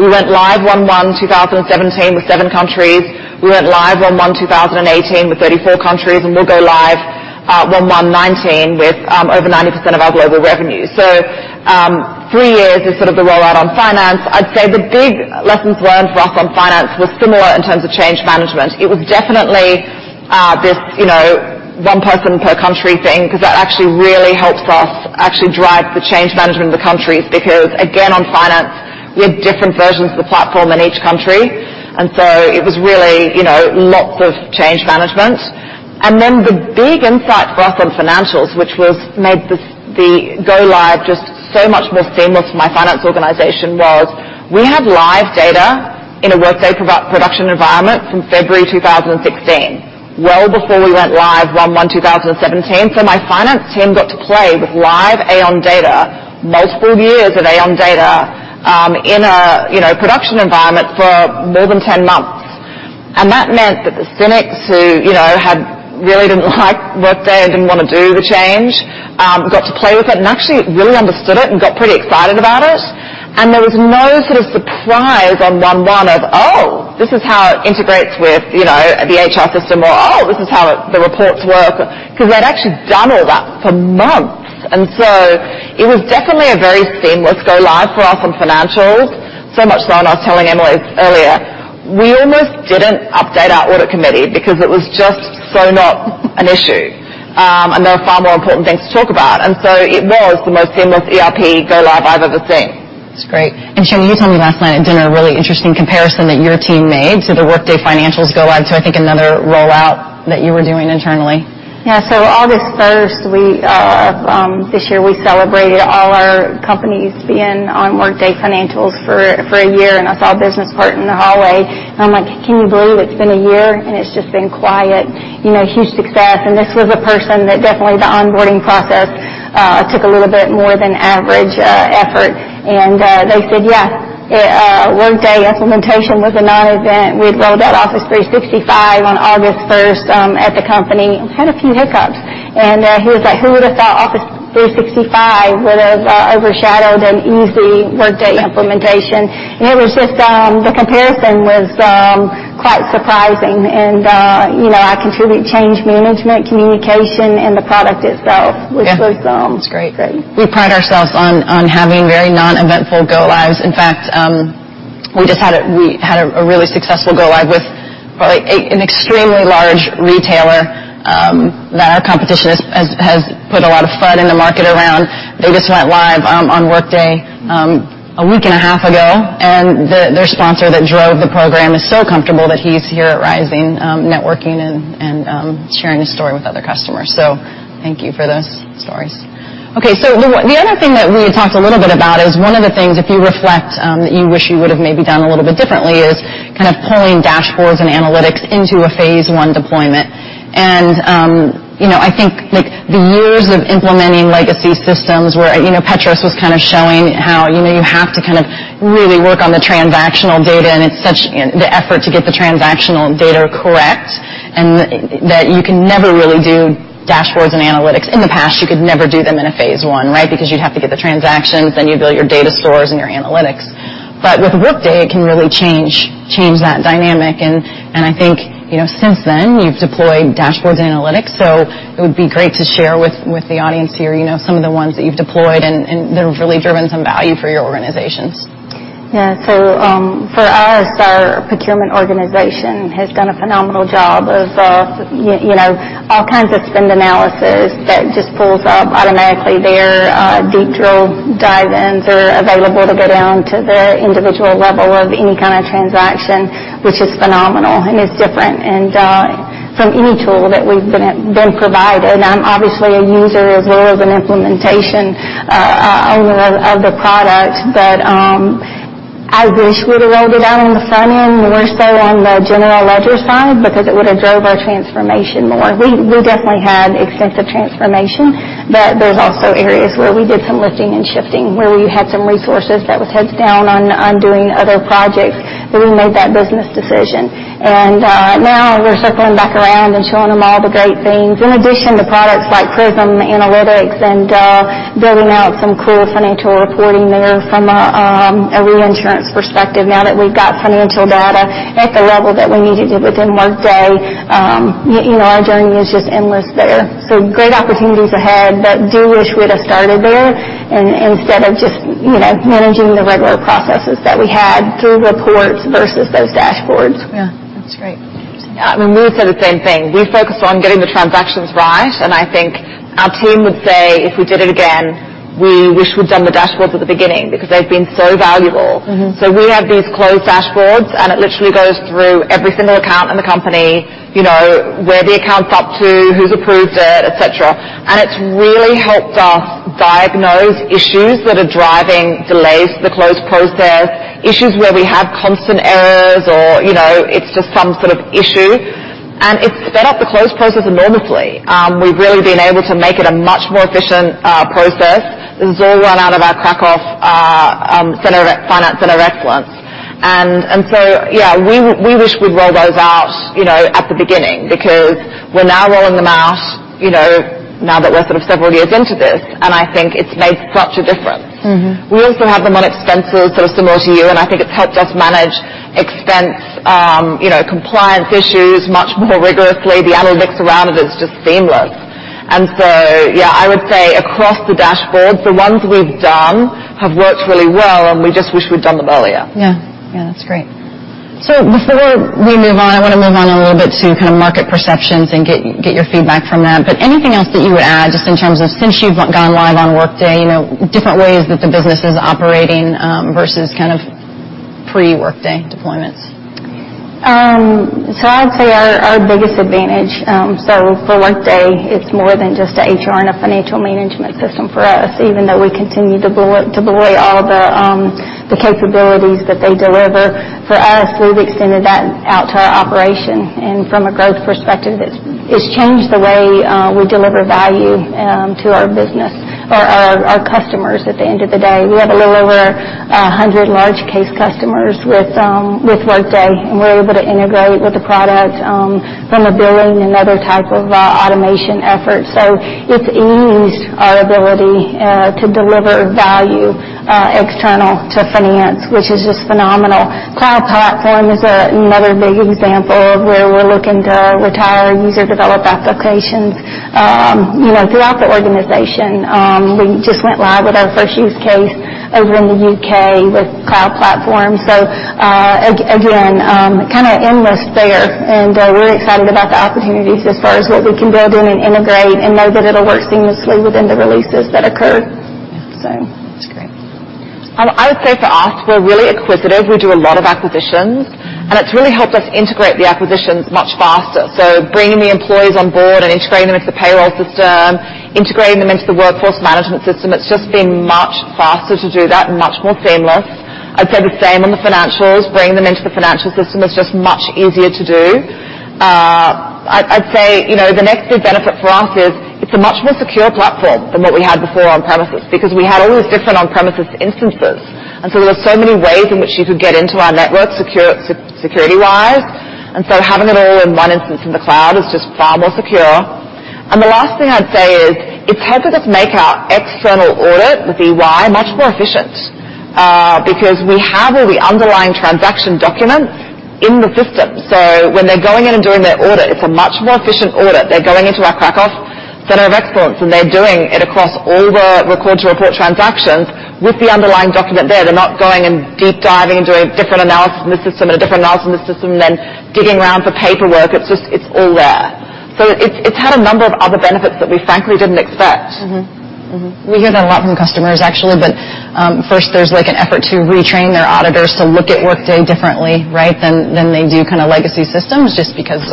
Speaker 13: We went live 01/01/2017 with seven countries. We went live on 01/01/2018 with 34 countries, and we'll go live 01/01/2019 with over 90% of our global revenue. Three years is sort of the rollout on finance. I'd say the big lessons learned for us on finance was similar in terms of change management. It was definitely this one person per country thing because that actually really helps us actually drive the change management in the countries because, again, on finance, we had different versions of the platform in each country. It was really lots of change management. The big insight for us on financials, which made the go live just so much more seamless for my finance organization was we had live data in a Workday production environment from February 2016, well before we went live 01/01/2017. My finance team got to play with live Aon data, multiple years of Aon data, in a production environment for more than 10 months. That meant that the cynics who really didn't like Workday and didn't want to do the change, got to play with it and actually really understood it and got pretty excited about it. There was no sort of surprise on 01/01 of, "Oh, this is how it integrates with the HR system," or, "Oh, this is how the reports work." They'd actually done all that for months. It was definitely a very seamless go live for us on financials. I was telling Emily this earlier, we almost didn't update our audit committee because it was just so not an issue. There were far more important things to talk about. It was the most seamless ERP go live I've ever seen.
Speaker 11: That's great. Chanda, you told me last night at dinner a really interesting comparison that your team made to the Workday Financials go live. I think another rollout that you were doing internally.
Speaker 12: Yeah. August 1st this year, we celebrated all our companies being on Workday Financials for a year. I saw a business partner in the hallway and I'm like, "Can you believe it's been a year and it's just been quiet? Huge success." This was a person that definitely the onboarding process took a little bit more than average effort. They said, "Yeah, Workday implementation was a non-event. We'd rolled out Office 365 on August 1st at the company and had a few hiccups." He was like, "Who would've thought Office 365 would've overshadowed an easy Workday implementation?" The comparison was quite surprising and I contribute change management, communication, and the product itself, which was-
Speaker 11: Yeah. That's great
Speaker 12: great.
Speaker 11: We pride ourselves on having very non-eventful go lives. In fact, we had a really successful go live with probably an extremely large retailer, that our competition has put a lot of FUD in the market around. They just went live on Workday a week and a half ago. Their sponsor that drove the program is so comfortable that he's here at Rising, networking and sharing his story with other customers. Thank you for those stories. The other thing that we had talked a little bit about is one of the things, if you reflect, that you wish you would've maybe done a little bit differently is kind of pulling dashboards and analytics into a phase 1 deployment. I think the years of implementing legacy systems where Petros was kind of showing how you have to really work on the transactional data, and the effort to get the transactional data correct, and that you can never really do dashboards and analytics. In the past, you could never do them in a phase 1, right? Because you'd have to get the transactions, then you'd build your data stores and your analytics. With Workday, it can really change that dynamic and I think, since then you've deployed dashboards and analytics, it would be great to share with the audience here some of the ones that you've deployed and that have really driven some value for your organizations.
Speaker 12: For us, our procurement organization has done a phenomenal job of all kinds of spend analysis that just pulls up automatically there, deep drill dive-ins are available to go down to the individual level of any kind of transaction, which is phenomenal. It's different from any tool that we've been provided. I'm obviously a user as well as an implementation owner of the product. I wish we'd have rolled it out on the front end more so on the general ledger side, because it would've drove our transformation more. We definitely had extensive transformation, there was also areas where we did some lifting and shifting, where we had some resources that was heads down on doing other projects. We made that business decision. Now we're circling back around and showing them all the great things in addition to products like Workday Prism Analytics and building out some cool financial reporting there from a reinsurance perspective now that we've got financial data at the level that we need it within Workday. Our journey is just endless there. Great opportunities ahead, do wish we'd have started there instead of just managing the regular processes that we had through reports versus those dashboards.
Speaker 11: That's great.
Speaker 13: I mean, we would say the same thing. We focused on getting the transactions right, I think our team would say if we did it again, we wish we'd done the dashboards at the beginning because they've been so valuable. We have these closed dashboards and it literally goes through every single account in the company, where the account's up to, who's approved it, et cetera. It's really helped us diagnose issues that are driving delays to the close process, issues where we have constant errors or it's just some sort of issue. It's sped up the close process enormously. We've really been able to make it a much more efficient process. This is all run out of our Krakow Finance Center of Excellence. Yeah, we wish we'd roll those out at the beginning, because we're now rolling them out now that we're sort of several years into this, and I think it's made such a difference. We also have them on expenses, so similar to you, and I think it's helped us manage expense compliance issues much more rigorously. The analytics around it is just seamless. Yeah, I would say across the dashboards, the ones we've done have worked really well, and we just wish we'd done them earlier.
Speaker 11: Yeah. Yeah, that's great. Before we move on, I want to move on a little bit to market perceptions and get your feedback from that. Anything else that you would add, just in terms of since you've gone live on Workday, different ways that the business is operating versus pre-Workday deployments?
Speaker 12: I'd say our biggest advantage, so for Workday, it's more than just a HR and a financial management system for us, even though we continue to buoy all of the capabilities that they deliver. For us, we've extended that out to our operation. From a growth perspective, it's changed the way we deliver value to our business or our customers at the end of the day. We have a little over 100 large case customers with Workday, we're able to integrate with the product from a billing and other type of automation efforts. It's eased our ability to deliver value external to finance, which is just phenomenal. Cloud Platform is another big example of where we're looking to retire user-developed applications throughout the organization. We just went live with our first use case over in the U.K. with Cloud Platform. Again, kind of endless there. We're excited about the opportunities as far as what we can build in and integrate and know that it'll work seamlessly within the releases that occur.
Speaker 11: Yeah. That's great.
Speaker 13: I would say for us, we're really acquisitive. We do a lot of acquisitions. It's really helped us integrate the acquisitions much faster. Bringing the employees on board and integrating them into the payroll system, integrating them into the workforce management system, it's just been much faster to do that and much more seamless. I'd say the same on the financials. Bringing them into the financial system is just much easier to do. I'd say the next big benefit for us is it's a much more secure platform than what we had before on-premises, because we had all these different on-premises instances. There were so many ways in which you could get into our network security-wise. Having it all in one instance in the cloud is just far more secure. The last thing I'd say is it's helped us make our external audit with EY much more efficient, because we have all the underlying transaction documents in the system. When they're going in and doing their audit, it's a much more efficient audit. They're going into our Krakow center of excellence, and they're doing it across all the record to report transactions with the underlying document there. They're not going and deep diving and doing a different analysis in the system, and a different analysis in the system, and then digging around for paperwork. It's all there. It's had a number of other benefits that we frankly didn't expect.
Speaker 11: Mm-hmm. We hear that a lot from customers, actually. That first there's an effort to retrain their auditors to look at Workday differently, right, than they do legacy systems, just because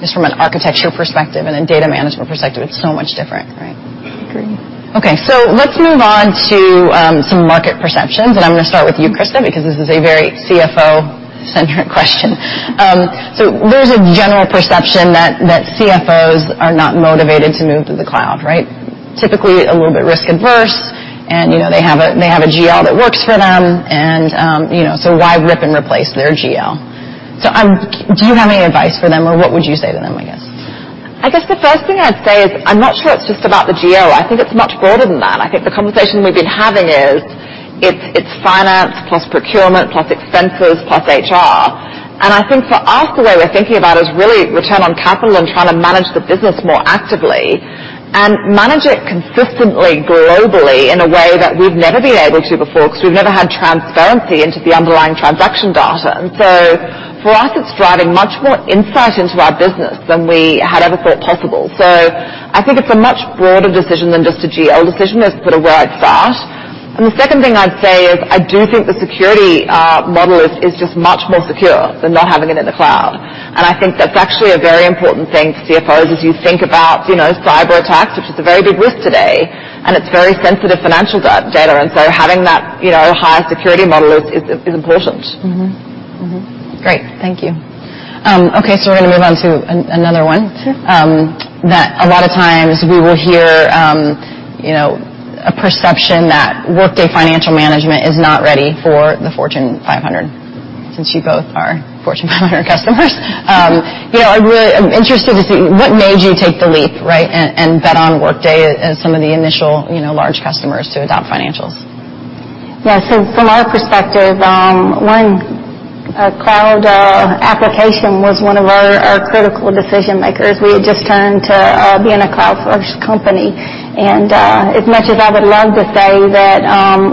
Speaker 11: just from an architecture perspective and a data management perspective, it's so much different, right?
Speaker 12: Agree.
Speaker 11: Okay. Let's move on to some market perceptions. I'm going to start with you, Christa, because this is a very CFO-centric question. There's a general perception that CFOs are not motivated to move to the cloud, right? Typically, a little bit risk adverse. They have a GL that works for them, why rip and replace their GL? Do you have any advice for them, or what would you say to them, I guess?
Speaker 13: I guess the first thing I'd say is I'm not sure it's just about the GL. I think it's much broader than that. I think the conversation we've been having is it's finance plus procurement plus expenses plus HR. I think for us, the way we're thinking about is really return on capital and trying to manage the business more actively. Manage it consistently, globally in a way that we've never been able to before because we've never had transparency into the underlying transaction data. For us, it's driving much more insight into our business than we had ever thought possible. I think it's a much broader decision than just a GL decision is sort of where I'd start. The second thing I'd say is I do think the security model is just much more secure than not having it in the cloud. I think that's actually a very important thing to CFOs as you think about cyber attacks, which is a very big risk today. It's very sensitive financial data. Having that high security model is important.
Speaker 11: Mm-hmm. Great. Thank you. Okay, we're going to move on to another one.
Speaker 12: Sure.
Speaker 11: That a lot of times we will hear a perception that Workday Financial Management is not ready for the Fortune 500. Since you both are Fortune 500 customers, I'm interested to see what made you take the leap, right, and bet on Workday as some of the initial large customers to adopt Financials?
Speaker 12: Yeah. From our perspective, 1, a cloud application was one of our critical decision makers. We had just turned to being a cloud-first company. As much as I would love to say that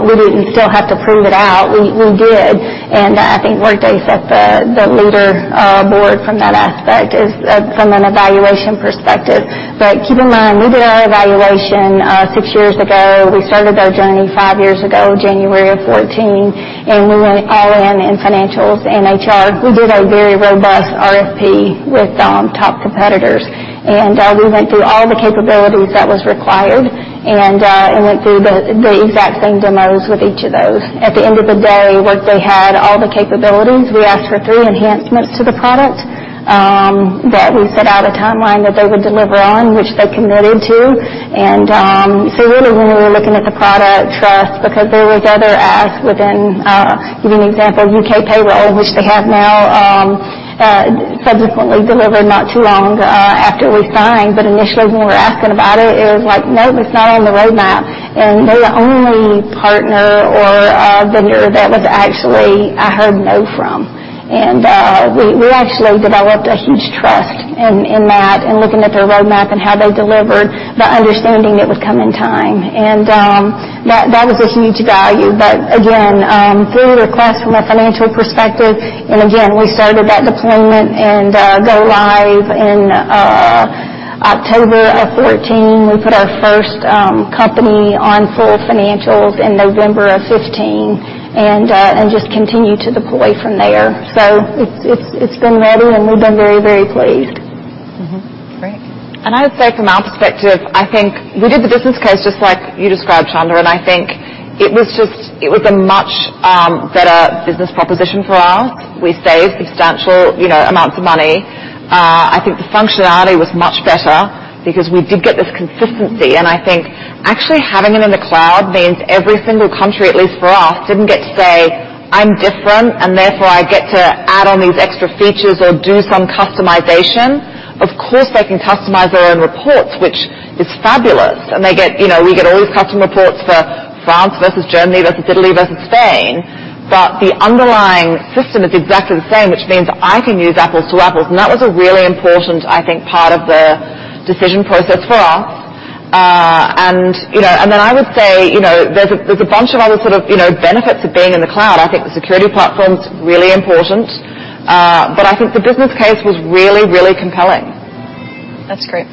Speaker 12: we didn't still have to prove it out, we did. I think Workday set the leader board from that aspect is from an evaluation perspective. Keep in mind, we did our evaluation 6 years ago. We started our journey 5 years ago, January of 2014, and we went all in in Financials and HR. We did a very robust RFP with top competitors. We went through all the capabilities that was required and went through the exact same demos with each of those. At the end of the day, Workday had all the capabilities. We asked for 3 enhancements to the product that we set out a timeline that they would deliver on, which they committed to. Really when we were looking at the product trust, because there was other asks within, to give you an example, U.K. payroll, which they have now subsequently delivered not too long after we signed. Initially when we were asking about it was like, "No, that's not on the roadmap." They're the only partner or vendor that was actually I heard no from. We actually developed a huge trust in that and looking at their roadmap and how they delivered, the understanding it would come in time. That was a huge value. Again, through requests from a financial perspective, again, we started that deployment and go live in October of 2014. We put our first company on full financials in November of 2015 and just continued to deploy from there. It's been ready, and we've been very, very pleased.
Speaker 11: Great.
Speaker 13: I would say from our perspective, I think we did the business case just like you described, Chanda, and I think it was a much better business proposition for us. We saved substantial amounts of money. I think the functionality was much better because we did get this consistency, and I think actually having it in the cloud means every single country, at least for us, didn't get to say, "I'm different, and therefore I get to add on these extra features or do some customization." Of course, they can customize their own reports, which is fabulous, and we get all these custom reports for France versus Germany versus Italy versus Spain, but the underlying system is exactly the same, which means I can use apples to apples. That was a really important, I think, part of the decision process for us. I would say, there's a bunch of other sort of benefits of being in the cloud. I think the security platform's really important. I think the business case was really, really compelling.
Speaker 11: That's great.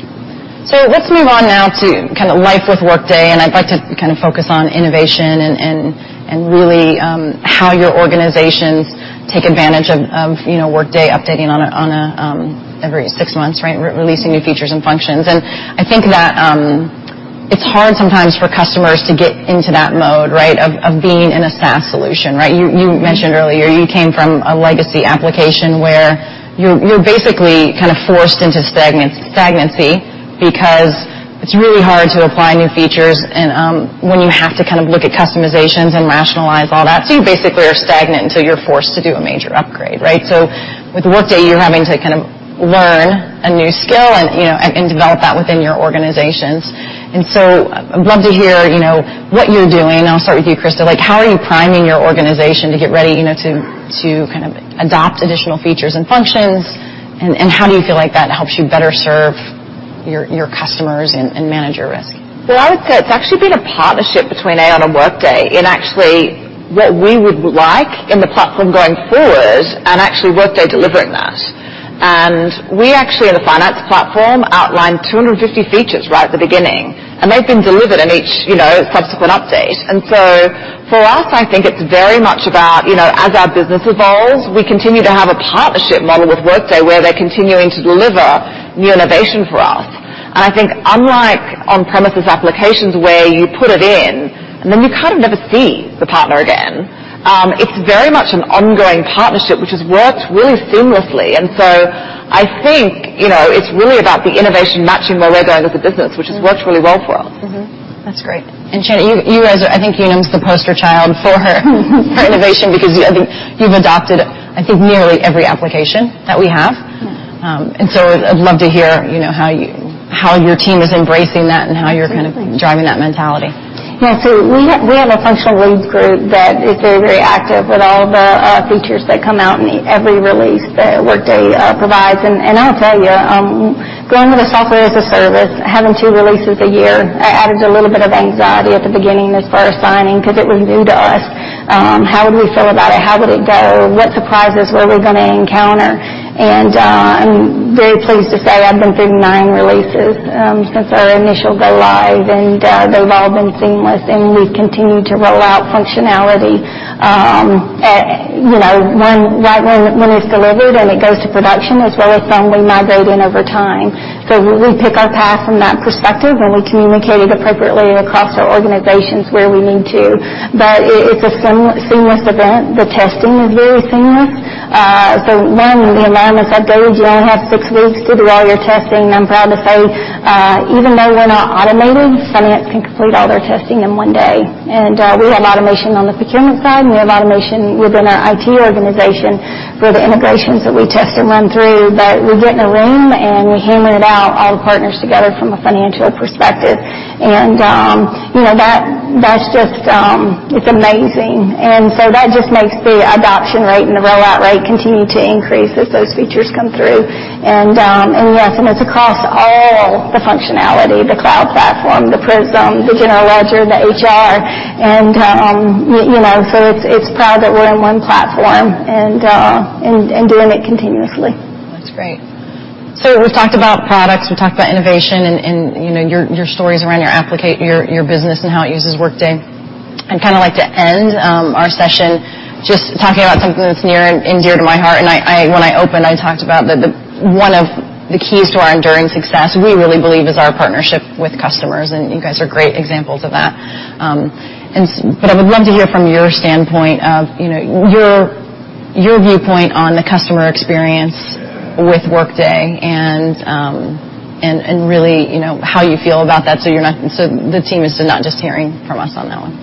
Speaker 11: Let's move on now to life with Workday, I'd like to focus on innovation and really how your organizations take advantage of Workday updating every six months, right? Releasing new features and functions. I think that it's hard sometimes for customers to get into that mode, right? Of being in a SaaS solution, right? You mentioned earlier you came from a legacy application where you're basically forced into stagnancy because it's really hard to apply new features and when you have to look at customizations and rationalize all that. You basically are stagnant until you're forced to do a major upgrade, right? With Workday, you're having to learn a new skill and develop that within your organizations. I'd love to hear what you're doing, and I'll start with you, Christa. How are you priming your organization to get ready to adopt additional features and functions? How do you feel like that helps you better serve your customers and manage your risk?
Speaker 13: Well, I would say it's actually been a partnership between Aon and Workday in actually what we would like in the platform going forward, Workday delivering that. We actually, in the finance platform, outlined 250 features right at the beginning, they've been delivered in each subsequent update. For us, I think it's very much about as our business evolves, we continue to have a partnership model with Workday where they're continuing to deliver new innovation for us. I think unlike on-premises applications where you put it in then you kind of never see the partner again, it's very much an ongoing partnership, which has worked really seamlessly. I think, it's really about the innovation matching where we're going as a business, which has worked really well for us.
Speaker 11: Mm-hmm. That's great. Chanda, you guys are, I think Unum's the poster child for innovation because you've adopted, I think, nearly every application that we have.
Speaker 12: Yeah.
Speaker 11: I'd love to hear how your team is embracing that and how.
Speaker 12: Absolutely
Speaker 11: Driving that mentality.
Speaker 12: Yeah. We have a functional leads group that is very, very active with all the features that come out in every release that Workday provides. I'll tell you, going with a software as a service, having two releases a year added a little bit of anxiety at the beginning as far as timing because it was new to us. How would we feel about it? How would it go? What surprises were we going to encounter? I'm very pleased to say I've been through nine releases since our initial go live, and they've all been seamless, and we've continued to roll out functionality right when it's delivered and it goes to production as well as some we migrate in over time. We pick our path from that perspective, and we communicate it appropriately across our organizations where we need to. It's a seamless event. The testing is very seamless. One, the alarm is, "Hey, you only have six weeks to do all your testing." I'm proud to say, even though we're not automated, finance can complete all their testing in one day. We have automation on the procurement side, and we have automation within our IT organization for the integrations that we test and run through. We get in a room, and we hammer it out, all the partners together from a financial perspective. That's just amazing. That just makes the adoption rate and the rollout rate continue to increase as those features come through. It's across all the functionality, the Cloud Platform, the Prism, the general ledger, the HR, and so it's proud that we're in one platform and doing it continuously.
Speaker 11: We've talked about products, we've talked about innovation, and your stories around your business and how it uses Workday. I'd like to end our session just talking about something that's near and dear to my heart. When I opened, I talked about one of the keys to our enduring success we really believe is our partnership with customers, and you guys are great examples of that. I would love to hear from your standpoint of your viewpoint on the customer experience with Workday and really how you feel about that, so the team is not just hearing from us on that one.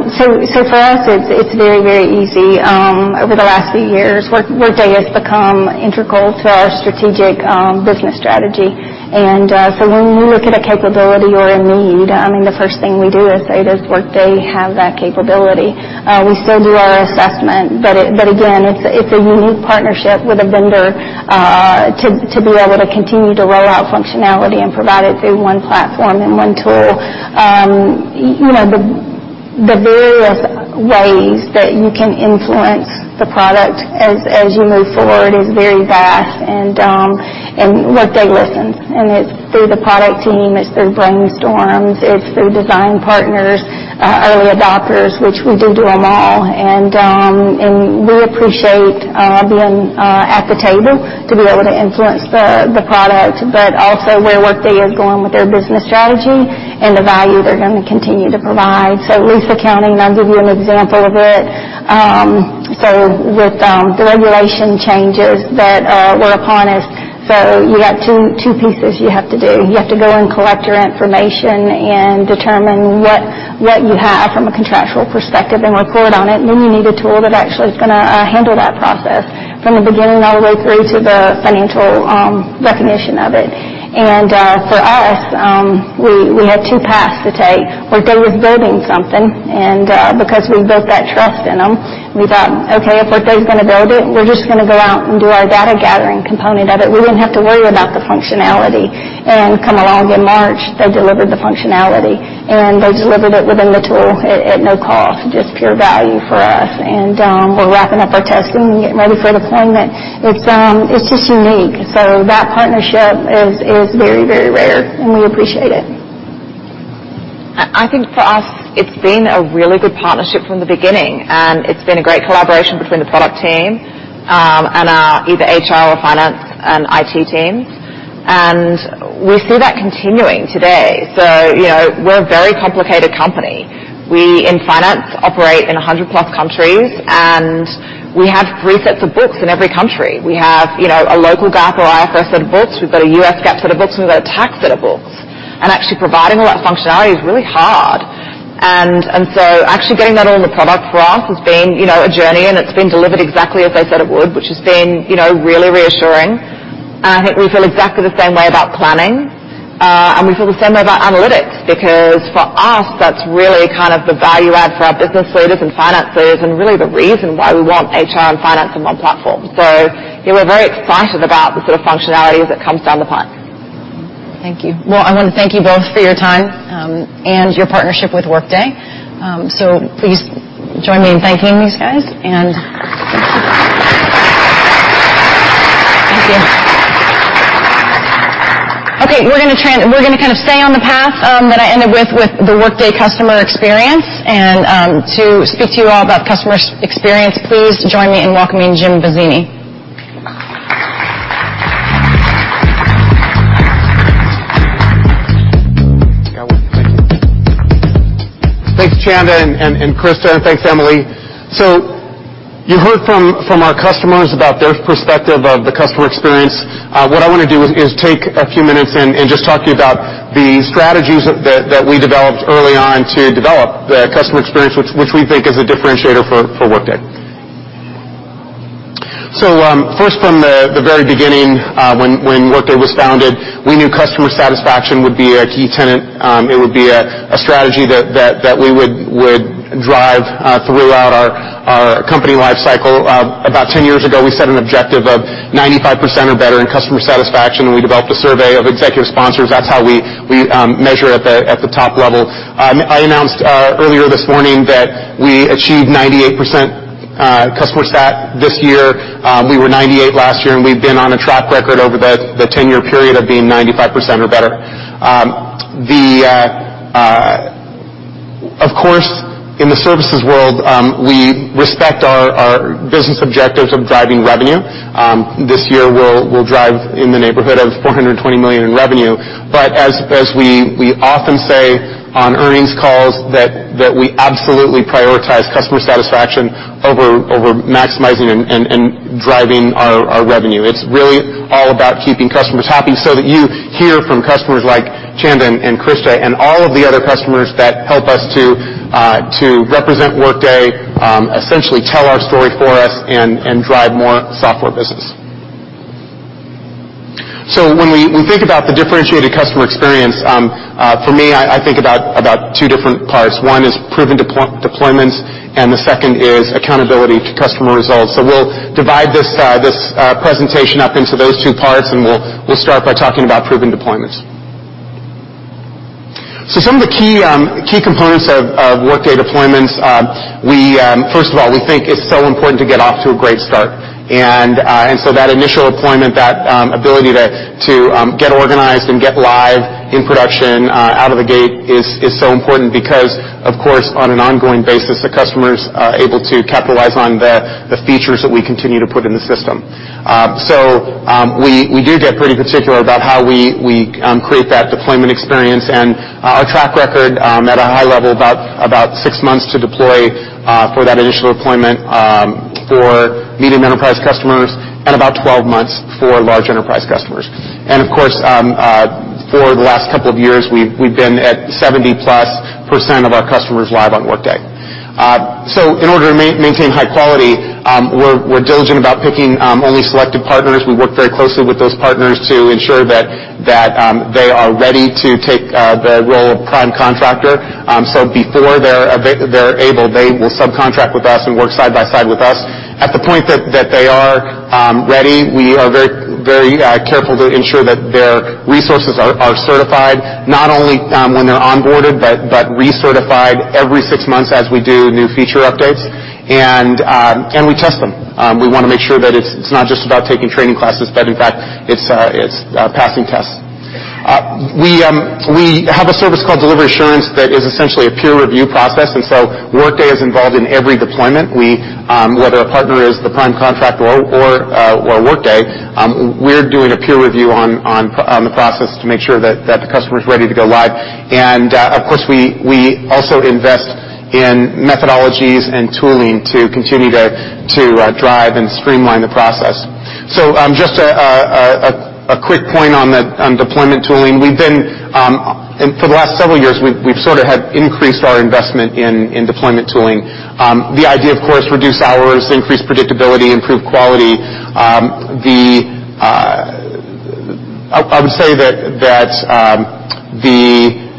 Speaker 12: For us, it's very, very easy. Over the last few years, Workday has become integral to our strategic business strategy. When we look at a capability or a need, the first thing we do is say, "Does Workday have that capability?" We still do our assessment, but again, it's a unique partnership with a vendor to be able to continue to roll out functionality and provide it through one platform and one tool. The various ways that you can influence the product as you move forward is very vast, and Workday listens. It's through the product team, it's through brainstorms, it's through design partners, early adopters, which we do them all. We appreciate being at the table to be able to influence the product, but also where Workday is going with their business strategy and the value they're going to continue to provide. Lease accounting, and I'll give you an example of it. With the regulation changes that were upon us, you got two pieces you have to do. You have to go and collect your information and determine what you have from a contractual perspective and report on it, and then you need a tool that actually is going to handle that process from the beginning all the way through to the financial recognition of it. For us, we had two paths to take. Workday was building something, because we built that trust in them, we thought, "Okay, if Workday's going to build it, we're just going to go out and do our data gathering component of it." We didn't have to worry about the functionality. Come along in March, they delivered the functionality, and they delivered it within the tool at no cost, just pure value for us. We're wrapping up our testing and getting ready for deployment. It's just unique. That partnership is very, very rare, and we appreciate it.
Speaker 13: I think for us, it's been a really good partnership from the beginning, and it's been a great collaboration between the product team, and our either HR or finance and IT teams. We see that continuing today. We're a very complicated company. We, in finance, operate in 100-plus countries, and we have three sets of books in every country. We have a local GAAP or IFRS set of books. We've got a US GAAP set of books, and we've got a tax set of books. Actually providing all that functionality is really hard. Actually getting that all in the product for us has been a journey, and it's been delivered exactly as they said it would, which has been really reassuring. I think we feel exactly the same way about planning, and we feel the same way about analytics because for us, that's really the value-add for our business leaders and finance leaders and really the reason why we want HR and finance in one platform. We're very excited about the sort of functionalities that comes down the pipe.
Speaker 11: Thank you. Well, I want to thank you both for your time and your partnership with Workday. Please join me in thanking these guys. Thank you. We're going to stay on the path that I ended with the Workday customer experience. To speak to you all about customer experience, please join me in welcoming Jim Bozzini.
Speaker 14: Thank you. Thanks, Chanda and Christa, and thanks, Emily. You heard from our customers about their perspective of the customer experience. What I want to do is take a few minutes and just talk to you about the strategies that we developed early on to develop the customer experience, which we think is a differentiator for Workday. First, from the very beginning, when Workday was founded, we knew customer satisfaction would be a key tenet. It would be a strategy that we would drive throughout our company life cycle. About 10 years ago, we set an objective of 95% or better in customer satisfaction, and we developed a survey of executive sponsors. That's how we measure at the top level. I announced earlier this morning that we achieved 98% customer stat this year. We were 98% last year, and we've been on a track record over the 10-year period of being 95% or better. Of course, in the services world, we respect our business objectives of driving revenue. This year, we'll drive in the neighborhood of $420 million in revenue. As we often say on earnings calls that we absolutely prioritize customer satisfaction over maximizing and driving our revenue. It's really all about keeping customers happy so that you hear from customers like Chanda and Christa and all of the other customers that help us to represent Workday, essentially tell our story for us, and drive more software business. When we think about the differentiated customer experience, for me, I think about two different parts. One is proven deployments, and the second is accountability to customer results. We'll divide this presentation up into those two parts, and we'll start by talking about proven deployments. Some of the key components of Workday deployments, first of all, we think it's so important to get off to a great start. That initial deployment, that ability to get organized and get live in production out of the gate is so important because, of course, on an ongoing basis, the customers are able to capitalize on the features that we continue to put in the system. We do get pretty particular about how we create that deployment experience and our track record, at a high level, about six months to deploy for that initial deployment for medium enterprise customers and about 12 months for large enterprise customers. Of course, for the last couple of years, we've been at 70+% of our customers live on Workday. In order to maintain high quality, we're diligent about picking only selective partners. We work very closely with those partners to ensure that they are ready to take the role of prime contractor. Before they're able, they will subcontract with us and work side by side with us. At the point that they are ready, we are very careful to ensure that their resources are certified, not only when they're onboarded, but recertified every six months as we do new feature updates. We test them. We want to make sure that it's not just about taking training classes, but in fact, it's passing tests. We have a service called Delivery Assurance that is essentially a peer review process. Workday is involved in every deployment. Whether a partner is the prime contractor or Workday, we're doing a peer review on the process to make sure that the customer is ready to go live. Of course, we also invest in methodologies and tooling to continue to drive and streamline the process. Just a quick point on deployment tooling. For the last several years, we've sort of had increased our investment in deployment tooling. The idea, of course, reduce hours, increase predictability, improve quality. I would say that the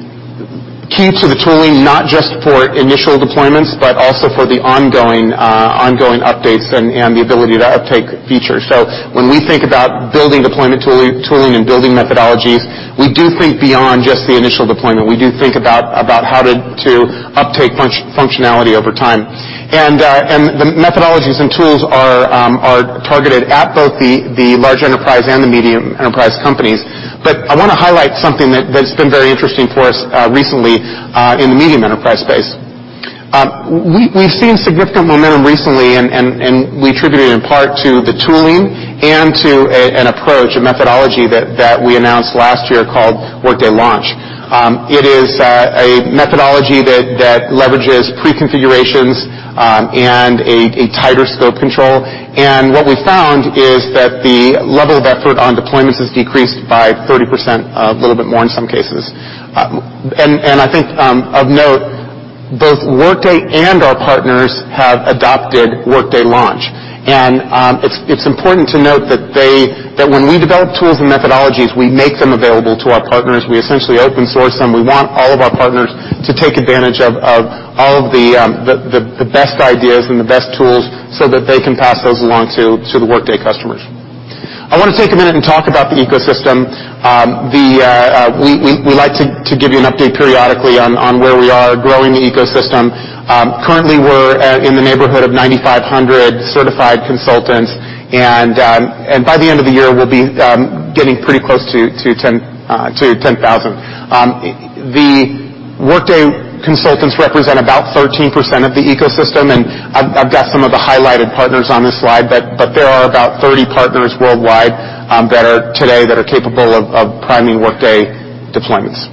Speaker 14: key to the tooling, not just for initial deployments, but also for the ongoing updates and the ability to uptake features. When we think about building deployment tooling and building methodologies, we do think beyond just the initial deployment. We do think about how to uptake functionality over time. The methodologies and tools are targeted at both the large enterprise and the medium enterprise companies. I want to highlight something that's been very interesting for us recently in the medium enterprise space. We've seen significant momentum recently, and we attribute it in part to the tooling and to an approach, a methodology that we announced last year called Workday Launch. It is a methodology that leverages pre-configurations and a tighter scope control. What we found is that the level of effort on deployments has decreased by 30%, a little bit more in some cases. I think of note, both Workday and our partners have adopted Workday Launch. It's important to note that when we develop tools and methodologies, we make them available to our partners. We essentially open source them. We want all of our partners to take advantage of all of the best ideas and the best tools so that they can pass those along to the Workday customers. I want to take a minute and talk about the ecosystem. We like to give you an update periodically on where we are growing the ecosystem. Currently, we're in the neighborhood of 9,500 certified consultants, and by the end of the year, we'll be getting pretty close to 10,000. The Workday consultants represent about 13% of the ecosystem, and I've got some of the highlighted partners on this slide, but there are about 30 partners worldwide today that are capable of priming Workday deployments.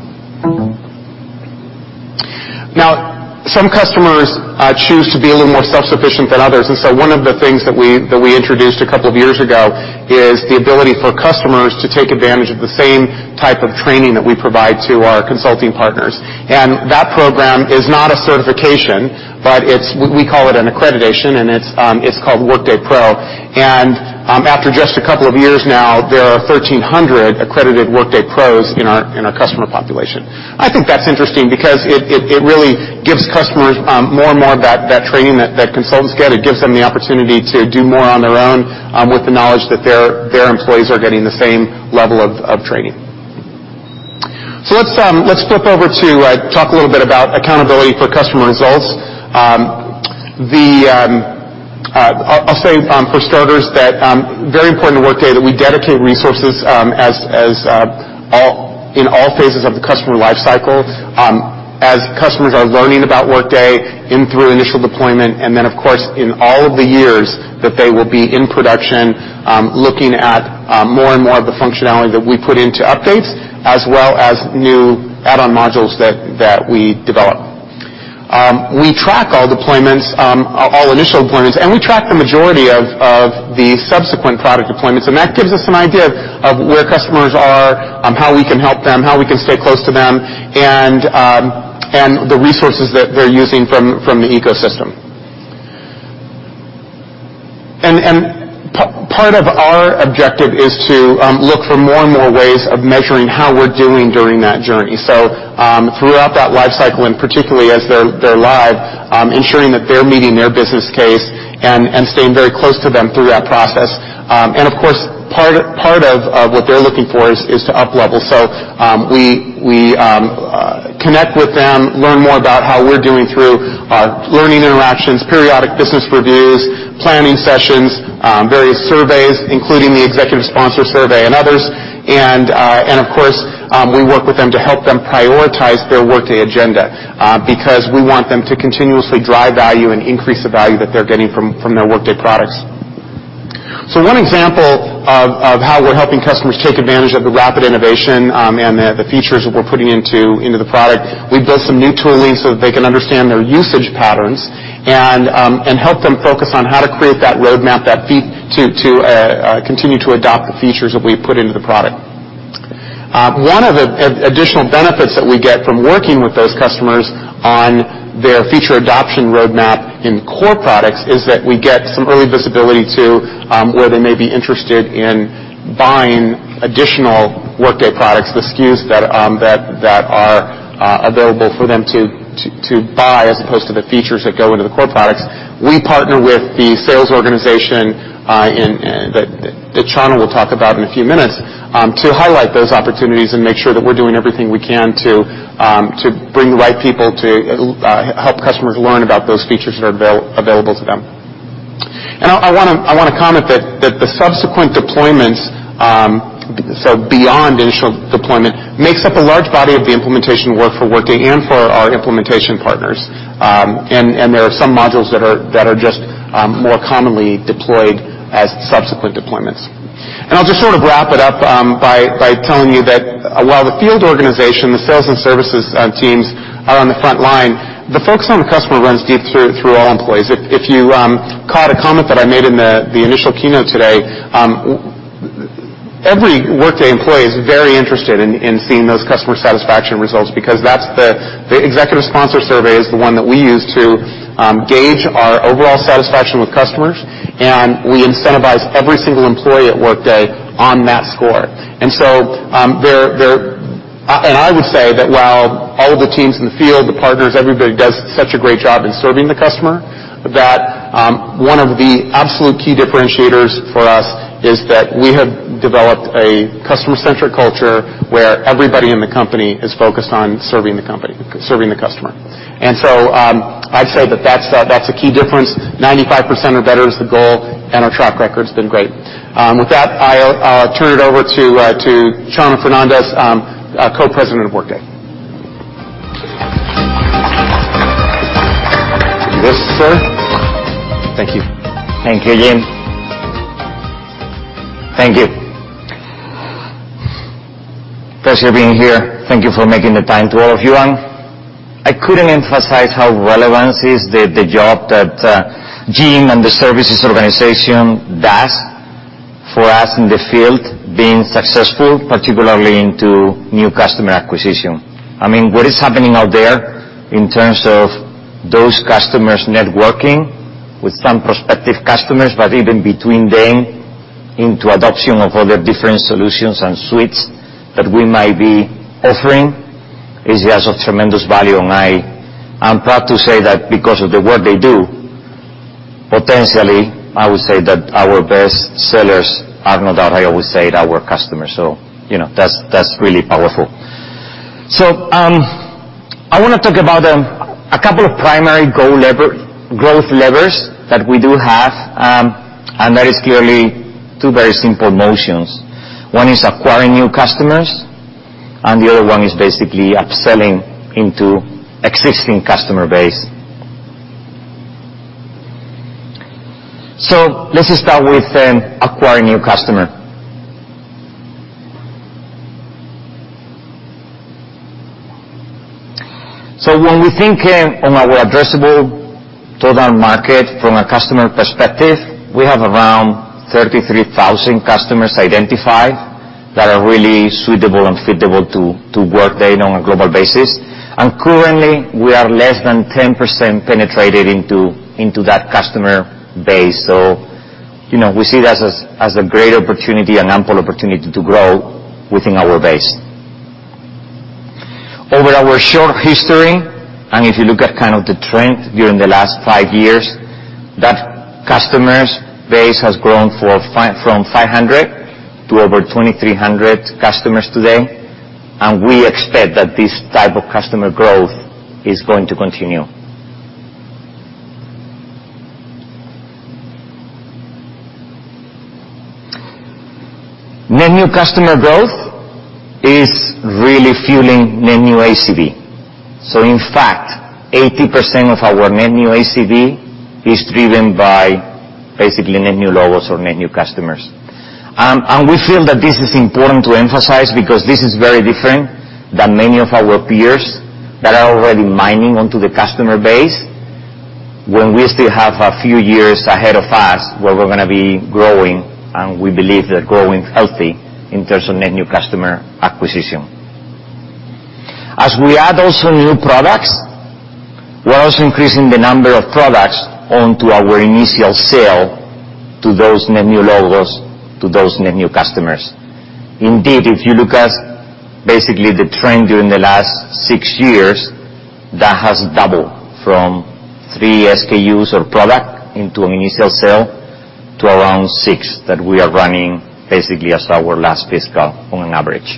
Speaker 14: Now, some customers choose to be a little more self-sufficient than others, and so one of the things that we introduced a couple of years ago is the ability for customers to take advantage of the same type of training that we provide to our consulting partners. That program is not a certification, but we call it an accreditation, and it's called Workday Pro. After just a couple of years now, there are 1,300 accredited Workday Pros in our customer population. I think that's interesting because it really gives customers more and more of that training that consultants get. It gives them the opportunity to do more on their own with the knowledge that their employees are getting the same level of training. Let's flip over to talk a little bit about accountability for customer results. I'll say for starters that very important to Workday that we dedicate resources in all phases of the customer life cycle as customers are learning about Workday in through initial deployment, and then of course, in all of the years that they will be in production, looking at more and more of the functionality that we put into updates, as well as new add-on modules that we develop. We track all deployments, all initial deployments, and we track the majority of the subsequent product deployments, and that gives us an idea of where customers are, how we can help them, how we can stay close to them, and the resources that they're using from the ecosystem. Part of our objective is to look for more and more ways of measuring how we're doing during that journey. Throughout that life cycle, and particularly as they're live, ensuring that they're meeting their business case and staying very close to them through that process. Of course, part of what they're looking for is to up level. We connect with them, learn more about how we're doing through our learning interactions, periodic business reviews, planning sessions, various surveys, including the executive sponsor survey and others. Of course, we work with them to help them prioritize their Workday agenda because we want them to continuously drive value and increase the value that they're getting from their Workday products. One example of how we're helping customers take advantage of the rapid innovation and the features that we're putting into the product, we've built some new tooling so that they can understand their usage patterns and help them focus on how to create that roadmap to continue to adopt the features that we've put into the product. One of the additional benefits that we get from working with those customers on their feature adoption roadmap in core products is that we get some early visibility to where they may be interested in buying additional Workday products, the SKUs that are available for them to buy as opposed to the features that go into the core products. We partner with the sales organization that Chano will talk about in a few minutes to highlight those opportunities and make sure that we're doing everything we can to bring the right people to help customers learn about those features that are available to them. I want to comment that the subsequent deployments, so beyond initial deployment, makes up a large body of the implementation work for Workday and for our implementation partners. There are some modules that are just more commonly deployed as subsequent deployments. I'll just wrap it up by telling you that while the field organization, the sales and services teams are on the frontline, the focus on the customer runs deep through all employees. If you caught a comment that I made in the initial keynote today, every Workday employee is very interested in seeing those customer satisfaction results because the executive sponsor survey is the one that we use to gauge our overall satisfaction with customers, and we incentivize every single employee at Workday on that score. I would say that while all the teams in the field, the partners, everybody does such a great job in serving the customer, that one of the absolute key differentiators for us is that we have developed a customer-centric culture where everybody in the company is focused on serving the customer. I'd say that that's a key difference. 95% or better is the goal, and our track record's been great. With that, I'll turn it over to Chano Fernandez, Co-President of Workday.
Speaker 15: This, sir.
Speaker 14: Thank you.
Speaker 15: Thank you, Jim. Thank you. Pleasure being here. Thank you for making the time to all of you. I couldn't emphasize how relevant is the job that Jim and the services organization does for us in the field being successful, particularly into new customer acquisition. What is happening out there in terms of those customers networking with some prospective customers, but even between them into adoption of other different solutions and suites that we might be offering is just of tremendous value. I'm proud to say that because of the work they do, potentially, I would say that our best sellers are, no doubt, I always say it, our customers. That's really powerful. I want to talk about a couple of primary growth levers that we do have, and that is clearly two very simple motions. One is acquiring new customers, and the other one is basically upselling into existing customer base. Let's just start with acquiring new customer. When we think on our addressable total market from a customer perspective, we have around 33,000 customers identified that are really suitable and fitable to Workday on a global basis. Currently, we are less than 10% penetrated into that customer base. We see it as a great opportunity and ample opportunity to grow within our base. Over our short history, and if you look at the trend during the last five years, that customers base has grown from 500 to over 2,300 customers today, and we expect that this type of customer growth is going to continue. Net new customer growth is really fueling net new ACV. In fact, 80% of our net new ACV is driven by basically net new logos or net new customers. We feel that this is important to emphasize because this is very different than many of our peers that are already mining onto the customer base when we still have a few years ahead of us where we're going to be growing, and we believe that growing healthy in terms of net new customer acquisition. As we add also new products, we're also increasing the number of products onto our initial sale to those net new logos, to those net new customers. Indeed, if you look at basically the trend during the last six years, that has doubled from three SKUs or product into an initial sale to around six that we are running basically as our last fiscal on an average.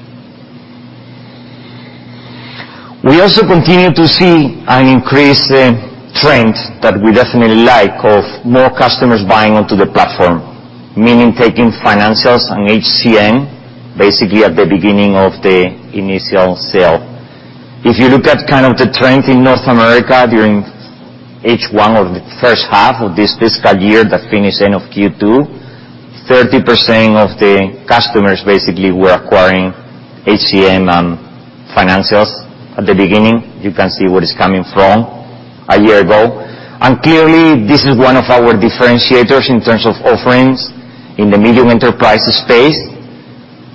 Speaker 15: We also continue to see an increased trend that we definitely like of more customers buying onto the platform, meaning taking Financials and HCM basically at the beginning of the initial sale. If you look at the trend in North America during H1 or the first half of this fiscal year that finished end of Q2, 30% of the customers basically were acquiring HCM and Financials at the beginning. You can see what is coming from a year ago. Clearly, this is one of our differentiators in terms of offerings in the medium enterprise space.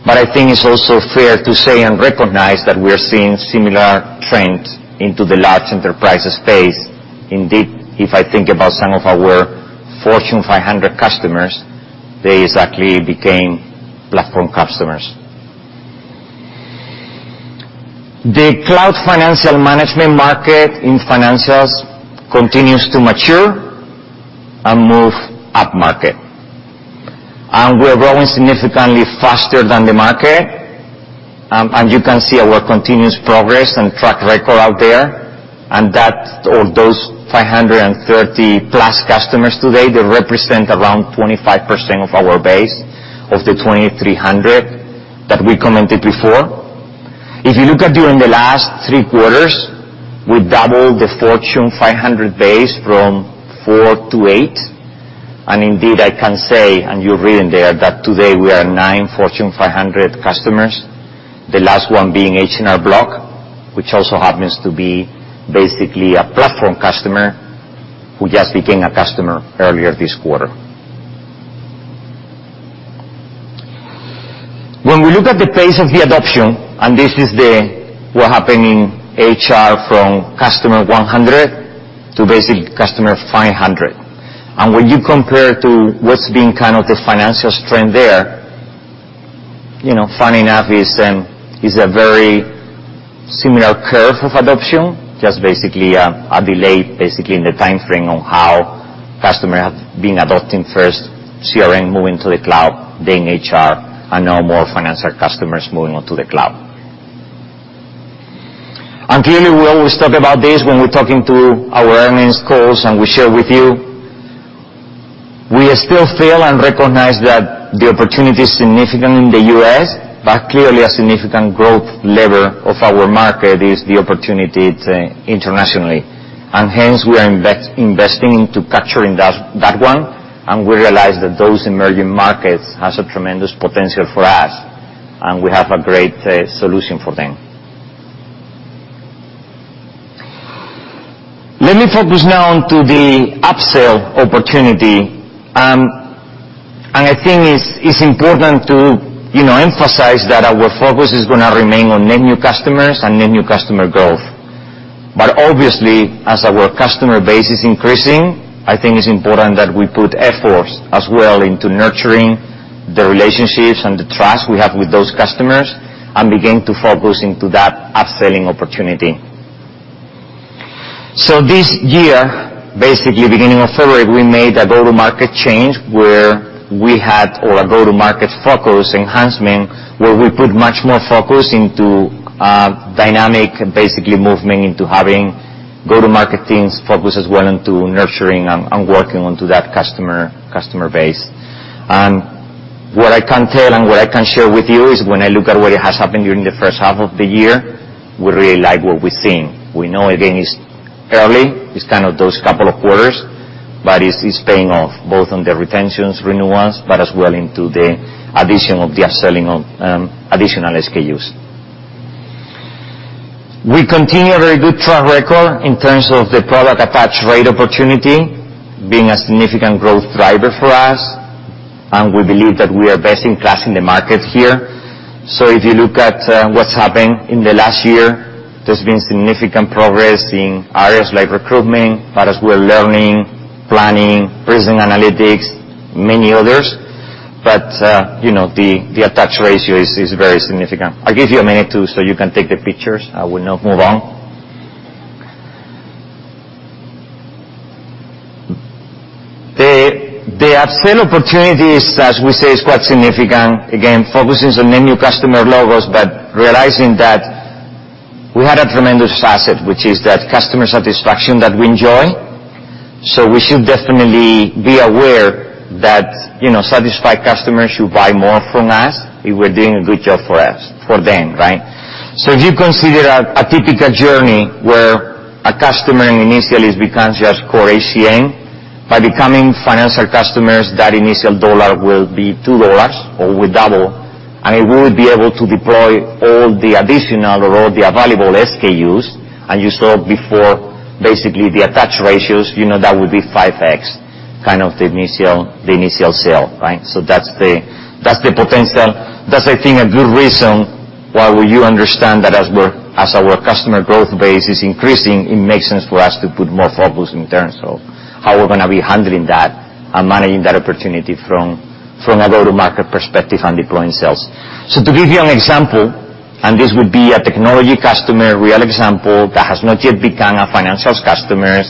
Speaker 15: I think it's also fair to say and recognize that we are seeing similar trends into the large enterprise space. Indeed, if I think about some of our Fortune 500 customers, they exactly became platform customers. The cloud financial management market in financials continues to mature and move up market. We're growing significantly faster than the market, and you can see our continuous progress and track record out there. Those 530+ customers today, they represent around 25% of our base of the 2,300 that we commented before. If you look at during the last three quarters, we doubled the Fortune 500 base from four to eight. Indeed, I can say, and you've read in there, that today we are nine Fortune 500 customers. The last one being H&R Block, which also happens to be basically a platform customer who just became a customer earlier this quarter. When we look at the pace of the adoption, and this is what happened in HR from customer 100 to basically customer 500. When you compare to what's been the Financials trend there, funny enough, it's a very similar curve of adoption, just basically a delay, basically in the timeframe on how customer have been adopting first CRM, moving to the cloud, then HR, and now more financial customers moving on to the cloud. Clearly, we always talk about this when we're talking to our earnings calls and we share with you. We still feel and recognize that the opportunity is significant in the U.S., clearly a significant growth lever of our market is the opportunity to internationally. Hence, we are investing into capturing that one, and we realize that those emerging markets has a tremendous potential for us, and we have a great solution for them. Let me focus now on to the up-sell opportunity. I think it's important to emphasize that our focus is going to remain on net new customers and net new customer growth. Obviously, as our customer base is increasing, I think it's important that we put efforts as well into nurturing the relationships and the trust we have with those customers and begin to focus into that up-selling opportunity. This year, beginning of February, we made a go-to-market change where we had all our go-to-market focus enhancement, where we put much more focus into dynamic movement into having go-to-market teams focus as well into nurturing and working onto that customer base. What I can tell and what I can share with you is when I look at what has happened during the first half of the year, we really like what we're seeing. We know, again, it's early. It's those couple of quarters. It's paying off, both on the retentions, renewals, but as well into the addition of the up-selling of additional SKUs. We continue a very good track record in terms of the product attach rate opportunity being a significant growth driver for us, and we believe that we are best in class in the market here. If you look at what's happened in the last year, there's been significant progress in areas like recruitment, but as well learning, planning, pricing analytics, many others. The attach ratio is very significant. I'll give you a minute, too, so you can take the pictures. I will now move on. The up-sell opportunity, as we say, is quite significant. Again, focusing on net new customer logos, but realizing that we had a tremendous asset, which is that customer satisfaction that we enjoy. We should definitely be aware that satisfied customers who buy more from us, we were doing a good job for them, right? If you consider a typical journey where a customer initially becomes just core HCM, by becoming financial customers, that initial dollar will be $2 or will double, and it will be able to deploy all the additional or all the available SKUs. You saw before the attach ratios, that would be 5x, the initial sale. That's the potential. That's I think a good reason why you understand that as our customer growth base is increasing, it makes sense for us to put more focus in terms of how we're going to be handling that and managing that opportunity from a go-to-market perspective and deploying sales. To give you an example, and this would be a technology customer, real example, that has not yet become a financials customer,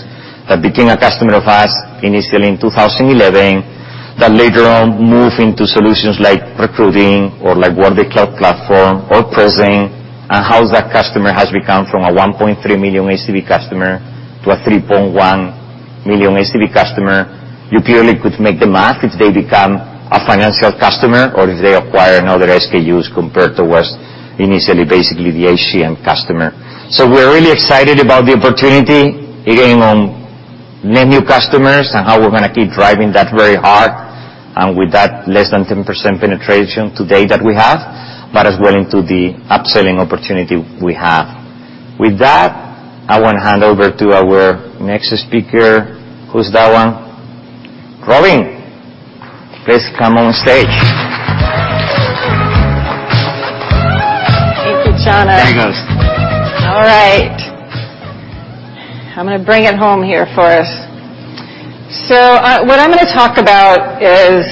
Speaker 15: that became a customer of us initially in 2011, that later on moved into solutions like recruiting or like Workday Cloud Platform or pricing, and how that customer has become from a $1.3 million ACV customer to a $3.1 million ACV customer. You clearly could make the math if they become a financial customer or if they acquire another SKUs compared to what's initially the HCM customer. We're really excited about the opportunity again on net new customers and how we're going to keep driving that very hard, and with that less than 10% penetration today that we have, but as well into the upselling opportunity we have. With that, I want to hand over to our next speaker, who's that one? Robynne, please come on stage.
Speaker 2: Thank you, Chano.
Speaker 15: There you go.
Speaker 2: All right. I'm going to bring it home here for us. What I'm going to talk about is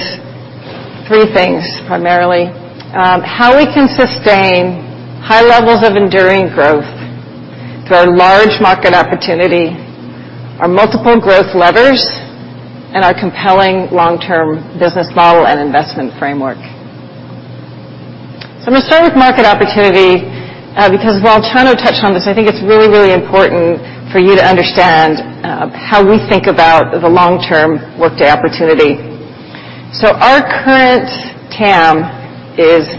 Speaker 2: three things, primarily. How we can sustain high levels of enduring growth through our large market opportunity, our multiple growth levers, and our compelling long-term business model and investment framework. I'm going to start with market opportunity, because while Chano touched on this, I think it's really, really important for you to understand how we think about the long-term Workday opportunity. Our current TAM is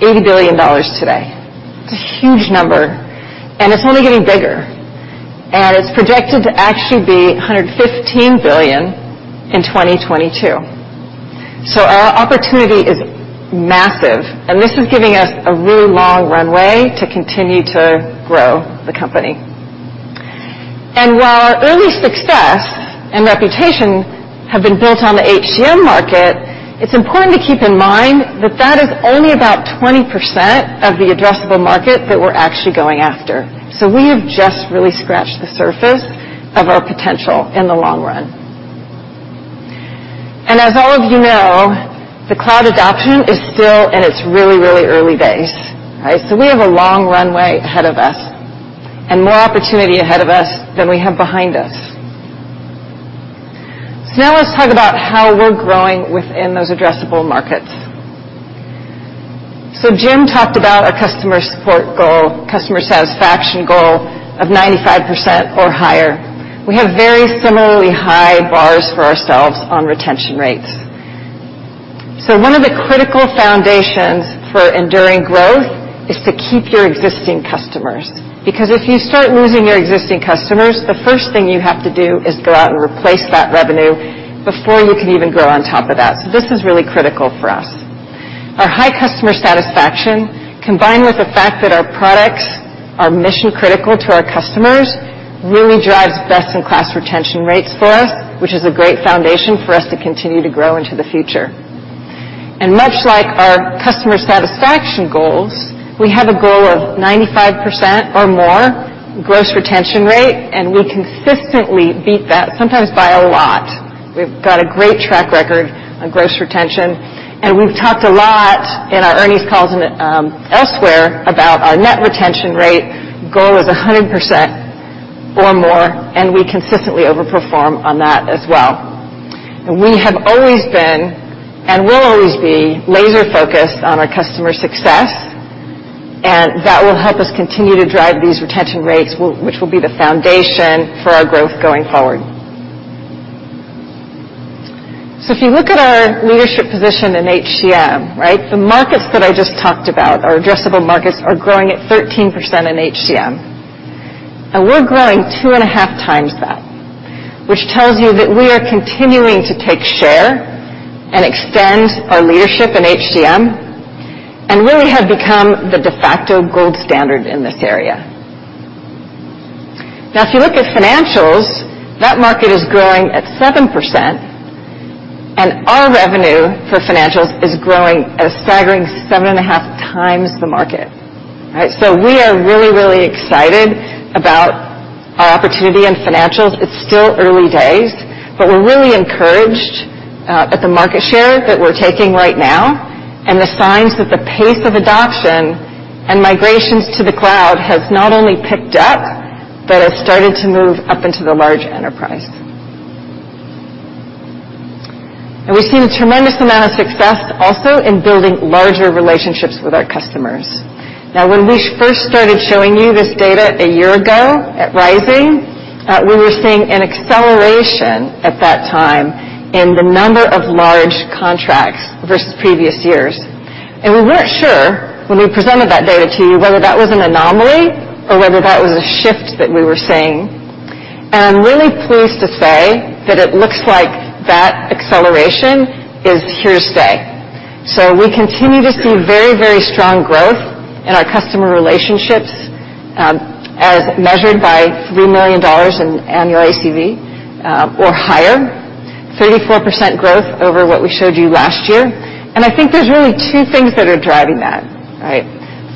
Speaker 2: $80 billion today. It's a huge number, and it's only getting bigger. It's projected to actually be $115 billion in 2022. Our opportunity is massive, and this is giving us a really long runway to continue to grow the company. While our early success and reputation have been built on the HCM market, it's important to keep in mind that that is only about 20% of the addressable market that we're actually going after. We have just really scratched the surface of our potential in the long run. As all of you know, the cloud adoption is still in its really, really early days, right? We have a long runway ahead of us, and more opportunity ahead of us than we have behind us. Now let's talk about how we're growing within those addressable markets. Jim talked about our customer support goal, customer satisfaction goal of 95% or higher. We have very similarly high bars for ourselves on retention rates. One of the critical foundations for enduring growth is to keep your existing customers, because if you start losing your existing customers, the first thing you have to do is go out and replace that revenue before you can even grow on top of that. This is really critical for us. Our high customer satisfaction, combined with the fact that our products are mission-critical to our customers, really drives best-in-class retention rates for us, which is a great foundation for us to continue to grow into the future. Much like our customer satisfaction goals, we have a goal of 95% or more gross retention rate, and we consistently beat that, sometimes by a lot. We've got a great track record on gross retention. We've talked a lot in our earnings calls and elsewhere about our net retention rate goal is 100% or more. We consistently overperform on that as well. We have always been, and will always be, laser-focused on our customer success, and that will help us continue to drive these retention rates, which will be the foundation for our growth going forward. If you look at our leadership position in HCM, right? The markets that I just talked about, our addressable markets, are growing at 13% in HCM. We're growing two and a half times that, which tells you that we are continuing to take share and extend our leadership in HCM, and really have become the de facto gold standard in this area. If you look at financials, that market is growing at 7%. Our revenue for financials is growing at a staggering seven and a half times the market. Right? We are really, really excited about our opportunity in financials. It's still early days, but we're really encouraged at the market share that we're taking right now, and the signs that the pace of adoption and migrations to the cloud has not only picked up, but has started to move up into the large enterprise. We've seen a tremendous amount of success also in building larger relationships with our customers. When we first started showing you this data a year ago at Rising, we were seeing an acceleration at that time in the number of large contracts versus previous years. We weren't sure when we presented that data to you, whether that was an anomaly or whether that was a shift that we were seeing. I'm really pleased to say that it looks like that acceleration is here to stay. We continue to see very, very strong growth in our customer relationships, as measured by $3 million in annual ACV or higher, 34% growth over what we showed you last year. I think there's really two things that are driving that, right?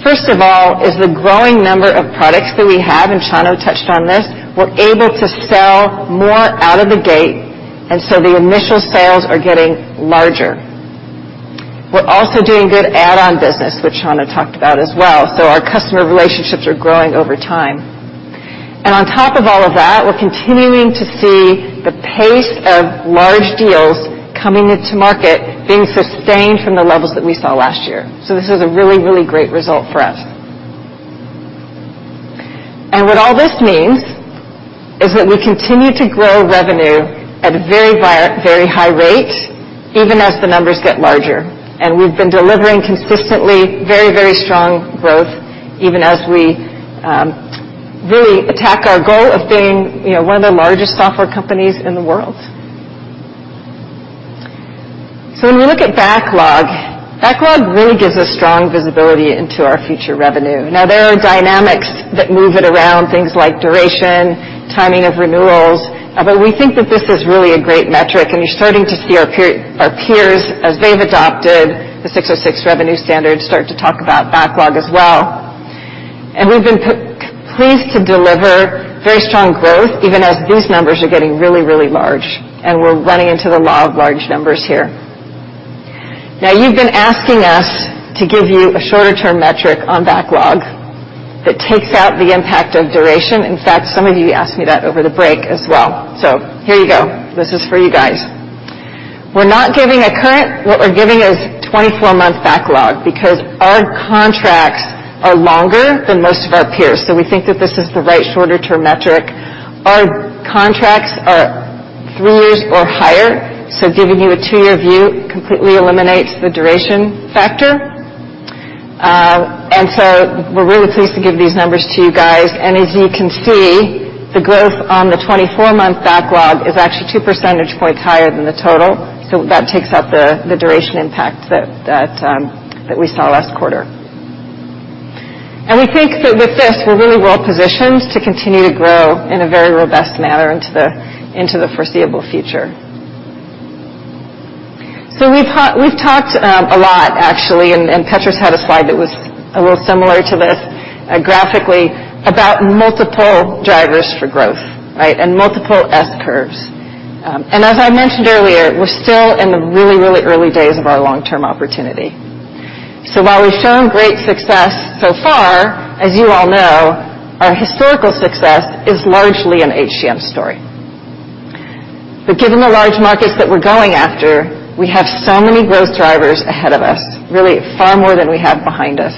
Speaker 2: First of all is the growing number of products that we have, and Chano touched on this. We're able to sell more out of the gate, the initial sales are getting larger. We're also doing good add-on business, which Chano talked about as well. Our customer relationships are growing over time. On top of all of that, we're continuing to see the pace of large deals coming into market being sustained from the levels that we saw last year. This is a really, really great result for us. What all this means is that we continue to grow revenue at a very high rate even as the numbers get larger. We've been delivering consistently very, very strong growth, even as we really attack our goal of being one of the largest software companies in the world. When we look at backlog really gives us strong visibility into our future revenue. Now there are dynamics that move it around, things like duration, timing of renewals. We think that this is really a great metric, and you're starting to see our peers, as they've adopted the 606 revenue standard, start to talk about backlog as well. We've been pleased to deliver very strong growth, even as these numbers are getting really, really large, and we're running into the law of large numbers here. Now you've been asking us to give you a shorter-term metric on backlog that takes out the impact of duration. In fact, some of you asked me that over the break as well. Here you go. This is for you guys. We're not giving a current, what we're giving is 24-month backlog because our contracts are longer than most of our peers. We think that this is the right shorter-term metric. Our contracts are three years or higher, so giving you a two-year view completely eliminates the duration factor. We're really pleased to give these numbers to you guys. As you can see, the growth on the 24-month backlog is actually two percentage points higher than the total. That takes out the duration impact that we saw last quarter. We think that with this, we're really well positioned to continue to grow in a very robust manner into the foreseeable future. We've talked a lot actually, and Petros had a slide that was a little similar to this graphically, about multiple drivers for growth, right? Multiple S curves. As I mentioned earlier, we're still in the really, really early days of our long-term opportunity. While we've shown great success so far, as you all know, our historical success is largely an HCM story. Given the large markets that we're going after, we have so many growth drivers ahead of us, really far more than we have behind us.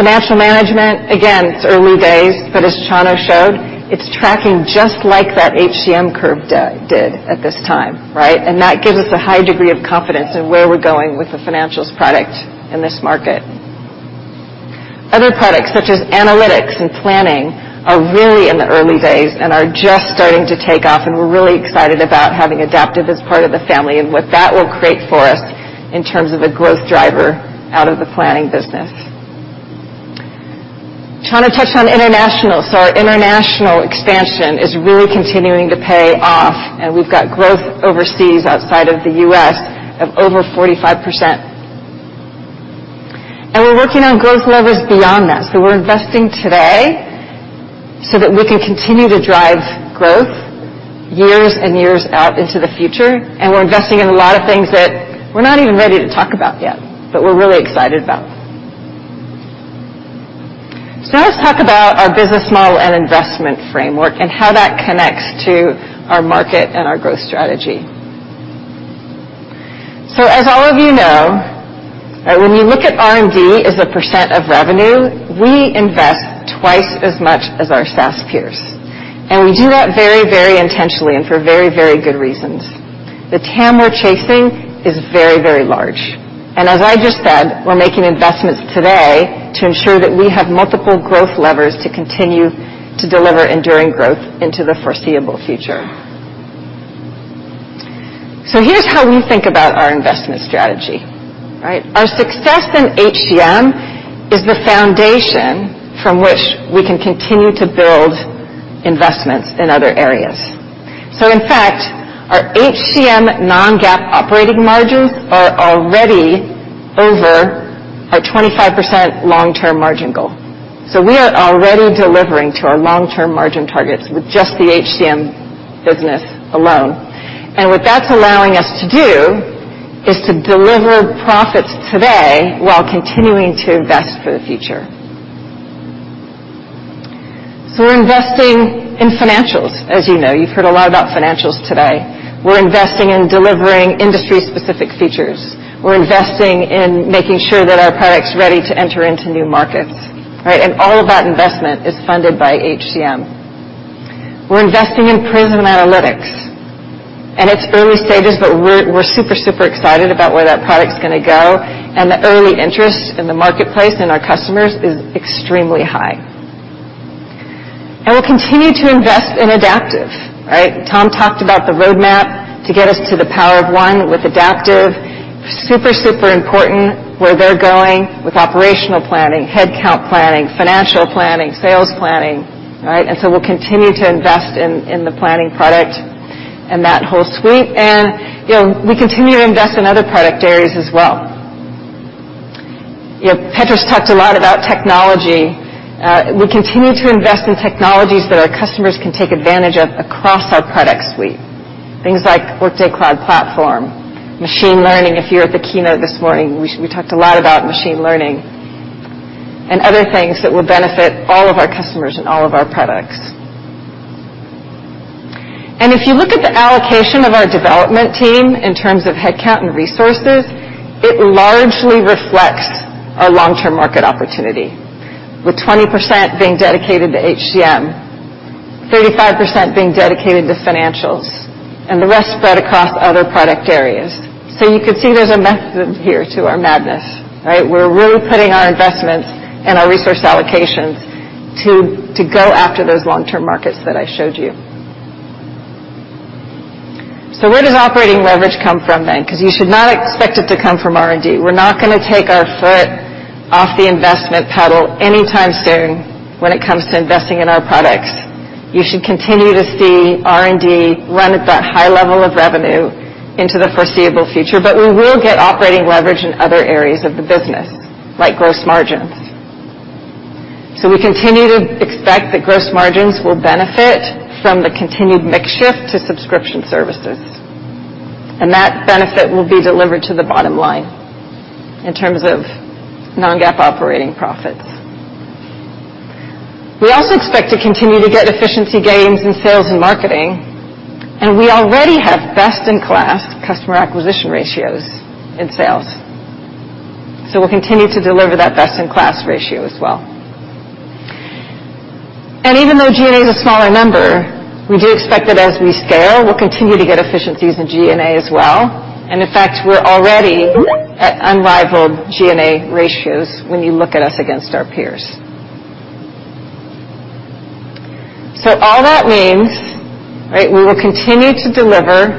Speaker 2: Financial Management, again, it's early days, but as Chano showed, it's tracking just like that HCM curve did at this time, right? That gives us a high degree of confidence in where we're going with the Financials product in this market. Other products, such as analytics and planning, are really in the early days and are just starting to take off, and we're really excited about having Adaptive as part of the family and what that will create for us in terms of a growth driver out of the planning business. Chano touched on international. Our international expansion is really continuing to pay off, and we've got growth overseas outside of the U.S. of over 45%. We're working on growth levers beyond that. We're investing today so that we can continue to drive growth years and years out into the future. We're investing in a lot of things that we're not even ready to talk about yet, but we're really excited about. Now let's talk about our business model and investment framework and how that connects to our market and our growth strategy. As all of you know, when you look at R&D as a % of revenue, we invest twice as much as our SaaS peers. We do that very, very intentionally and for very, very good reasons. The TAM we're chasing is very, very large. As I just said, we're making investments today to ensure that we have multiple growth levers to continue to deliver enduring growth into the foreseeable future. Here's how we think about our investment strategy, right? Our success in HCM is the foundation from which we can continue to build investments in other areas. In fact, our HCM non-GAAP operating margins are already over our 25% long-term margin goal. We are already delivering to our long-term margin targets with just the HCM business alone. What that's allowing us to do is to deliver profits today while continuing to invest for the future. We're investing in Financials. As you know, you've heard a lot about Financials today. We're investing in delivering industry-specific features. We're investing in making sure that our product's ready to enter into new markets, right? All of that investment is funded by HCM. We're investing in Prism Analytics, and it's early stages, but we're super excited about where that product's going to go, and the early interest in the marketplace and our customers is extremely high. We'll continue to invest in Adaptive, right? Tom talked about the roadmap to get us to the power of one with Adaptive. Super, super important where they're going with operational planning, headcount planning, financial planning, sales planning, right? We'll continue to invest in the planning product and that whole suite. We continue to invest in other product areas as well. Petros talked a lot about technology. We continue to invest in technologies that our customers can take advantage of across our product suite. Things like Workday Cloud Platform, machine learning. If you were at the keynote this morning, we talked a lot about machine learning and other things that will benefit all of our customers and all of our products. If you look at the allocation of our development team in terms of headcount and resources, it largely reflects our long-term market opportunity, with 20% being dedicated to HCM. 35% being dedicated to financials and the rest spread across other product areas. You can see there's a method here to our madness, right? We're really putting our investments and our resource allocations to go after those long-term markets that I showed you. Where does operating leverage come from then? You should not expect it to come from R&D. We're not going to take our foot off the investment pedal anytime soon when it comes to investing in our products. You should continue to see R&D run at that high level of revenue into the foreseeable future. We will get operating leverage in other areas of the business, like gross margins. We continue to expect that gross margins will benefit from the continued mix shift to subscription services, and that benefit will be delivered to the bottom line in terms of non-GAAP operating profits. We also expect to continue to get efficiency gains in sales and marketing, we already have best-in-class customer acquisition ratios in sales. We'll continue to deliver that best-in-class ratio as well. Even though G&A is a smaller number, we do expect that as we scale, we'll continue to get efficiencies in G&A as well. In fact, we're already at unrivaled G&A ratios when you look at us against our peers. All that means we will continue to deliver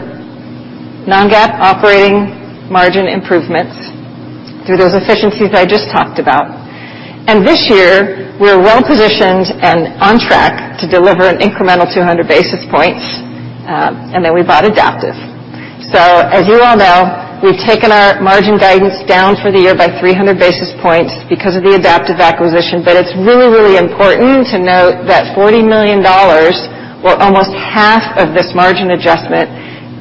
Speaker 2: non-GAAP operating margin improvements through those efficiencies I just talked about. This year, we're well-positioned and on track to deliver an incremental 200 basis points, then we bought Adaptive. As you all know, we've taken our margin guidance down for the year by 300 basis points because of the Adaptive acquisition. It's really, really important to note that $40 million, or almost half of this margin adjustment,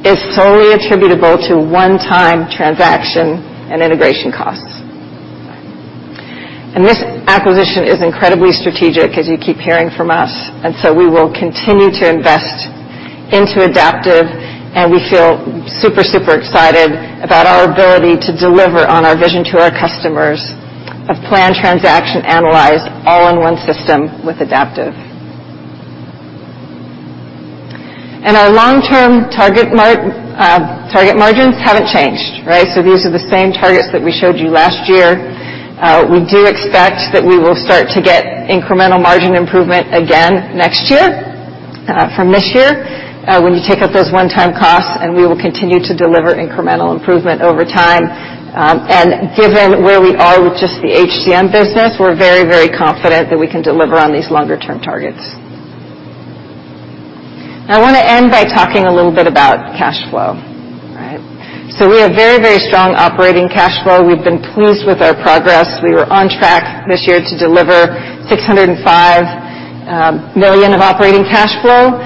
Speaker 2: is solely attributable to one-time transaction and integration costs. This acquisition is incredibly strategic as you keep hearing from us, we will continue to invest into Adaptive, we feel super excited about our ability to deliver on our vision to our customers of plan, transaction, analyze all in one system with Adaptive. Our long-term target margins haven't changed, right? These are the same targets that we showed you last year. We do expect that we will start to get incremental margin improvement again next year from this year when you take out those one-time costs, we will continue to deliver incremental improvement over time. Given where we are with just the HCM business, we're very, very confident that we can deliver on these longer-term targets. Now I want to end by talking a little bit about cash flow. All right? We have very, very strong operating cash flow. We've been pleased with our progress. We were on track this year to deliver $605 million of operating cash flow.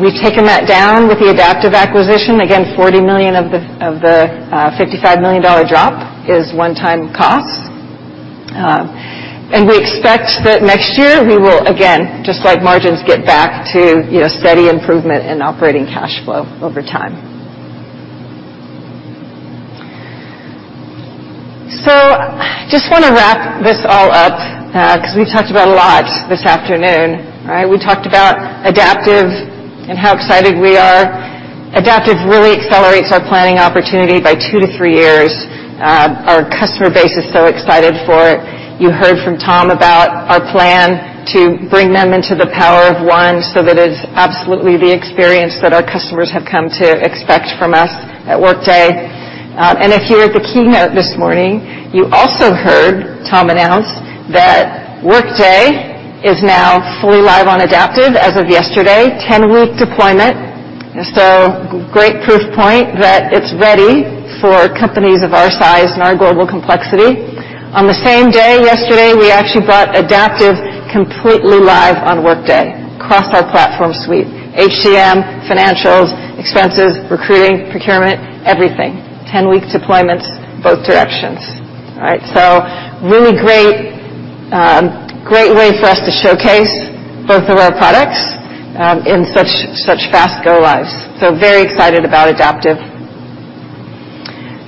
Speaker 2: We've taken that down with the Adaptive acquisition. Again, $40 million of the $55 million drop is one-time costs. We expect that next year we will again, just like margins, get back to steady improvement in operating cash flow over time. Just want to wrap this all up because we've talked about a lot this afternoon, right? We talked about Adaptive and how excited we are. Adaptive really accelerates our planning opportunity by two to three years. Our customer base is so excited for it. You heard from Tom about our plan to bring them into the power of one so that it is absolutely the experience that our customers have come to expect from us at Workday. If you were at the keynote this morning, you also heard Tom announce that Workday is now fully live on Adaptive as of yesterday, 10-week deployment. Great proof point that it's ready for companies of our size and our global complexity. On the same day yesterday, we actually brought Adaptive completely live on Workday across our platform suite, HCM, financials, expenses, recruiting, procurement, everything. 10-week deployments, both directions. All right. Really great way for us to showcase both of our products in such fast go-lives. Very excited about Adaptive.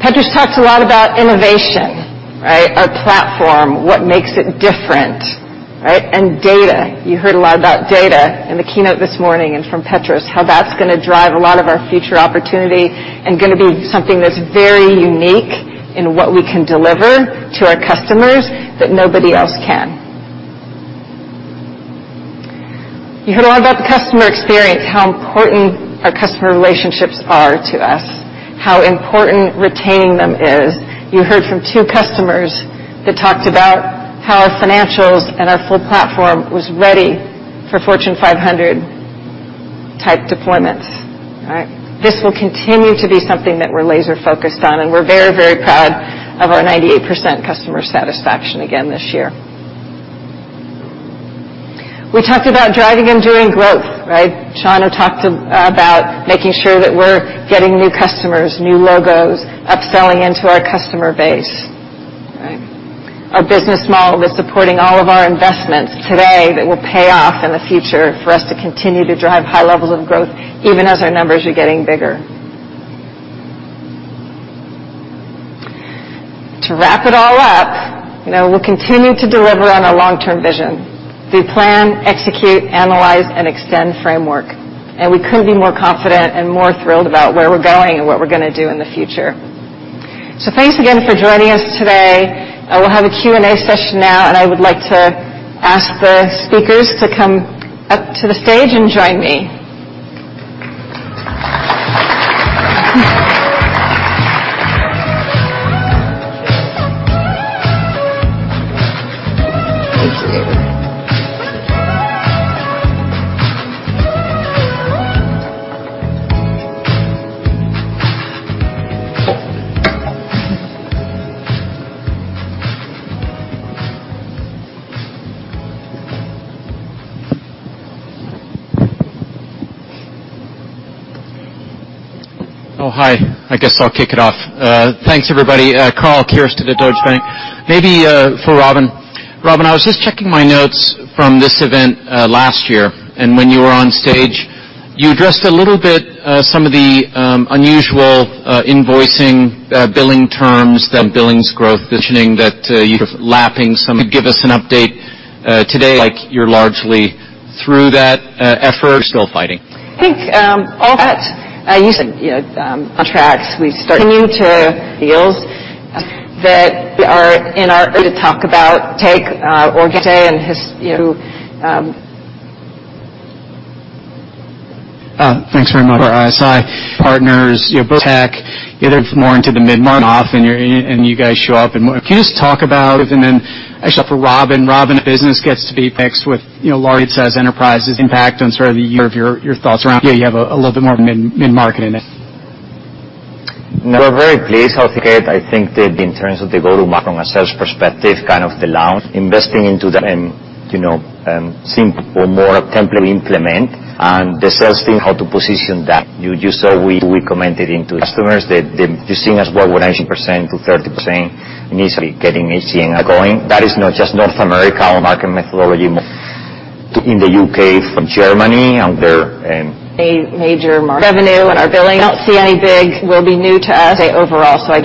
Speaker 2: Petros talked a lot about innovation, right? Our platform, what makes it different, right? Data. You heard a lot about data in the keynote this morning and from Petros, how that's going to drive a lot of our future opportunity and going to be something that's very unique in what we can deliver to our customers that nobody else can. You heard a lot about the customer experience, how important our customer relationships are to us, how important retaining them is. You heard from two customers that talked about how our financials and our full platform was ready for Fortune 500-type deployments. All right. This will continue to be something that we're laser-focused on, and we're very, very proud of our 98% customer satisfaction again this year. We talked about driving enduring growth, right? Chano talked about making sure that we're getting new customers, new logos, upselling into our customer base. Right. Our business model is supporting all of our investments today that will pay off in the future for us to continue to drive high levels of growth, even as our numbers are getting bigger. To wrap it all up, we'll continue to deliver on our long-term vision through plan, execute, analyze, and extend framework, and we couldn't be more confident and more thrilled about where we're going and what we're going to do in the future. Thanks again for joining us today. We'll have a Q&A session now, and I would like to ask the speakers to come up to the stage and join me.
Speaker 16: Oh, hi. I guess I'll kick it off. Thanks, everybody. Karl Keirstead to the Deutsche Bank. Maybe for Robynne. Robynne, I was just checking my notes from this event last year. When you were on stage, you addressed a little bit some of the unusual invoicing, billing terms, then billings growth positioning that you're lapping. Could give us an update today, like you're largely through that effort, still fighting?
Speaker 2: I think, all that you said, on track. [INAUDIBLE]
Speaker 16: Thanks very much. For ISI. Partners, [INAUDIBLE] tech, either more into the mid-market off and you guys show up and more. Can you just talk about, then actually for Robynne. Robynne, business gets to be mixed with large it says enterprises impact on sort of your thoughts around, you have a little bit more mid-market in it.
Speaker 15: We're very pleased how it came. I think that in terms of the go-to-market from a sales perspective, kind of the Workday Launch, investing into that and simple, more template we implement and the sales team, how to position that. You saw we commented into customers that you're seeing as well where 90%-30% initially getting HCM going. That is not just North America or market methodology. In the U.K., from Germany.
Speaker 2: A major market.
Speaker 16: Revenue and our billing.
Speaker 2: Don't see any big will be new to us overall.
Speaker 16: I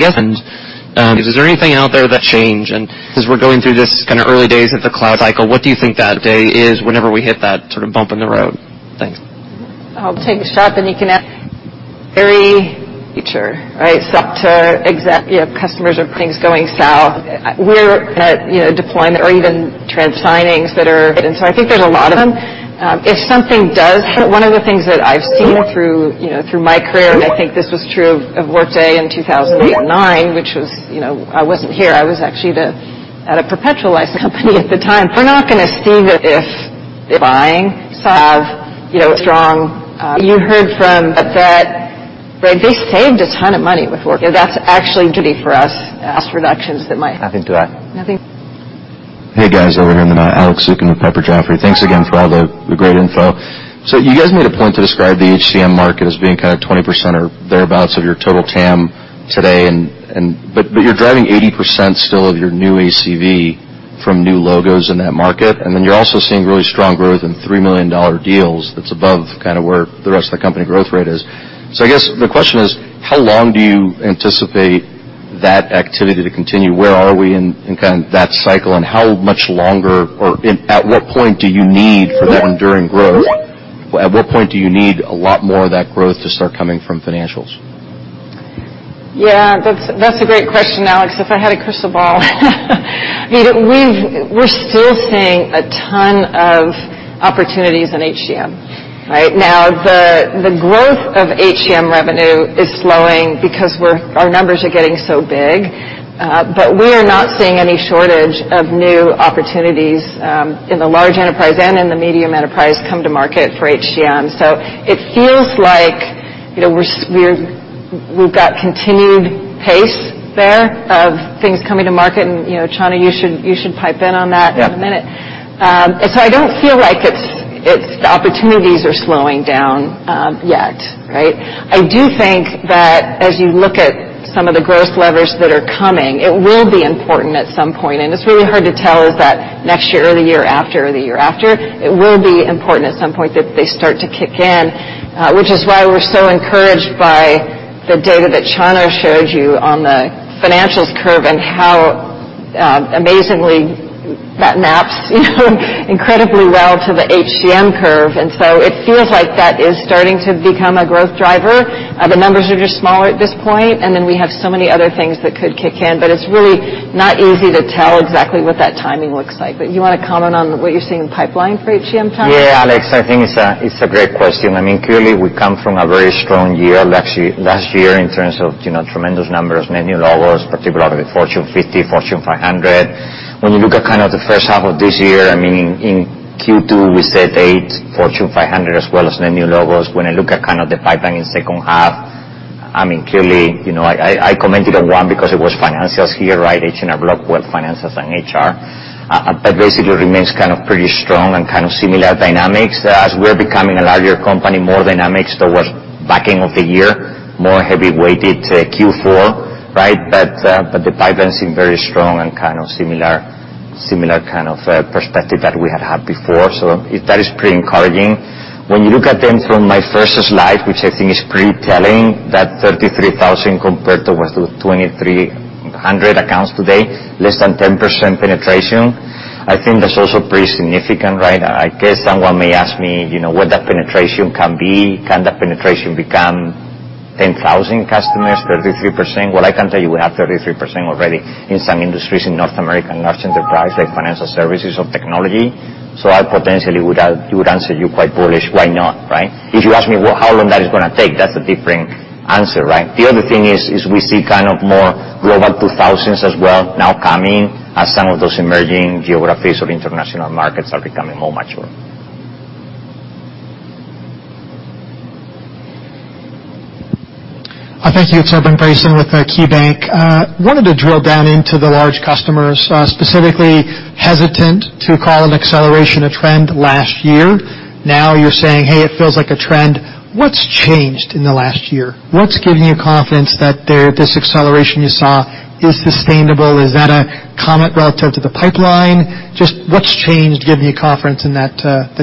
Speaker 16: guess, is there anything out there that change? As we're going through this kind of early days of the cloud cycle, what do you think that day is whenever we hit that sort of bump in the road? Thanks.
Speaker 2: I'll take a shot. Start to customers or things going south. We're at deployment or even trans signings. I think there's a lot of them. If something does, one of the things that I've seen through my career, and I think this was true of Workday in 2008 and '09, which was, I wasn't here. I was actually at a perpetual license company at the time. We're not going to see that if they're buying. They saved a ton of money with Workday. That's actually going to be for us, cost reductions.
Speaker 15: Nothing to add.
Speaker 2: Nothing.
Speaker 17: Hey, guys, over here on the aisle. Alex Zukin with Piper Jaffray. Thanks again for all the great info. You guys made a point to describe the HCM market as being kind of 20% or thereabouts of your total TAM today, you're driving 80% still of your new ACV from new logos in that market, and then you're also seeing really strong growth in $3 million deals that's above kind of where the rest of the company growth rate is. I guess the question is, how long do you anticipate that activity to continue? Where are we in kind of that cycle, and how much longer or at what point do you need for that enduring growth? At what point do you need a lot more of that growth to start coming from financials?
Speaker 2: Yeah, that's a great question, Alex. If I had a crystal ball. I mean, we're still seeing a ton of opportunities in HCM. Right now, the growth of HCM revenue is slowing because our numbers are getting so big. We are not seeing any shortage of new opportunities in the large enterprise and in the medium enterprise come to market for HCM. It feels like we've got continued pace there of things coming to market, and Chano, you should pipe in on that-
Speaker 15: Yeah
Speaker 2: in a minute. I don't feel like the opportunities are slowing down yet, right? I do think that as you look at some of the growth levers that are coming, it will be important at some point. It's really hard to tell if that next year or the year after or the year after. It will be important at some point that they start to kick in, which is why we're so encouraged by the data that Chano showed you on the financials curve and how amazingly that maps incredibly well to the HCM curve. It feels like that is starting to become a growth driver. The numbers are just smaller at this point, and then we have so many other things that could kick in. It's really not easy to tell exactly what that timing looks like. You want to comment on what you're seeing in the pipeline for HCM, Chano?
Speaker 15: Yeah, Alex, I think it's a great question. I mean, clearly, we come from a very strong year, last year in terms of tremendous numbers, many logos, particularly Fortune 50, Fortune 500. When you look at kind of the first half of this year, I mean, in Q2, we said 8 Fortune 500 as well as the new logos. When I look at kind of the pipeline in second half, I mean, clearly, I commented on one because it was financials here, right? H&R Block, Workday Financials, and HR. Basically remains kind of pretty strong and kind of similar dynamics. As we're becoming a larger company, more dynamics towards backing of the year, more heavy-weighted to Q4, right? The pipeline seem very strong and kind of similar kind of perspective that we had had before. That is pretty encouraging. When you look at them from my first slide, which I think is pretty telling, that 33,000 compared to what, 2,300 accounts today, less than 10% penetration. I think that's also pretty significant, right? I guess someone may ask me what that penetration can be. Can that penetration become 10,000 customers, 33%? What I can tell you, we have 33% already in some industries in North America and large enterprise, like financial services or technology. I potentially would answer you quite bullish. Why not, right? If you ask me how long that is going to take, that's a different answer, right? The other thing is, we see kind of more Global 2000s as well now coming as some of those emerging geographies or international markets are becoming more mature.
Speaker 18: Thank you. It's Evan Brayson with KeyBanc. Wanted to drill down into the large customers, specifically hesitant to call an acceleration a trend last year. Now you're saying, "Hey, it feels like a trend." What's changed in the last year? What's giving you confidence that this acceleration you saw is sustainable? Is that a comment relative to the pipeline? Just what's changed giving you confidence in the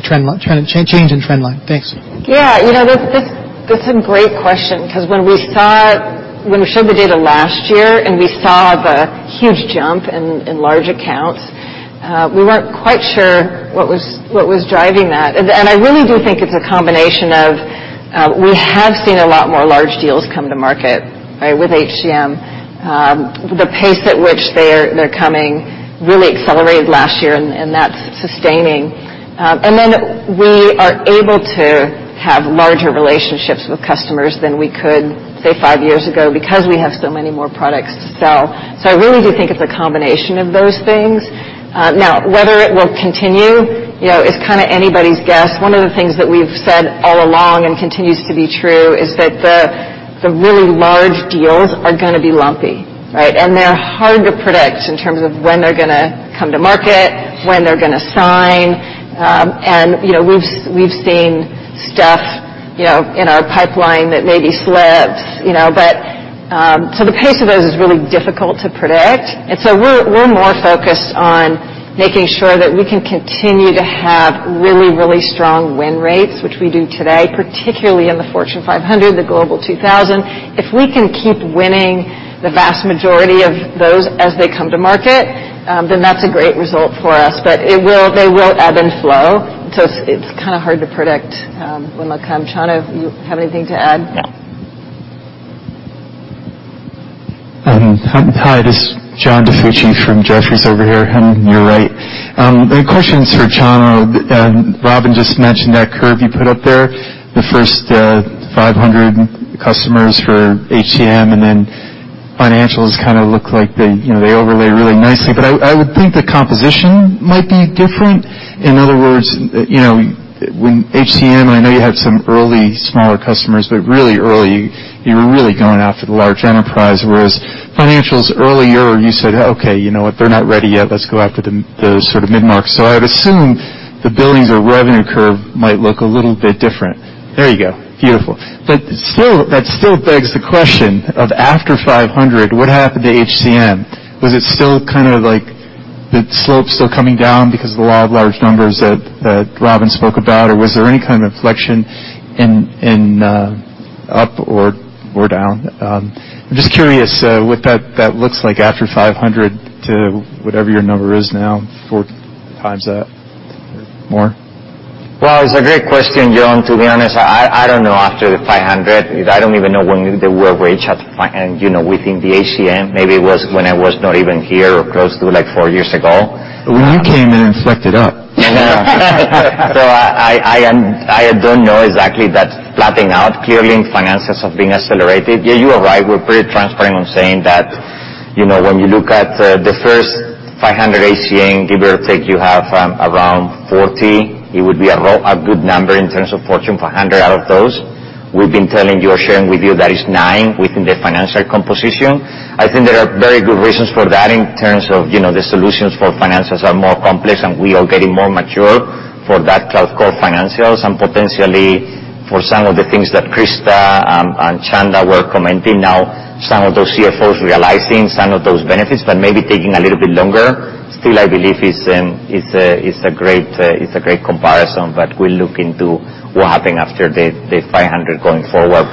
Speaker 18: change in trend line? Thanks.
Speaker 2: That's a great question because when we showed the data last year and we saw the huge jump in large accounts, we weren't quite sure what was driving that. I really do think it's a combination of, we have seen a lot more large deals come to market with HCM. The pace at which they're coming really accelerated last year, and that's sustaining. We are able to have larger relationships with customers than we could, say, five years ago because we have so many more products to sell. I really do think it's a combination of those things. Now, whether it will continue, is kind of anybody's guess. One of the things that we've said all along, and continues to be true, is that the really large deals are going to be lumpy, right? They're hard to predict in terms of when they're going to come to market, when they're going to sign. We've seen stuff in our pipeline that maybe slips. The pace of those is really difficult to predict, and we're more focused on making sure that we can continue to have really, really strong win rates, which we do today, particularly in the Fortune 500, the Global 2000. If we can keep winning the vast majority of those as they come to market, then that's a great result for us. They will ebb and flow, it's kind of hard to predict when they'll come. Chanda, you have anything to add?
Speaker 12: No.
Speaker 7: Hi, this is John DiFucci from Jefferies over here. You're right. The question is for Chano. Robynne just mentioned that curve you put up there, the first 500 customers for HCM and then financials kind of look like they overlay really nicely. I would think the composition might be different. In other words, when HCM, I know you have some early smaller customers, but really early, you were really going after the large enterprise. Whereas financials earlier, you said, "Okay, you know what? They're not ready yet. Let's go after the sort of mid-market." I would assume the billings or revenue curve might look a little bit different. There you go. Beautiful. That still begs the question of after 500, what happened to HCM? Was it still kind of like the slope still coming down because of the law of large numbers that Robynne spoke about? Was there any kind of inflection up or down? I'm just curious what that looks like after 500 to whatever your number is now, four times that or more.
Speaker 15: Well, it's a great question, John DiFucci. To be honest, I don't know after the 500. I don't even know when the world reached within the HCM. Maybe it was when I was not even here or close to like four years ago.
Speaker 7: When you came in, it inflected up.
Speaker 15: I don't know exactly that's flattening out. Clearly, in financials of being accelerated. Yeah, you are right. We're pretty transparent on saying that when you look at the first 500 HCM, give or take, you have around 40. It would be a good number in terms of Fortune 500 out of those. We've been telling you or sharing with you, that is nine within the financial composition. I think there are very good reasons for that in terms of the solutions for financials are more complex, and we are getting more mature for that cloud core financials. Potentially for some of the things that Christa Davies and Chanda Pepping were commenting now, some of those CFOs realizing some of those benefits, but maybe taking a little bit longer. Still, I believe it's a great comparison. We'll look into what happened after the 500 going forward.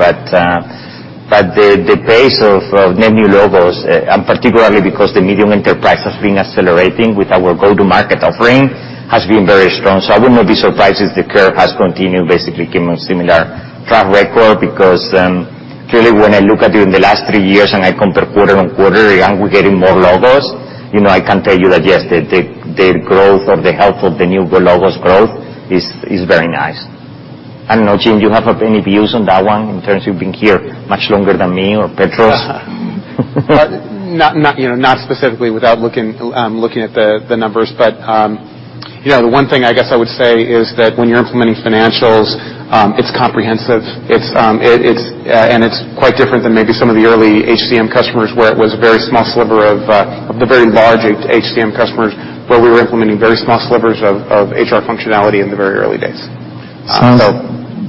Speaker 15: The pace of net new logos, and particularly because the medium enterprise has been accelerating with our go-to-market offering, has been very strong. I would not be surprised if the curve has continued, basically given a similar track record, because clearly, when I look at it in the last three years and I compare quarter-on-quarter, we're getting more logos. I can tell you that, yes, the growth or the health of the new logos growth is very nice. I don't know, Jim Bozzini, do you have any views on that one in terms of you being here much longer than me or Petros Dermetzis?
Speaker 14: Not specifically without looking at the numbers. The one thing I guess I would say is that when you're implementing financials, it's comprehensive. It's quite different than maybe some of the early HCM customers where it was a very small sliver of the very large HCM customers, where we were implementing very small slivers of HR functionality in the very early days.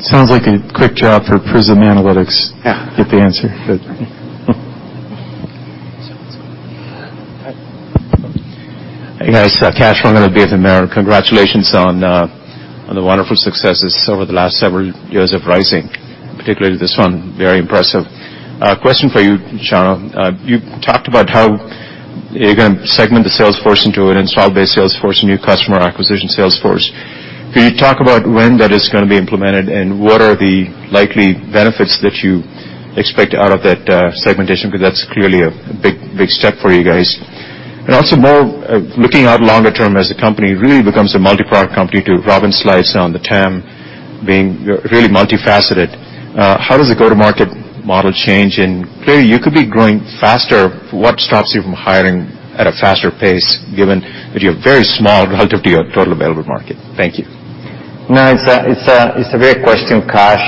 Speaker 7: Sounds like a quick job for Prism Analytics.
Speaker 14: Yeah.
Speaker 7: Get the answer. Good.
Speaker 19: Hey, guys. Kash Rangan of BofAmer. Congratulations on the wonderful successes over the last several years of rising, particularly this one. Very impressive. A question for you, Chano. You talked about how you're going to segment the sales force into an install-based sales force, a new customer acquisition sales force. Can you talk about when that is going to be implemented, what are the likely benefits that you expect out of that segmentation? That's clearly a big step for you guys. Also more, looking out longer term as the company really becomes a multi-product company to Robynne's slides on the TAM being really multifaceted. How does the go-to-market model change? Clearly, you could be growing faster. What stops you from hiring at a faster pace given that you're very small relative to your total available market? Thank you.
Speaker 15: No, it's a great question, Kash.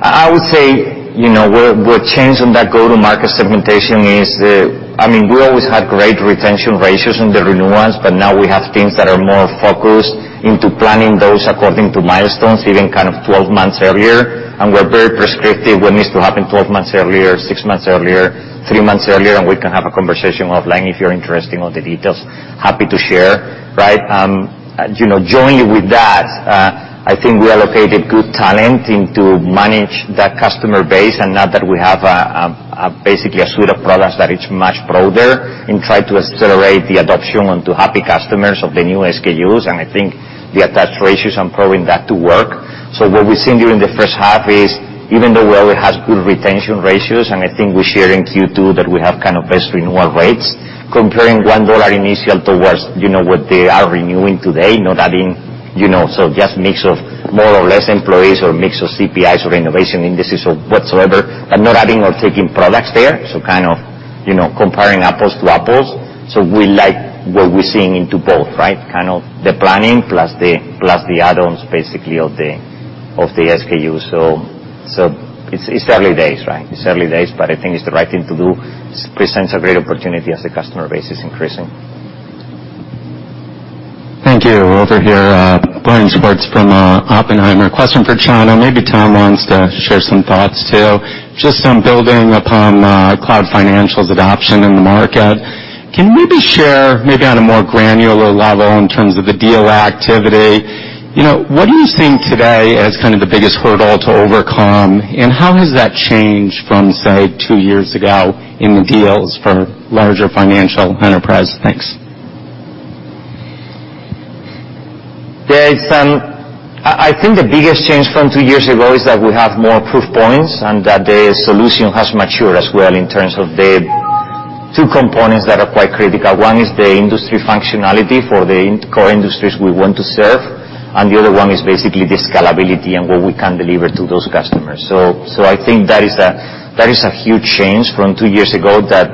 Speaker 15: I would say, what changed on that go-to-market segmentation is, we always had great retention ratios in the renewals. Now we have teams that are more focused into planning those according to milestones, even kind of 12 months earlier. We're very prescriptive what needs to happen 12 months earlier, six months earlier, three months earlier, and we can have a conversation offline if you're interested in all the details. Happy to share. Jointly with that, I think we allocated good talent into manage that customer base. Now that we have basically a suite of products that is much broader and try to accelerate the adoption onto happy customers of the new SKUs, I think the attach ratios are proving that to work. What we've seen during the first half is even though we always have good retention ratios, and I think we share in Q2 that we have best renewal rates. Comparing $1 initial towards what they are renewing today, not adding, just mix of more or less employees or mix of CPIs or renovation indices or whatsoever, not adding or taking products there. Kind of comparing apples to apples. We like what we're seeing into both, right? Kind of the planning plus the add-ons basically of the SKU. It's early days, right? It's early days. I think it's the right thing to do. Presents a great opportunity as the customer base is increasing.
Speaker 20: Thank you. Over here, Brian Schwartz from Oppenheimer. Question for Chano, maybe Tom wants to share some thoughts, too. Just on building upon cloud financials adoption in the market. Can you maybe share, maybe on a more granular level in terms of the deal activity, what are you seeing today as kind of the biggest hurdle to overcome, and how has that changed from, say, two years ago in the deals for larger financial enterprise? Thanks.
Speaker 15: I think the biggest change from two years ago is that we have more proof points, and that the solution has matured as well in terms of the two components that are quite critical. One is the industry functionality for the core industries we want to serve, and the other one is basically the scalability and what we can deliver to those customers. I think that is a huge change from two years ago that,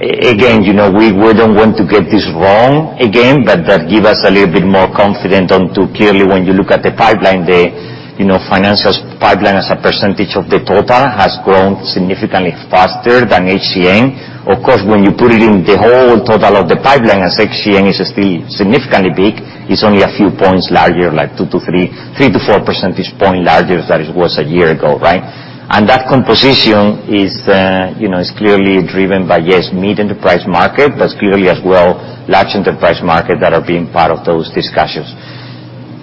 Speaker 15: again, we don't want to get this wrong again, that give us a little bit more confident onto clearly when you look at the financials pipeline as a percentage of the total has grown significantly faster than HCM. Of course, when you put it in the whole total of the pipeline as HCM is still significantly big, it's only a few points larger, like two to three to four percentage points larger than it was a year ago, right? That composition is clearly driven by, yes, mid-enterprise market, but clearly as well large enterprise market that are being part of those discussions.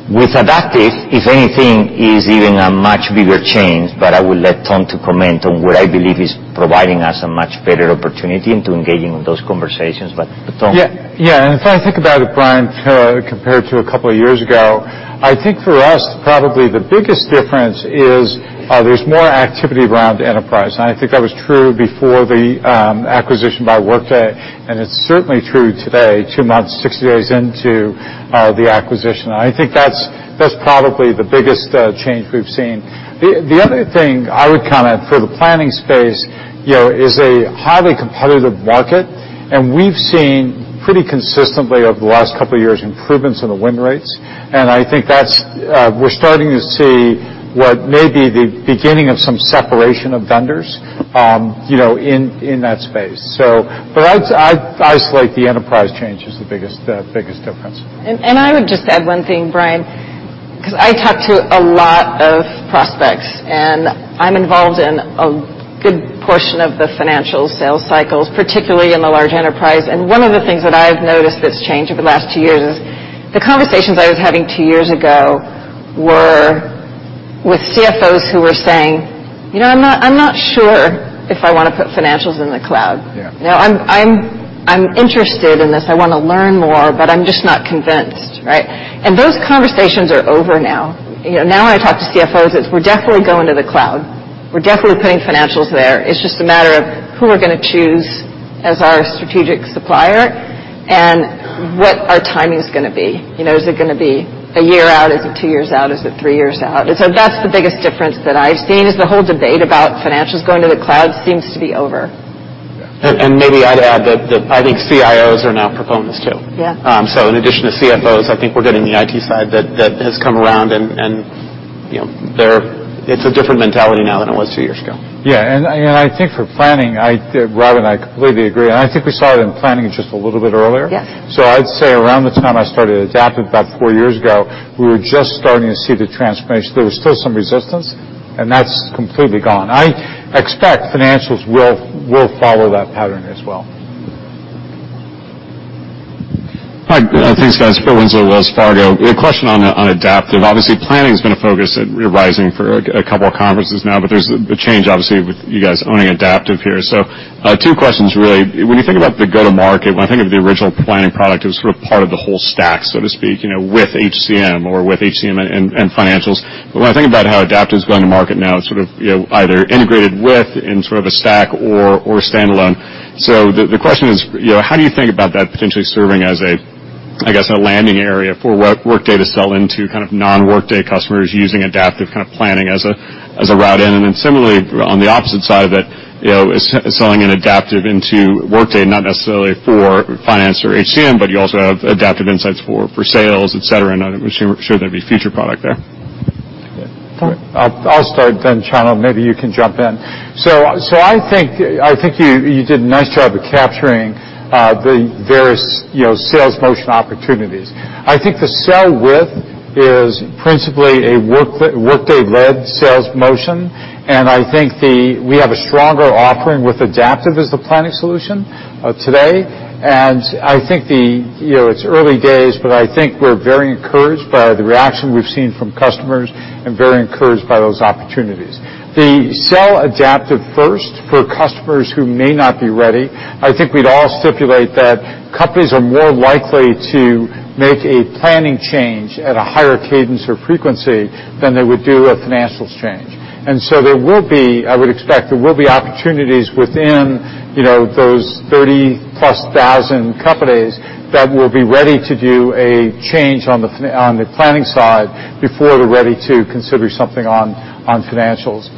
Speaker 15: With Adaptive, if anything, is even a much bigger change, but I will let Tom to comment on what I believe is providing us a much better opportunity into engaging with those conversations. Tom.
Speaker 3: Yeah. If I think about it, Brian, compared to a couple of years ago, I think for us, probably the biggest difference is there's more activity around enterprise. I think that was true before the acquisition by Workday, and it's certainly true today, two months, six days into the acquisition. I think that's probably the biggest change we've seen. The other thing I would comment for the planning space, is a highly competitive market, and we've seen pretty consistently over the last couple of years, improvements in the win rates. I think we're starting to see what may be the beginning of some separation of vendors in that space. I isolate the enterprise change as the biggest difference.
Speaker 2: I would just add one thing, Brian, because I talk to a lot of prospects, and I'm involved in a good portion of the financial sales cycles, particularly in the large enterprise. One of the things that I've noticed that's changed over the last two years is the conversations I was having two years ago were with CFOs who were saying, "I'm not sure if I want to put financials in the cloud.
Speaker 3: Yeah.
Speaker 2: I'm interested in this. I want to learn more, but I'm just not convinced." Right? Those conversations are over now. Now when I talk to CFOs, it's, "We're definitely going to the cloud. We're definitely putting financials there. It's just a matter of who we're going to choose as our strategic supplier, and what our timing's going to be. Is it going to be a year out? Is it two years out? Is it three years out?" That's the biggest difference that I've seen is the whole debate about financials going to the cloud seems to be over.
Speaker 15: maybe I'd add that I think CIOs are now proponents, too.
Speaker 2: Yeah. In addition to CFOs, I think we're getting the IT side that has come around, and it's a different mentality now than it was two years ago.
Speaker 3: I think for planning, Robynne, I completely agree. I think we saw it in planning just a little bit earlier.
Speaker 2: Yeah.
Speaker 3: I'd say around the time I started Adaptive, about four years ago, we were just starting to see the transformation. There was still some resistance, and that's completely gone. I expect financials will follow that pattern as well.
Speaker 21: Hi. Thanks, guys. Philip Winslow, Wells Fargo. A question on Adaptive. Obviously, planning has been a focus at Workday Rising for a couple of conferences now, but there's a change, obviously, with you guys owning Adaptive here. Two questions, really. When you think about the go-to-market, when I think of the original planning product, it was sort of part of the whole stack, so to speak, with HCM or with HCM and Financials. When I think about how Adaptive is going to market now, it's either integrated with in a stack or standalone. The question is, how do you think about that potentially serving as a landing area for Workday to sell into non-Workday customers using Adaptive planning as a route in? Similarly, on the opposite side of it, selling an Adaptive into Workday, not necessarily for Finance or HCM, you also have Adaptive Insights for sales, et cetera, and I'm sure there'd be future product there.
Speaker 3: I'll start then, Chano. Maybe you can jump in. I think you did a nice job of capturing the various sales motion opportunities. I think the sell with is principally a Workday-led sales motion, and I think we have a stronger offering with Adaptive as the planning solution today. It's early days, but I think we're very encouraged by the reaction we've seen from customers and very encouraged by those opportunities. The sell Adaptive first for customers who may not be ready, I think we'd all stipulate that companies are more likely to make a planning change at a higher cadence or frequency than they would do a financials change. There will be, I would expect, there will be opportunities within those 30,000-plus companies that will be ready to do a change on the planning side before they're ready to consider something on financials.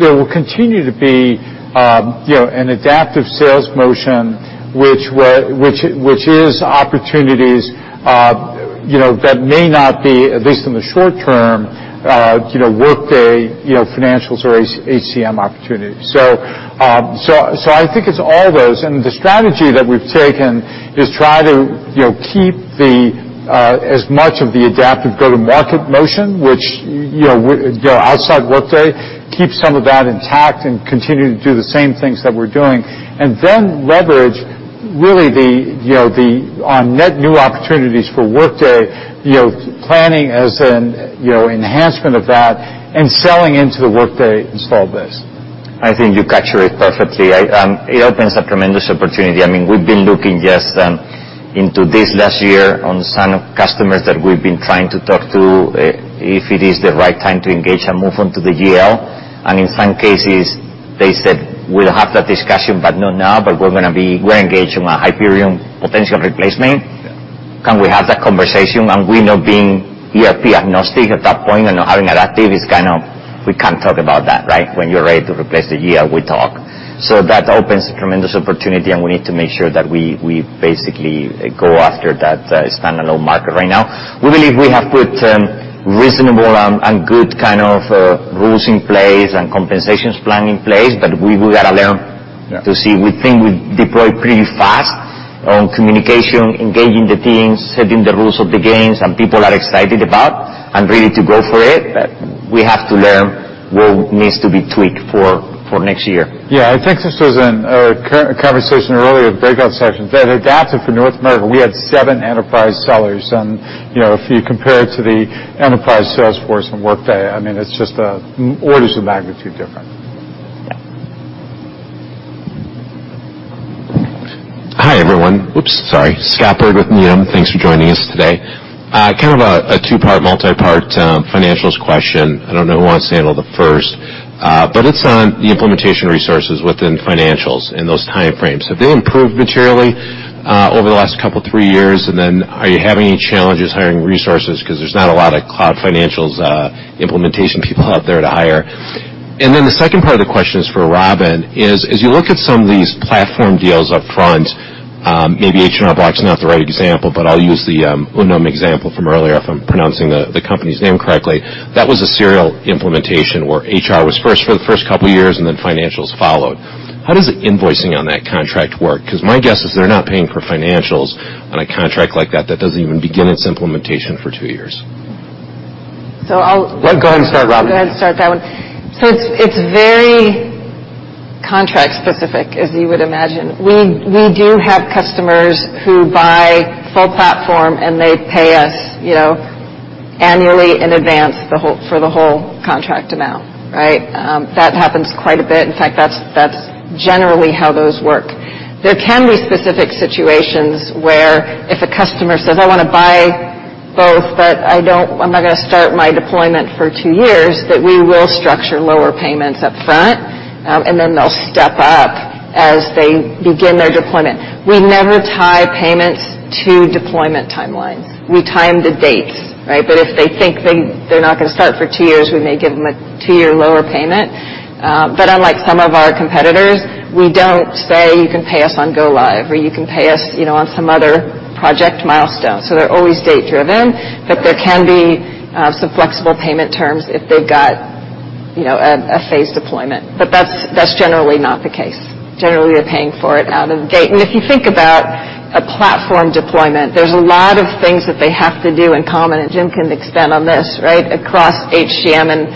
Speaker 3: There will continue to be an Adaptive sales motion, which is opportunities that may not be, at least in the short term, Workday Financials or HCM opportunities. I think it's all those, and the strategy that we've taken is try to keep as much of the Adaptive go-to-market motion, which outside Workday, keep some of that intact and continue to do the same things that we're doing. Leverage really the net new opportunities for Workday, planning as an enhancement of that, and selling into the Workday installed base.
Speaker 15: I think you capture it perfectly. It opens a tremendous opportunity. We've been looking just into this last year on sign-up customers that we've been trying to talk to, if it is the right time to engage and move on to the GL. In some cases, they said, "We'll have that discussion, but not now, but we're engaged in a Hyperion potential replacement. Can we have that conversation?" We know being ERP-agnostic at that point and not having Adaptive is kind of, we can't talk about that. When you're ready to replace the GL, we talk. That opens a tremendous opportunity, and we need to make sure that we basically go after that standalone market right now. We believe we have put reasonable and good rules in place and compensations plan in place, but we got to learn to see. We think we deploy pretty fast on communication, engaging the teams, setting the rules of the games, and people are excited about and ready to go for it. We have to learn what needs to be tweaked for next year.
Speaker 3: Yeah. I think this was in a conversation earlier, breakout sessions, that Adaptive for North America, we had seven enterprise sellers. If you compare it to the enterprise sales force from Workday, it's just orders of magnitude different.
Speaker 21: Yeah.
Speaker 22: Hi, everyone. Oops, sorry. Scott Berg with Needham. Thanks for joining us today. Kind of a two-part, multi-part financials question. I don't know who wants to handle the first. It's on the implementation resources within financials and those time frames. Have they improved materially over the last couple, three years? Are you having any challenges hiring resources? Because there's not a lot of cloud financials implementation people out there to hire. The second part of the question is for Robynne, is as you look at some of these platform deals up front, maybe H&R Block's not the right example, but I'll use the Unum example from earlier if I'm pronouncing the company's name correctly. That was a serial implementation where HR was first for the first couple of years, and then financials followed. How does the invoicing on that contract work? My guess is they're not paying for financials on a contract like that doesn't even begin its implementation for two years.
Speaker 2: So I'll-
Speaker 3: Go ahead and start, Robynne.
Speaker 2: go ahead and start that one. It's very contract specific, as you would imagine. We do have customers who buy full platform, and they pay us annually in advance for the whole contract amount. That happens quite a bit. In fact, that's generally how those work. There can be specific situations where if a customer says, "I want to buy both, but I'm not going to start my deployment for two years," that we will structure lower payments up front, and then they'll step up as they begin their deployment. We never tie payments to deployment timelines. We time the dates. If they think they're not going to start for two years, we may give them a two-year lower payment. Unlike some of our competitors, we don't say you can pay us on go live, or you can pay us on some other project milestone. They're always date driven, but there can be some flexible payment terms if they've got you know, a phased deployment. That's generally not the case. Generally, they're paying for it out of the gate. If you think about a platform deployment, there's a lot of things that they have to do in common, and Jim can extend on this, right? Across HCM and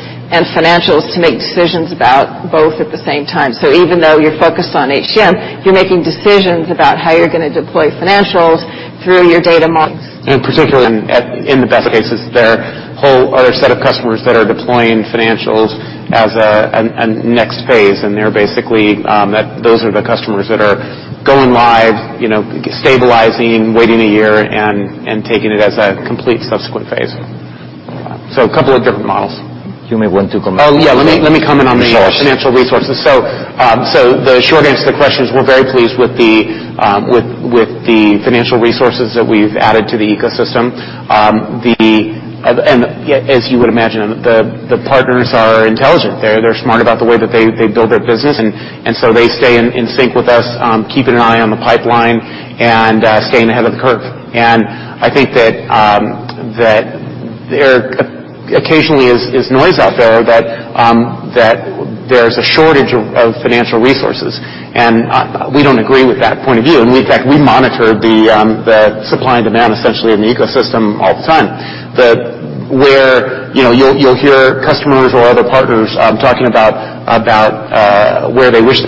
Speaker 2: Financials to make decisions about both at the same time. Even though you're focused on HCM, you're making decisions about how you're going to deploy Financials through your data modeling.
Speaker 14: Particularly in the best cases, there are whole other set of customers that are deploying Financials as a next phase. They're basically, those are the customers that are going live, stabilizing, waiting a year, and taking it as a complete subsequent phase. A couple of different models.
Speaker 15: You may want to comment on.
Speaker 14: Oh, yeah. Let me comment on the.
Speaker 15: resources
Speaker 14: financial resources. The short answer to the question is we're very pleased with the financial resources that we've added to the ecosystem. As you would imagine, the partners are intelligent. They're smart about the way that they build their business, they stay in sync with us, keeping an eye on the pipeline and staying ahead of the curve. I think that there occasionally is noise out there that there's a shortage of financial resources. We don't agree with that point of view. In fact, we monitor the supply and demand essentially in the ecosystem all the time. Where you'll hear customers or other partners talking about where they wish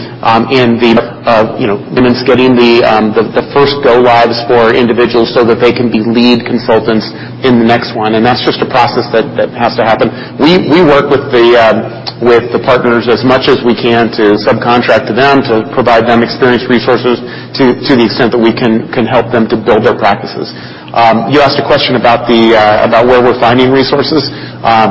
Speaker 14: getting the first go lives for individuals so that they can be lead consultants in the next one, and that's just a process that has to happen. We work with the partners as much as we can to subcontract to them, to provide them experienced resources to the extent that we can help them to build their practices. You asked a question about where we're finding resources,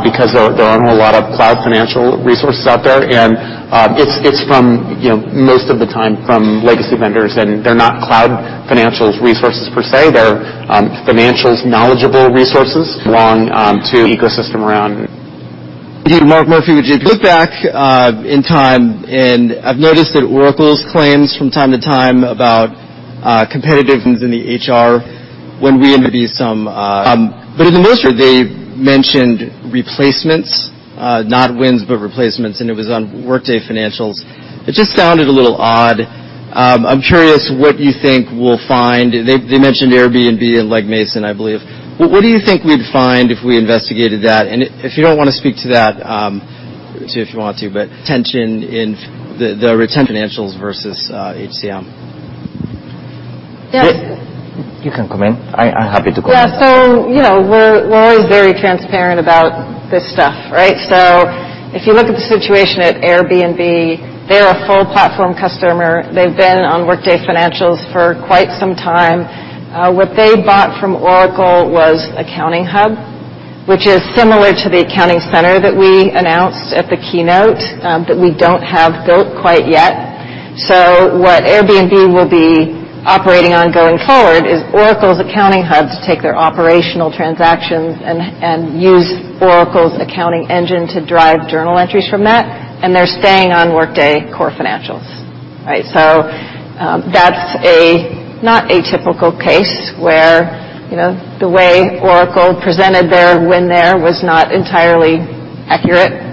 Speaker 14: because there aren't a whole lot of cloud financial resources out there. It's from, most of the time, from legacy vendors, and they're not cloud financials resources per se. They're financials knowledgeable resources.
Speaker 23: Mark Murphy with JP. Look back in time, I've noticed that Oracle's claims from time to time about competitive wins in the HR. In the most part, they've mentioned replacements, not wins, but replacements, and it was on Workday Financials. It just sounded a little odd. I'm curious what you think we'll find. They mentioned Airbnb and Legg Mason, I believe. What do you think we'd find if we investigated that? If you don't want to speak to that, to if you want to, but retention in the financials versus HCM.
Speaker 2: Yes.
Speaker 15: You can comment. I'm happy to comment.
Speaker 2: We're always very transparent about this stuff, right? If you look at the situation at Airbnb, they're a full platform customer. They've been on Workday Financials for quite some time. What they bought from Oracle was Accounting Hub, which is similar to the Workday Accounting Center that we announced at the keynote, that we don't have built quite yet. What Airbnb will be operating on going forward is Oracle's Accounting Hub to take their operational transactions and use Oracle's accounting engine to drive journal entries from that, and they're staying on Workday core financials. Right. That's not a typical case where the way Oracle presented their win there was not entirely accurate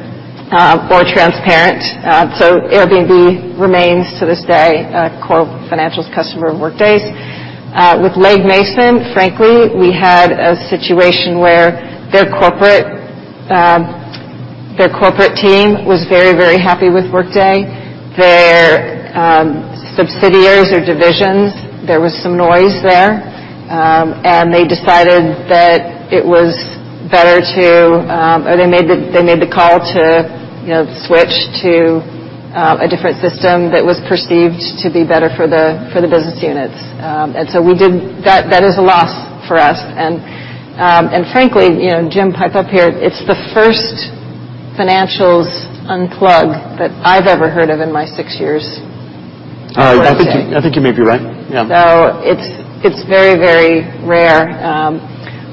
Speaker 2: or transparent. Airbnb remains to this day a core financials customer of Workday's. With Legg Mason, frankly, we had a situation where their corporate team was very, very happy with Workday. Their subsidiaries or divisions, there was some noise there. They decided that it was better, or they made the call to switch to a different system that was perceived to be better for the business units. That is a loss for us. Frankly, Jim, pipe up here, it's the first financials unplug that I've ever heard of in my six years at Workday.
Speaker 14: I think you may be right. Yeah.
Speaker 2: It's very, very rare.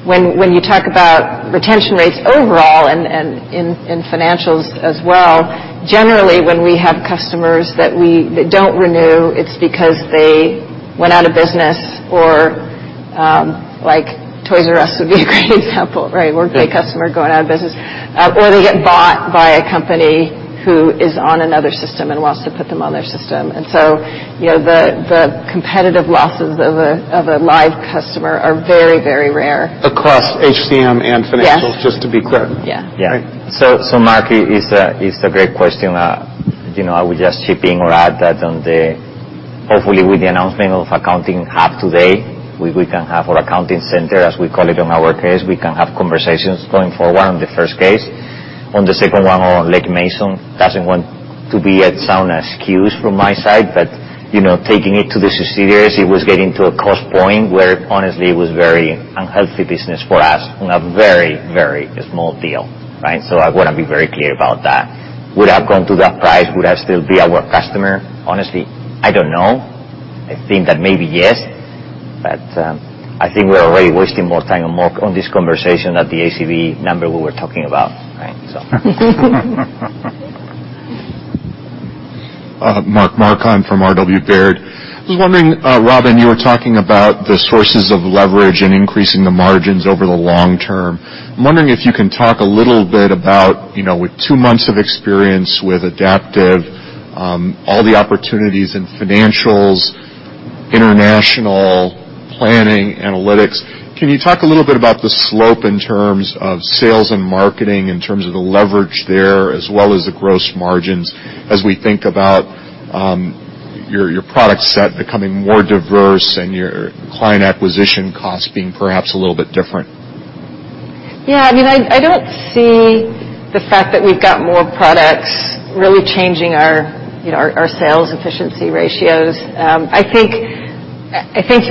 Speaker 2: When you talk about retention rates overall and in financials as well, generally, when we have customers that don't renew, it's because they went out of business or like Toys"R"Us would be a great example, right? Workday customer going out of business. They get bought by a company who is on another system and wants to put them on their system. The competitive losses of a live customer are very, very rare.
Speaker 14: Across HCM and Financials-
Speaker 2: Yes
Speaker 14: just to be clear.
Speaker 2: Yeah.
Speaker 15: Mark, it's a great question. I would just chip in or add that. Hopefully, with the announcement of Accounting Hub today, we can have our Accounting Center, as we call it on our case. We can have conversations going forward on the first case. On the second one on Legg Mason, doesn't want to be, it sound excuse from my side, but taking it to the subsidiaries, it was getting to a cost point where honestly, it was very unhealthy business for us on a very, very small deal, right? I want to be very clear about that. Would I have gone to that price? Would I still be our customer? Honestly, I don't know. I think that maybe yes, but I think we're already wasting more time on more on this conversation at the ACV number we were talking about, right?
Speaker 24: Mark Marcon from R.W. Baird. I was wondering, Robynne, you were talking about the sources of leverage and increasing the margins over the long term. I'm wondering if you can talk a little bit about, with two months of experience with Adaptive, all the opportunities in Financials, international planning, analytics. Can you talk a little bit about the slope in terms of sales and marketing, in terms of the leverage there, as well as the gross margins, as we think about your product set becoming more diverse and your client acquisition cost being perhaps a little bit different?
Speaker 2: Yeah. I don't see the fact that we've got more products really changing our sales efficiency ratios. I think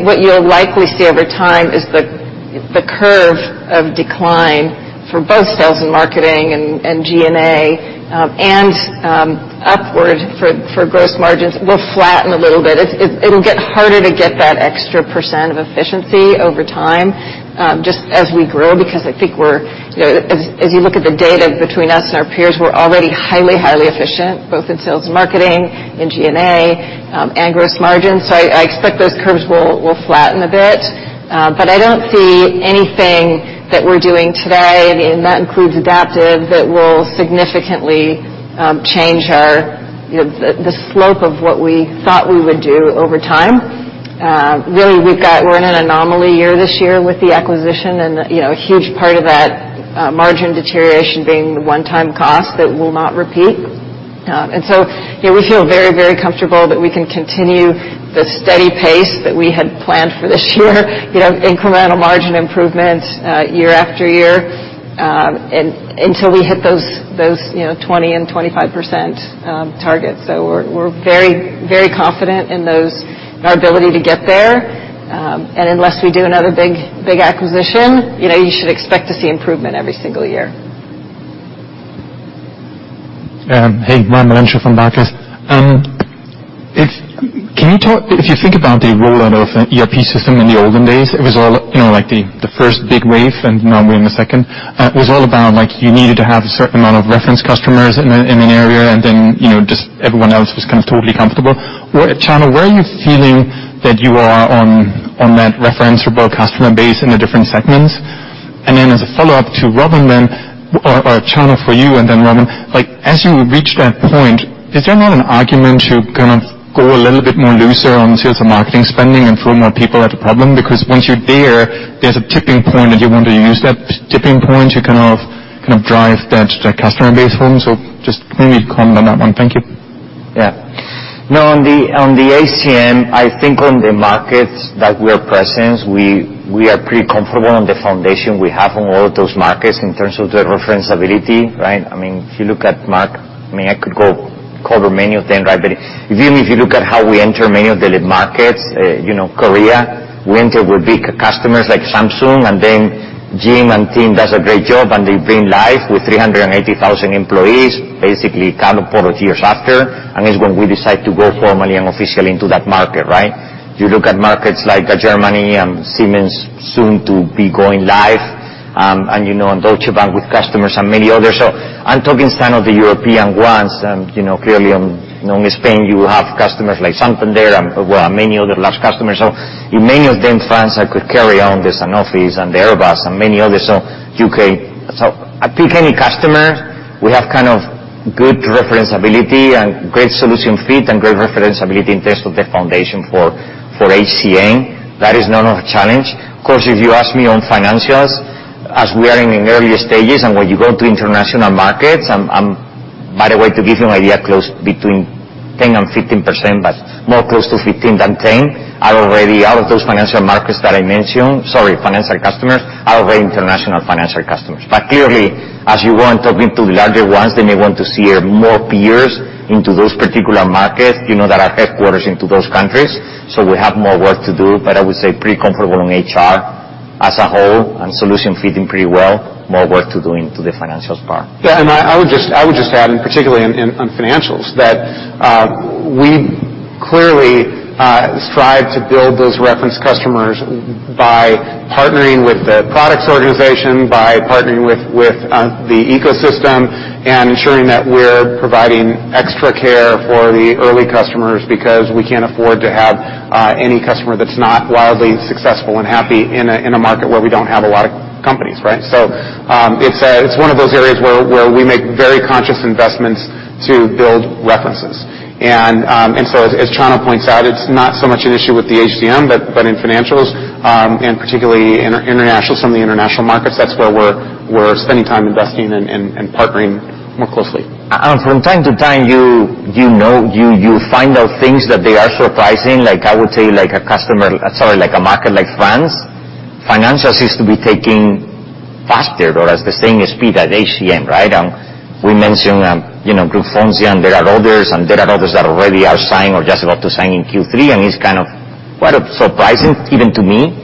Speaker 2: what you'll likely see over time is the curve of decline for both sales and marketing and G&A, and upward for gross margins will flatten a little bit. It'll get harder to get that extra % of efficiency over time, just as we grow, because I think as you look at the data between us and our peers, we're already highly efficient, both in sales and marketing, in G&A, and gross margins. I expect those curves will flatten a bit. I don't see anything that we're doing today, and that includes Adaptive, that will significantly change the slope of what we thought we would do over time. Really, we're in an anomaly year this year with the acquisition and a huge part of that margin deterioration being one-time cost that will not repeat. We feel very, very comfortable that we can continue the steady pace that we had planned for this year incremental margin improvement year after year until we hit those 20% and 25% targets. We're very, very confident in our ability to get there. Unless we do another big acquisition, you should expect to see improvement every single year.
Speaker 8: Hey. Raimo Lenschow from Barclays. If you think about the rollout of an ERP system in the olden days, it was all like the first big wave, and now we're in the second. It was all about you needed to have a certain amount of reference customers in an area, and then just everyone else was kind of totally comfortable. Chano, where are you feeling that you are on that reference for both customer base in the different segments? As a follow-up to Robynne then, or Chano for you and then Robynne, as you reach that point, is there not an argument to kind of go a little bit more looser on sales and marketing spending and throw more people at the problem? Once you're there's a tipping point, and you want to use that tipping point to drive that customer base home. Just maybe comment on that one. Thank you.
Speaker 15: On the HCM, I think on the markets that we are present, we are pretty comfortable on the foundation we have on all those markets in terms of the reference ability, right? If you look at markets, I could go cover many of them. But even if you look at how we enter many of the markets, Korea, we enter with big customers like Samsung, and then Jim and team does a great job, and they've been live with 380,000 employees, basically a couple of years after. And it's when we decide to go formally and officially into that market, right? You look at markets like Germany and Siemens soon to be going live, and Deutsche Bank with customers and many others. I'm talking some of the European ones, and clearly on Spain, you have customers like Santander and many other large customers. In many of them, France, I could carry on, there's Sanofi and Airbus and many others. U.K. I pick any customer, we have good reference ability and great solution fit and great reference ability in terms of the foundation for HCM. That is not a challenge. Of course, if you ask me on financials, as we are in the earlier stages, and when you go to international markets, by the way, to give you an idea, close between 10% and 15%, but more close to 15% than 10%, are already out of those financial markets that I mentioned. Sorry, financial customers, are very international financial customers. But clearly, as you go on talking to the larger ones, they may want to see more peers into those particular markets that are headquarters into those countries. We have more work to do, but I would say pretty comfortable on HR as a whole, and solution fitting pretty well. More work to do into the financials part.
Speaker 14: I would just add, particularly on financials, that we clearly strive to build those reference customers by partnering with the products organization, by partnering with the ecosystem, and ensuring that we're providing extra care for the early customers because we can't afford to have any customer that's not wildly successful and happy in a market where we don't have a lot of companies, right? It's one of those areas where we make very conscious investments to build references. As Chano points out, it's not so much an issue with the HCM, but in financials, and particularly some of the international markets. That's where we're spending time investing and partnering more closely.
Speaker 15: From time to time, you find out things that they are surprising. I would say a market like France, Financials seems to be taking faster or at the same speed as HCM, right? We mentioned Groupe Foncia, and there are others, and there are others that already are signed or just about to sign in Q3, and it's quite surprising even to me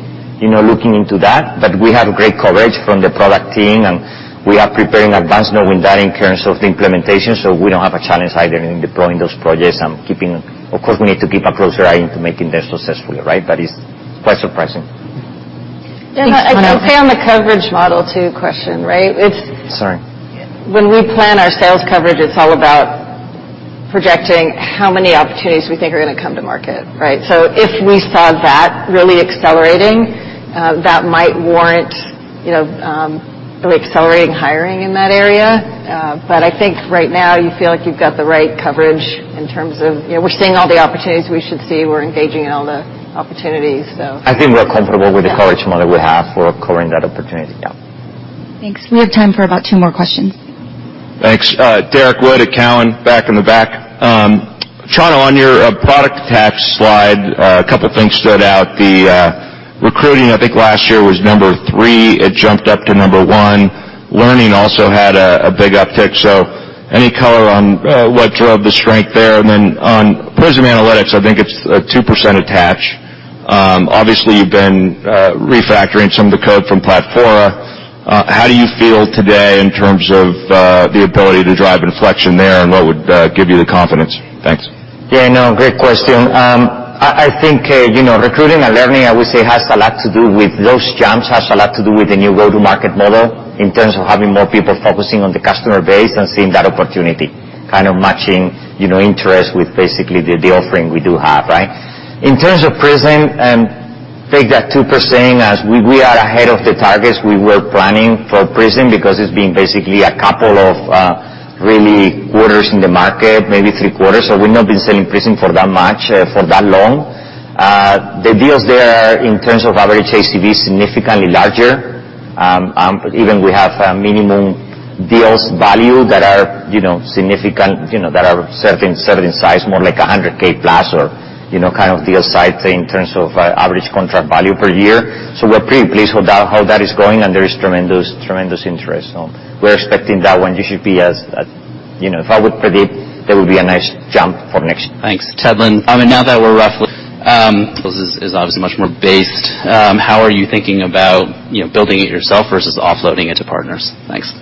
Speaker 15: looking into that. We have great coverage from the product team, and we are preparing advance now in that in terms of the implementation, so we don't have a challenge either in deploying those projects and keeping. Of course, we need to keep a closer eye into making them successfully, right? It's quite surprising.
Speaker 2: Yeah. I'd say on the coverage model too question, right?
Speaker 15: Sorry.
Speaker 2: When we plan our sales coverage, it's all about projecting how many opportunities we think are gonna come to market, right? If we saw that really accelerating, that might warrant really accelerating hiring in that area. I think right now you feel like you've got the right coverage in terms of, we're seeing all the opportunities we should see. We're engaging in all the opportunities.
Speaker 15: I think we're comfortable with the coverage model we have for covering that opportunity. Yeah.
Speaker 1: Thanks. We have time for about two more questions.
Speaker 25: Thanks. Derrick Wood at Cowen, back in the back. Chano, on your product attach slide, a couple of things stood out. The recruiting, I think last year was number 3. It jumped up to number 1. Learning also had a big uptick. Any color on what drove the strength there? On Workday Prism Analytics, I think it's a 2% attach. Obviously you've been refactoring some of the code from Platfora. How do you feel today in terms of the ability to drive inflection there, and what would give you the confidence? Thanks.
Speaker 15: Yeah, no, great question. I think recruiting and learning, I would say, has a lot to do with those jumps. Has a lot to do with the new go-to-market model in terms of having more people focusing on the customer base and seeing that opportunity, kind of matching interest with basically the offering we do have, right? In terms of Workday Prism Analytics, take that 2% as we are ahead of the targets we were planning for Workday Prism Analytics because it's been basically a couple of really quarters in the market, maybe three quarters. We've not been selling Workday Prism Analytics for that much for that long. The deals there are, in terms of average ACV, significantly larger. Even we have minimum deals value that are significant, that are certain size, more like $100K plus or, kind of deal size in terms of average contract value per year. We're pretty pleased with how that is going, and there is tremendous interest. We're expecting that one. You should be as, if I would predict, there will be a nice jump for next year.
Speaker 26: Thanks. Ted Lin. I mean, now that we're roughly, is obviously much more based, how are you thinking about building it yourself versus offloading it to partners? Thanks.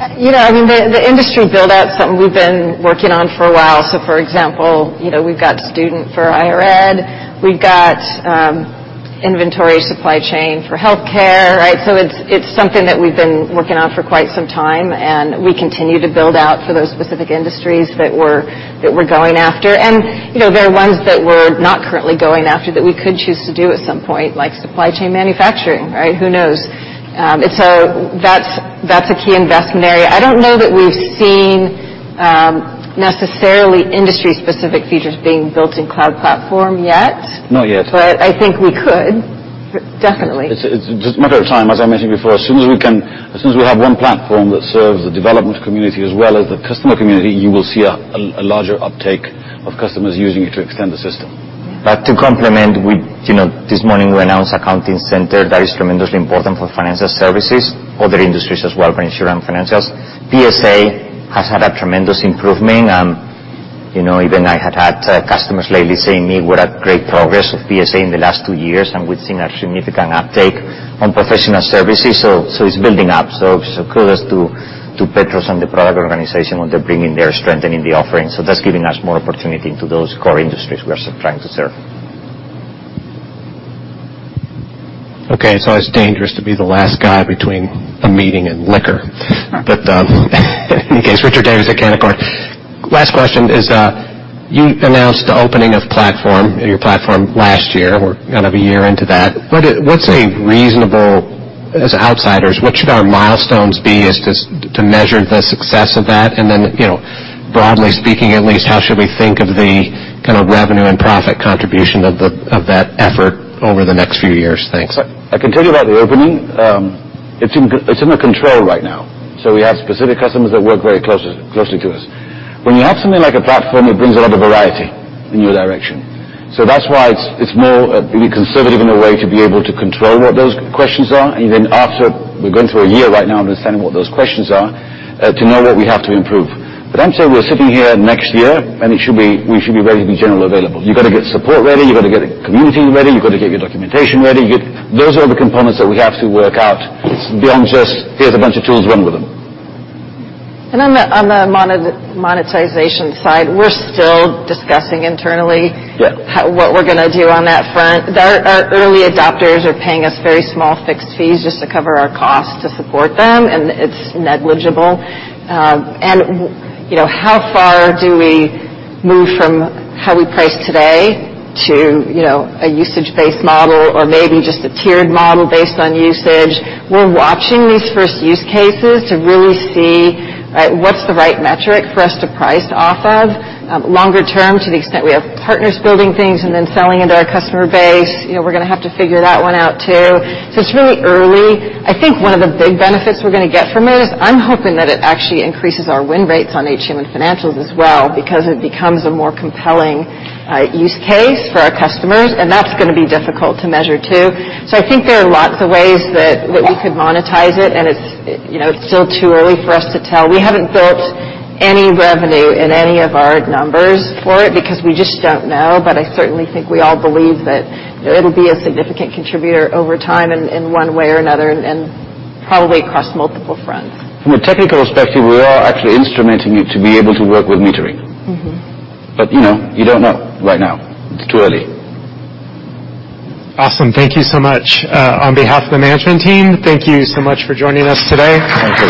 Speaker 2: The industry build out is something we've been working on for a while. For example, we've got student for higher ed. We've got inventory supply chain for healthcare, right? It's something that we've been working on for quite some time, and we continue to build out for those specific industries that we're going after. There are ones that we're not currently going after that we could choose to do at some point, like supply chain manufacturing, right? Who knows? That's a key investment area. I don't know that we've seen necessarily industry-specific features being built in Workday Cloud Platform yet.
Speaker 15: Not yet.
Speaker 2: I think we could, definitely.
Speaker 4: It's just a matter of time. As I mentioned before, as soon as we have one platform that serves the development community as well as the customer community, you will see a larger uptake of customers using it to extend the system.
Speaker 15: To complement with, this morning we announced Workday Accounting Center. That is tremendously important for financial services, other industries as well, but insurance, financials. PSA has had a tremendous improvement. Even I had customers lately saying, [INAUDIBLE] "we're at great progress with PSA in the last two years," and we've seen a significant uptake on professional services. It's building up. Kudos to Petros and the product organization on their bringing their strengthening the offering. That's giving us more opportunity into those core industries we are still trying to serve.
Speaker 27: Okay. It's always dangerous to be the last guy between a meeting and liquor. In case, Richard Davis at Canaccord. Last question is, you announced the opening of Workday Cloud Platform, your platform last year. We're kind of a year into that. What's a reasonable, as outsiders, what should our milestones be as to measure the success of that? Then, broadly speaking at least, how should we think of the kind of revenue and profit contribution of the, of that effort over the next few years? Thanks.
Speaker 15: I can tell you about the opening. It's under control right now. We have specific customers that work very closely to us. When you have something like a platform, it brings a lot of variety in your direction. That's why it's more being conservative in a way to be able to control what those questions are. Even after, we're going through a year right now understanding what those questions are, to know what we have to improve. I'm saying we're sitting here next year, and we should be ready to be generally available. You've got to get support ready, you've got to get community ready, you've got to get your documentation ready. Those are the components that we have to work out beyond just, "Here's a bunch of tools, run with them.
Speaker 2: On the monetization side, we're still discussing internally- Yeah How, what we're gonna do on that front. Our early adopters are paying us very small fixed fees just to cover our costs to support them, and it's negligible. And, you know, how far do we move from how we price today to, you know, a usage-based model or maybe just a tiered model based on usage? We're watching these first use cases to really see what's the right metric for us to price off of. Longer term, to the extent we have partners building things and then selling into our customer base, we're gonna have to figure that one out, too. It's really early. I think one of the big benefits we're gonna get from it is I'm hoping that it actually increases our win rates on HCM and financials as well because it becomes a more compelling use case for our customers, and that's gonna be difficult to measure, too. I think there are lots of ways that we could monetize it, and it's, you know, it's still too early for us to tell. We haven't built any revenue in any of our numbers for it because we just don't know. I certainly think we all believe that it'll be a significant contributor over time in one way or another and probably across multiple fronts.
Speaker 4: From a technical perspective, we are actually instrumenting it to be able to work with metering.
Speaker 2: You know, you don't know right now. It's too early.
Speaker 1: Awesome. Thank you so much. On behalf of the management team, thank you so much for joining us today.
Speaker 15: Thank you.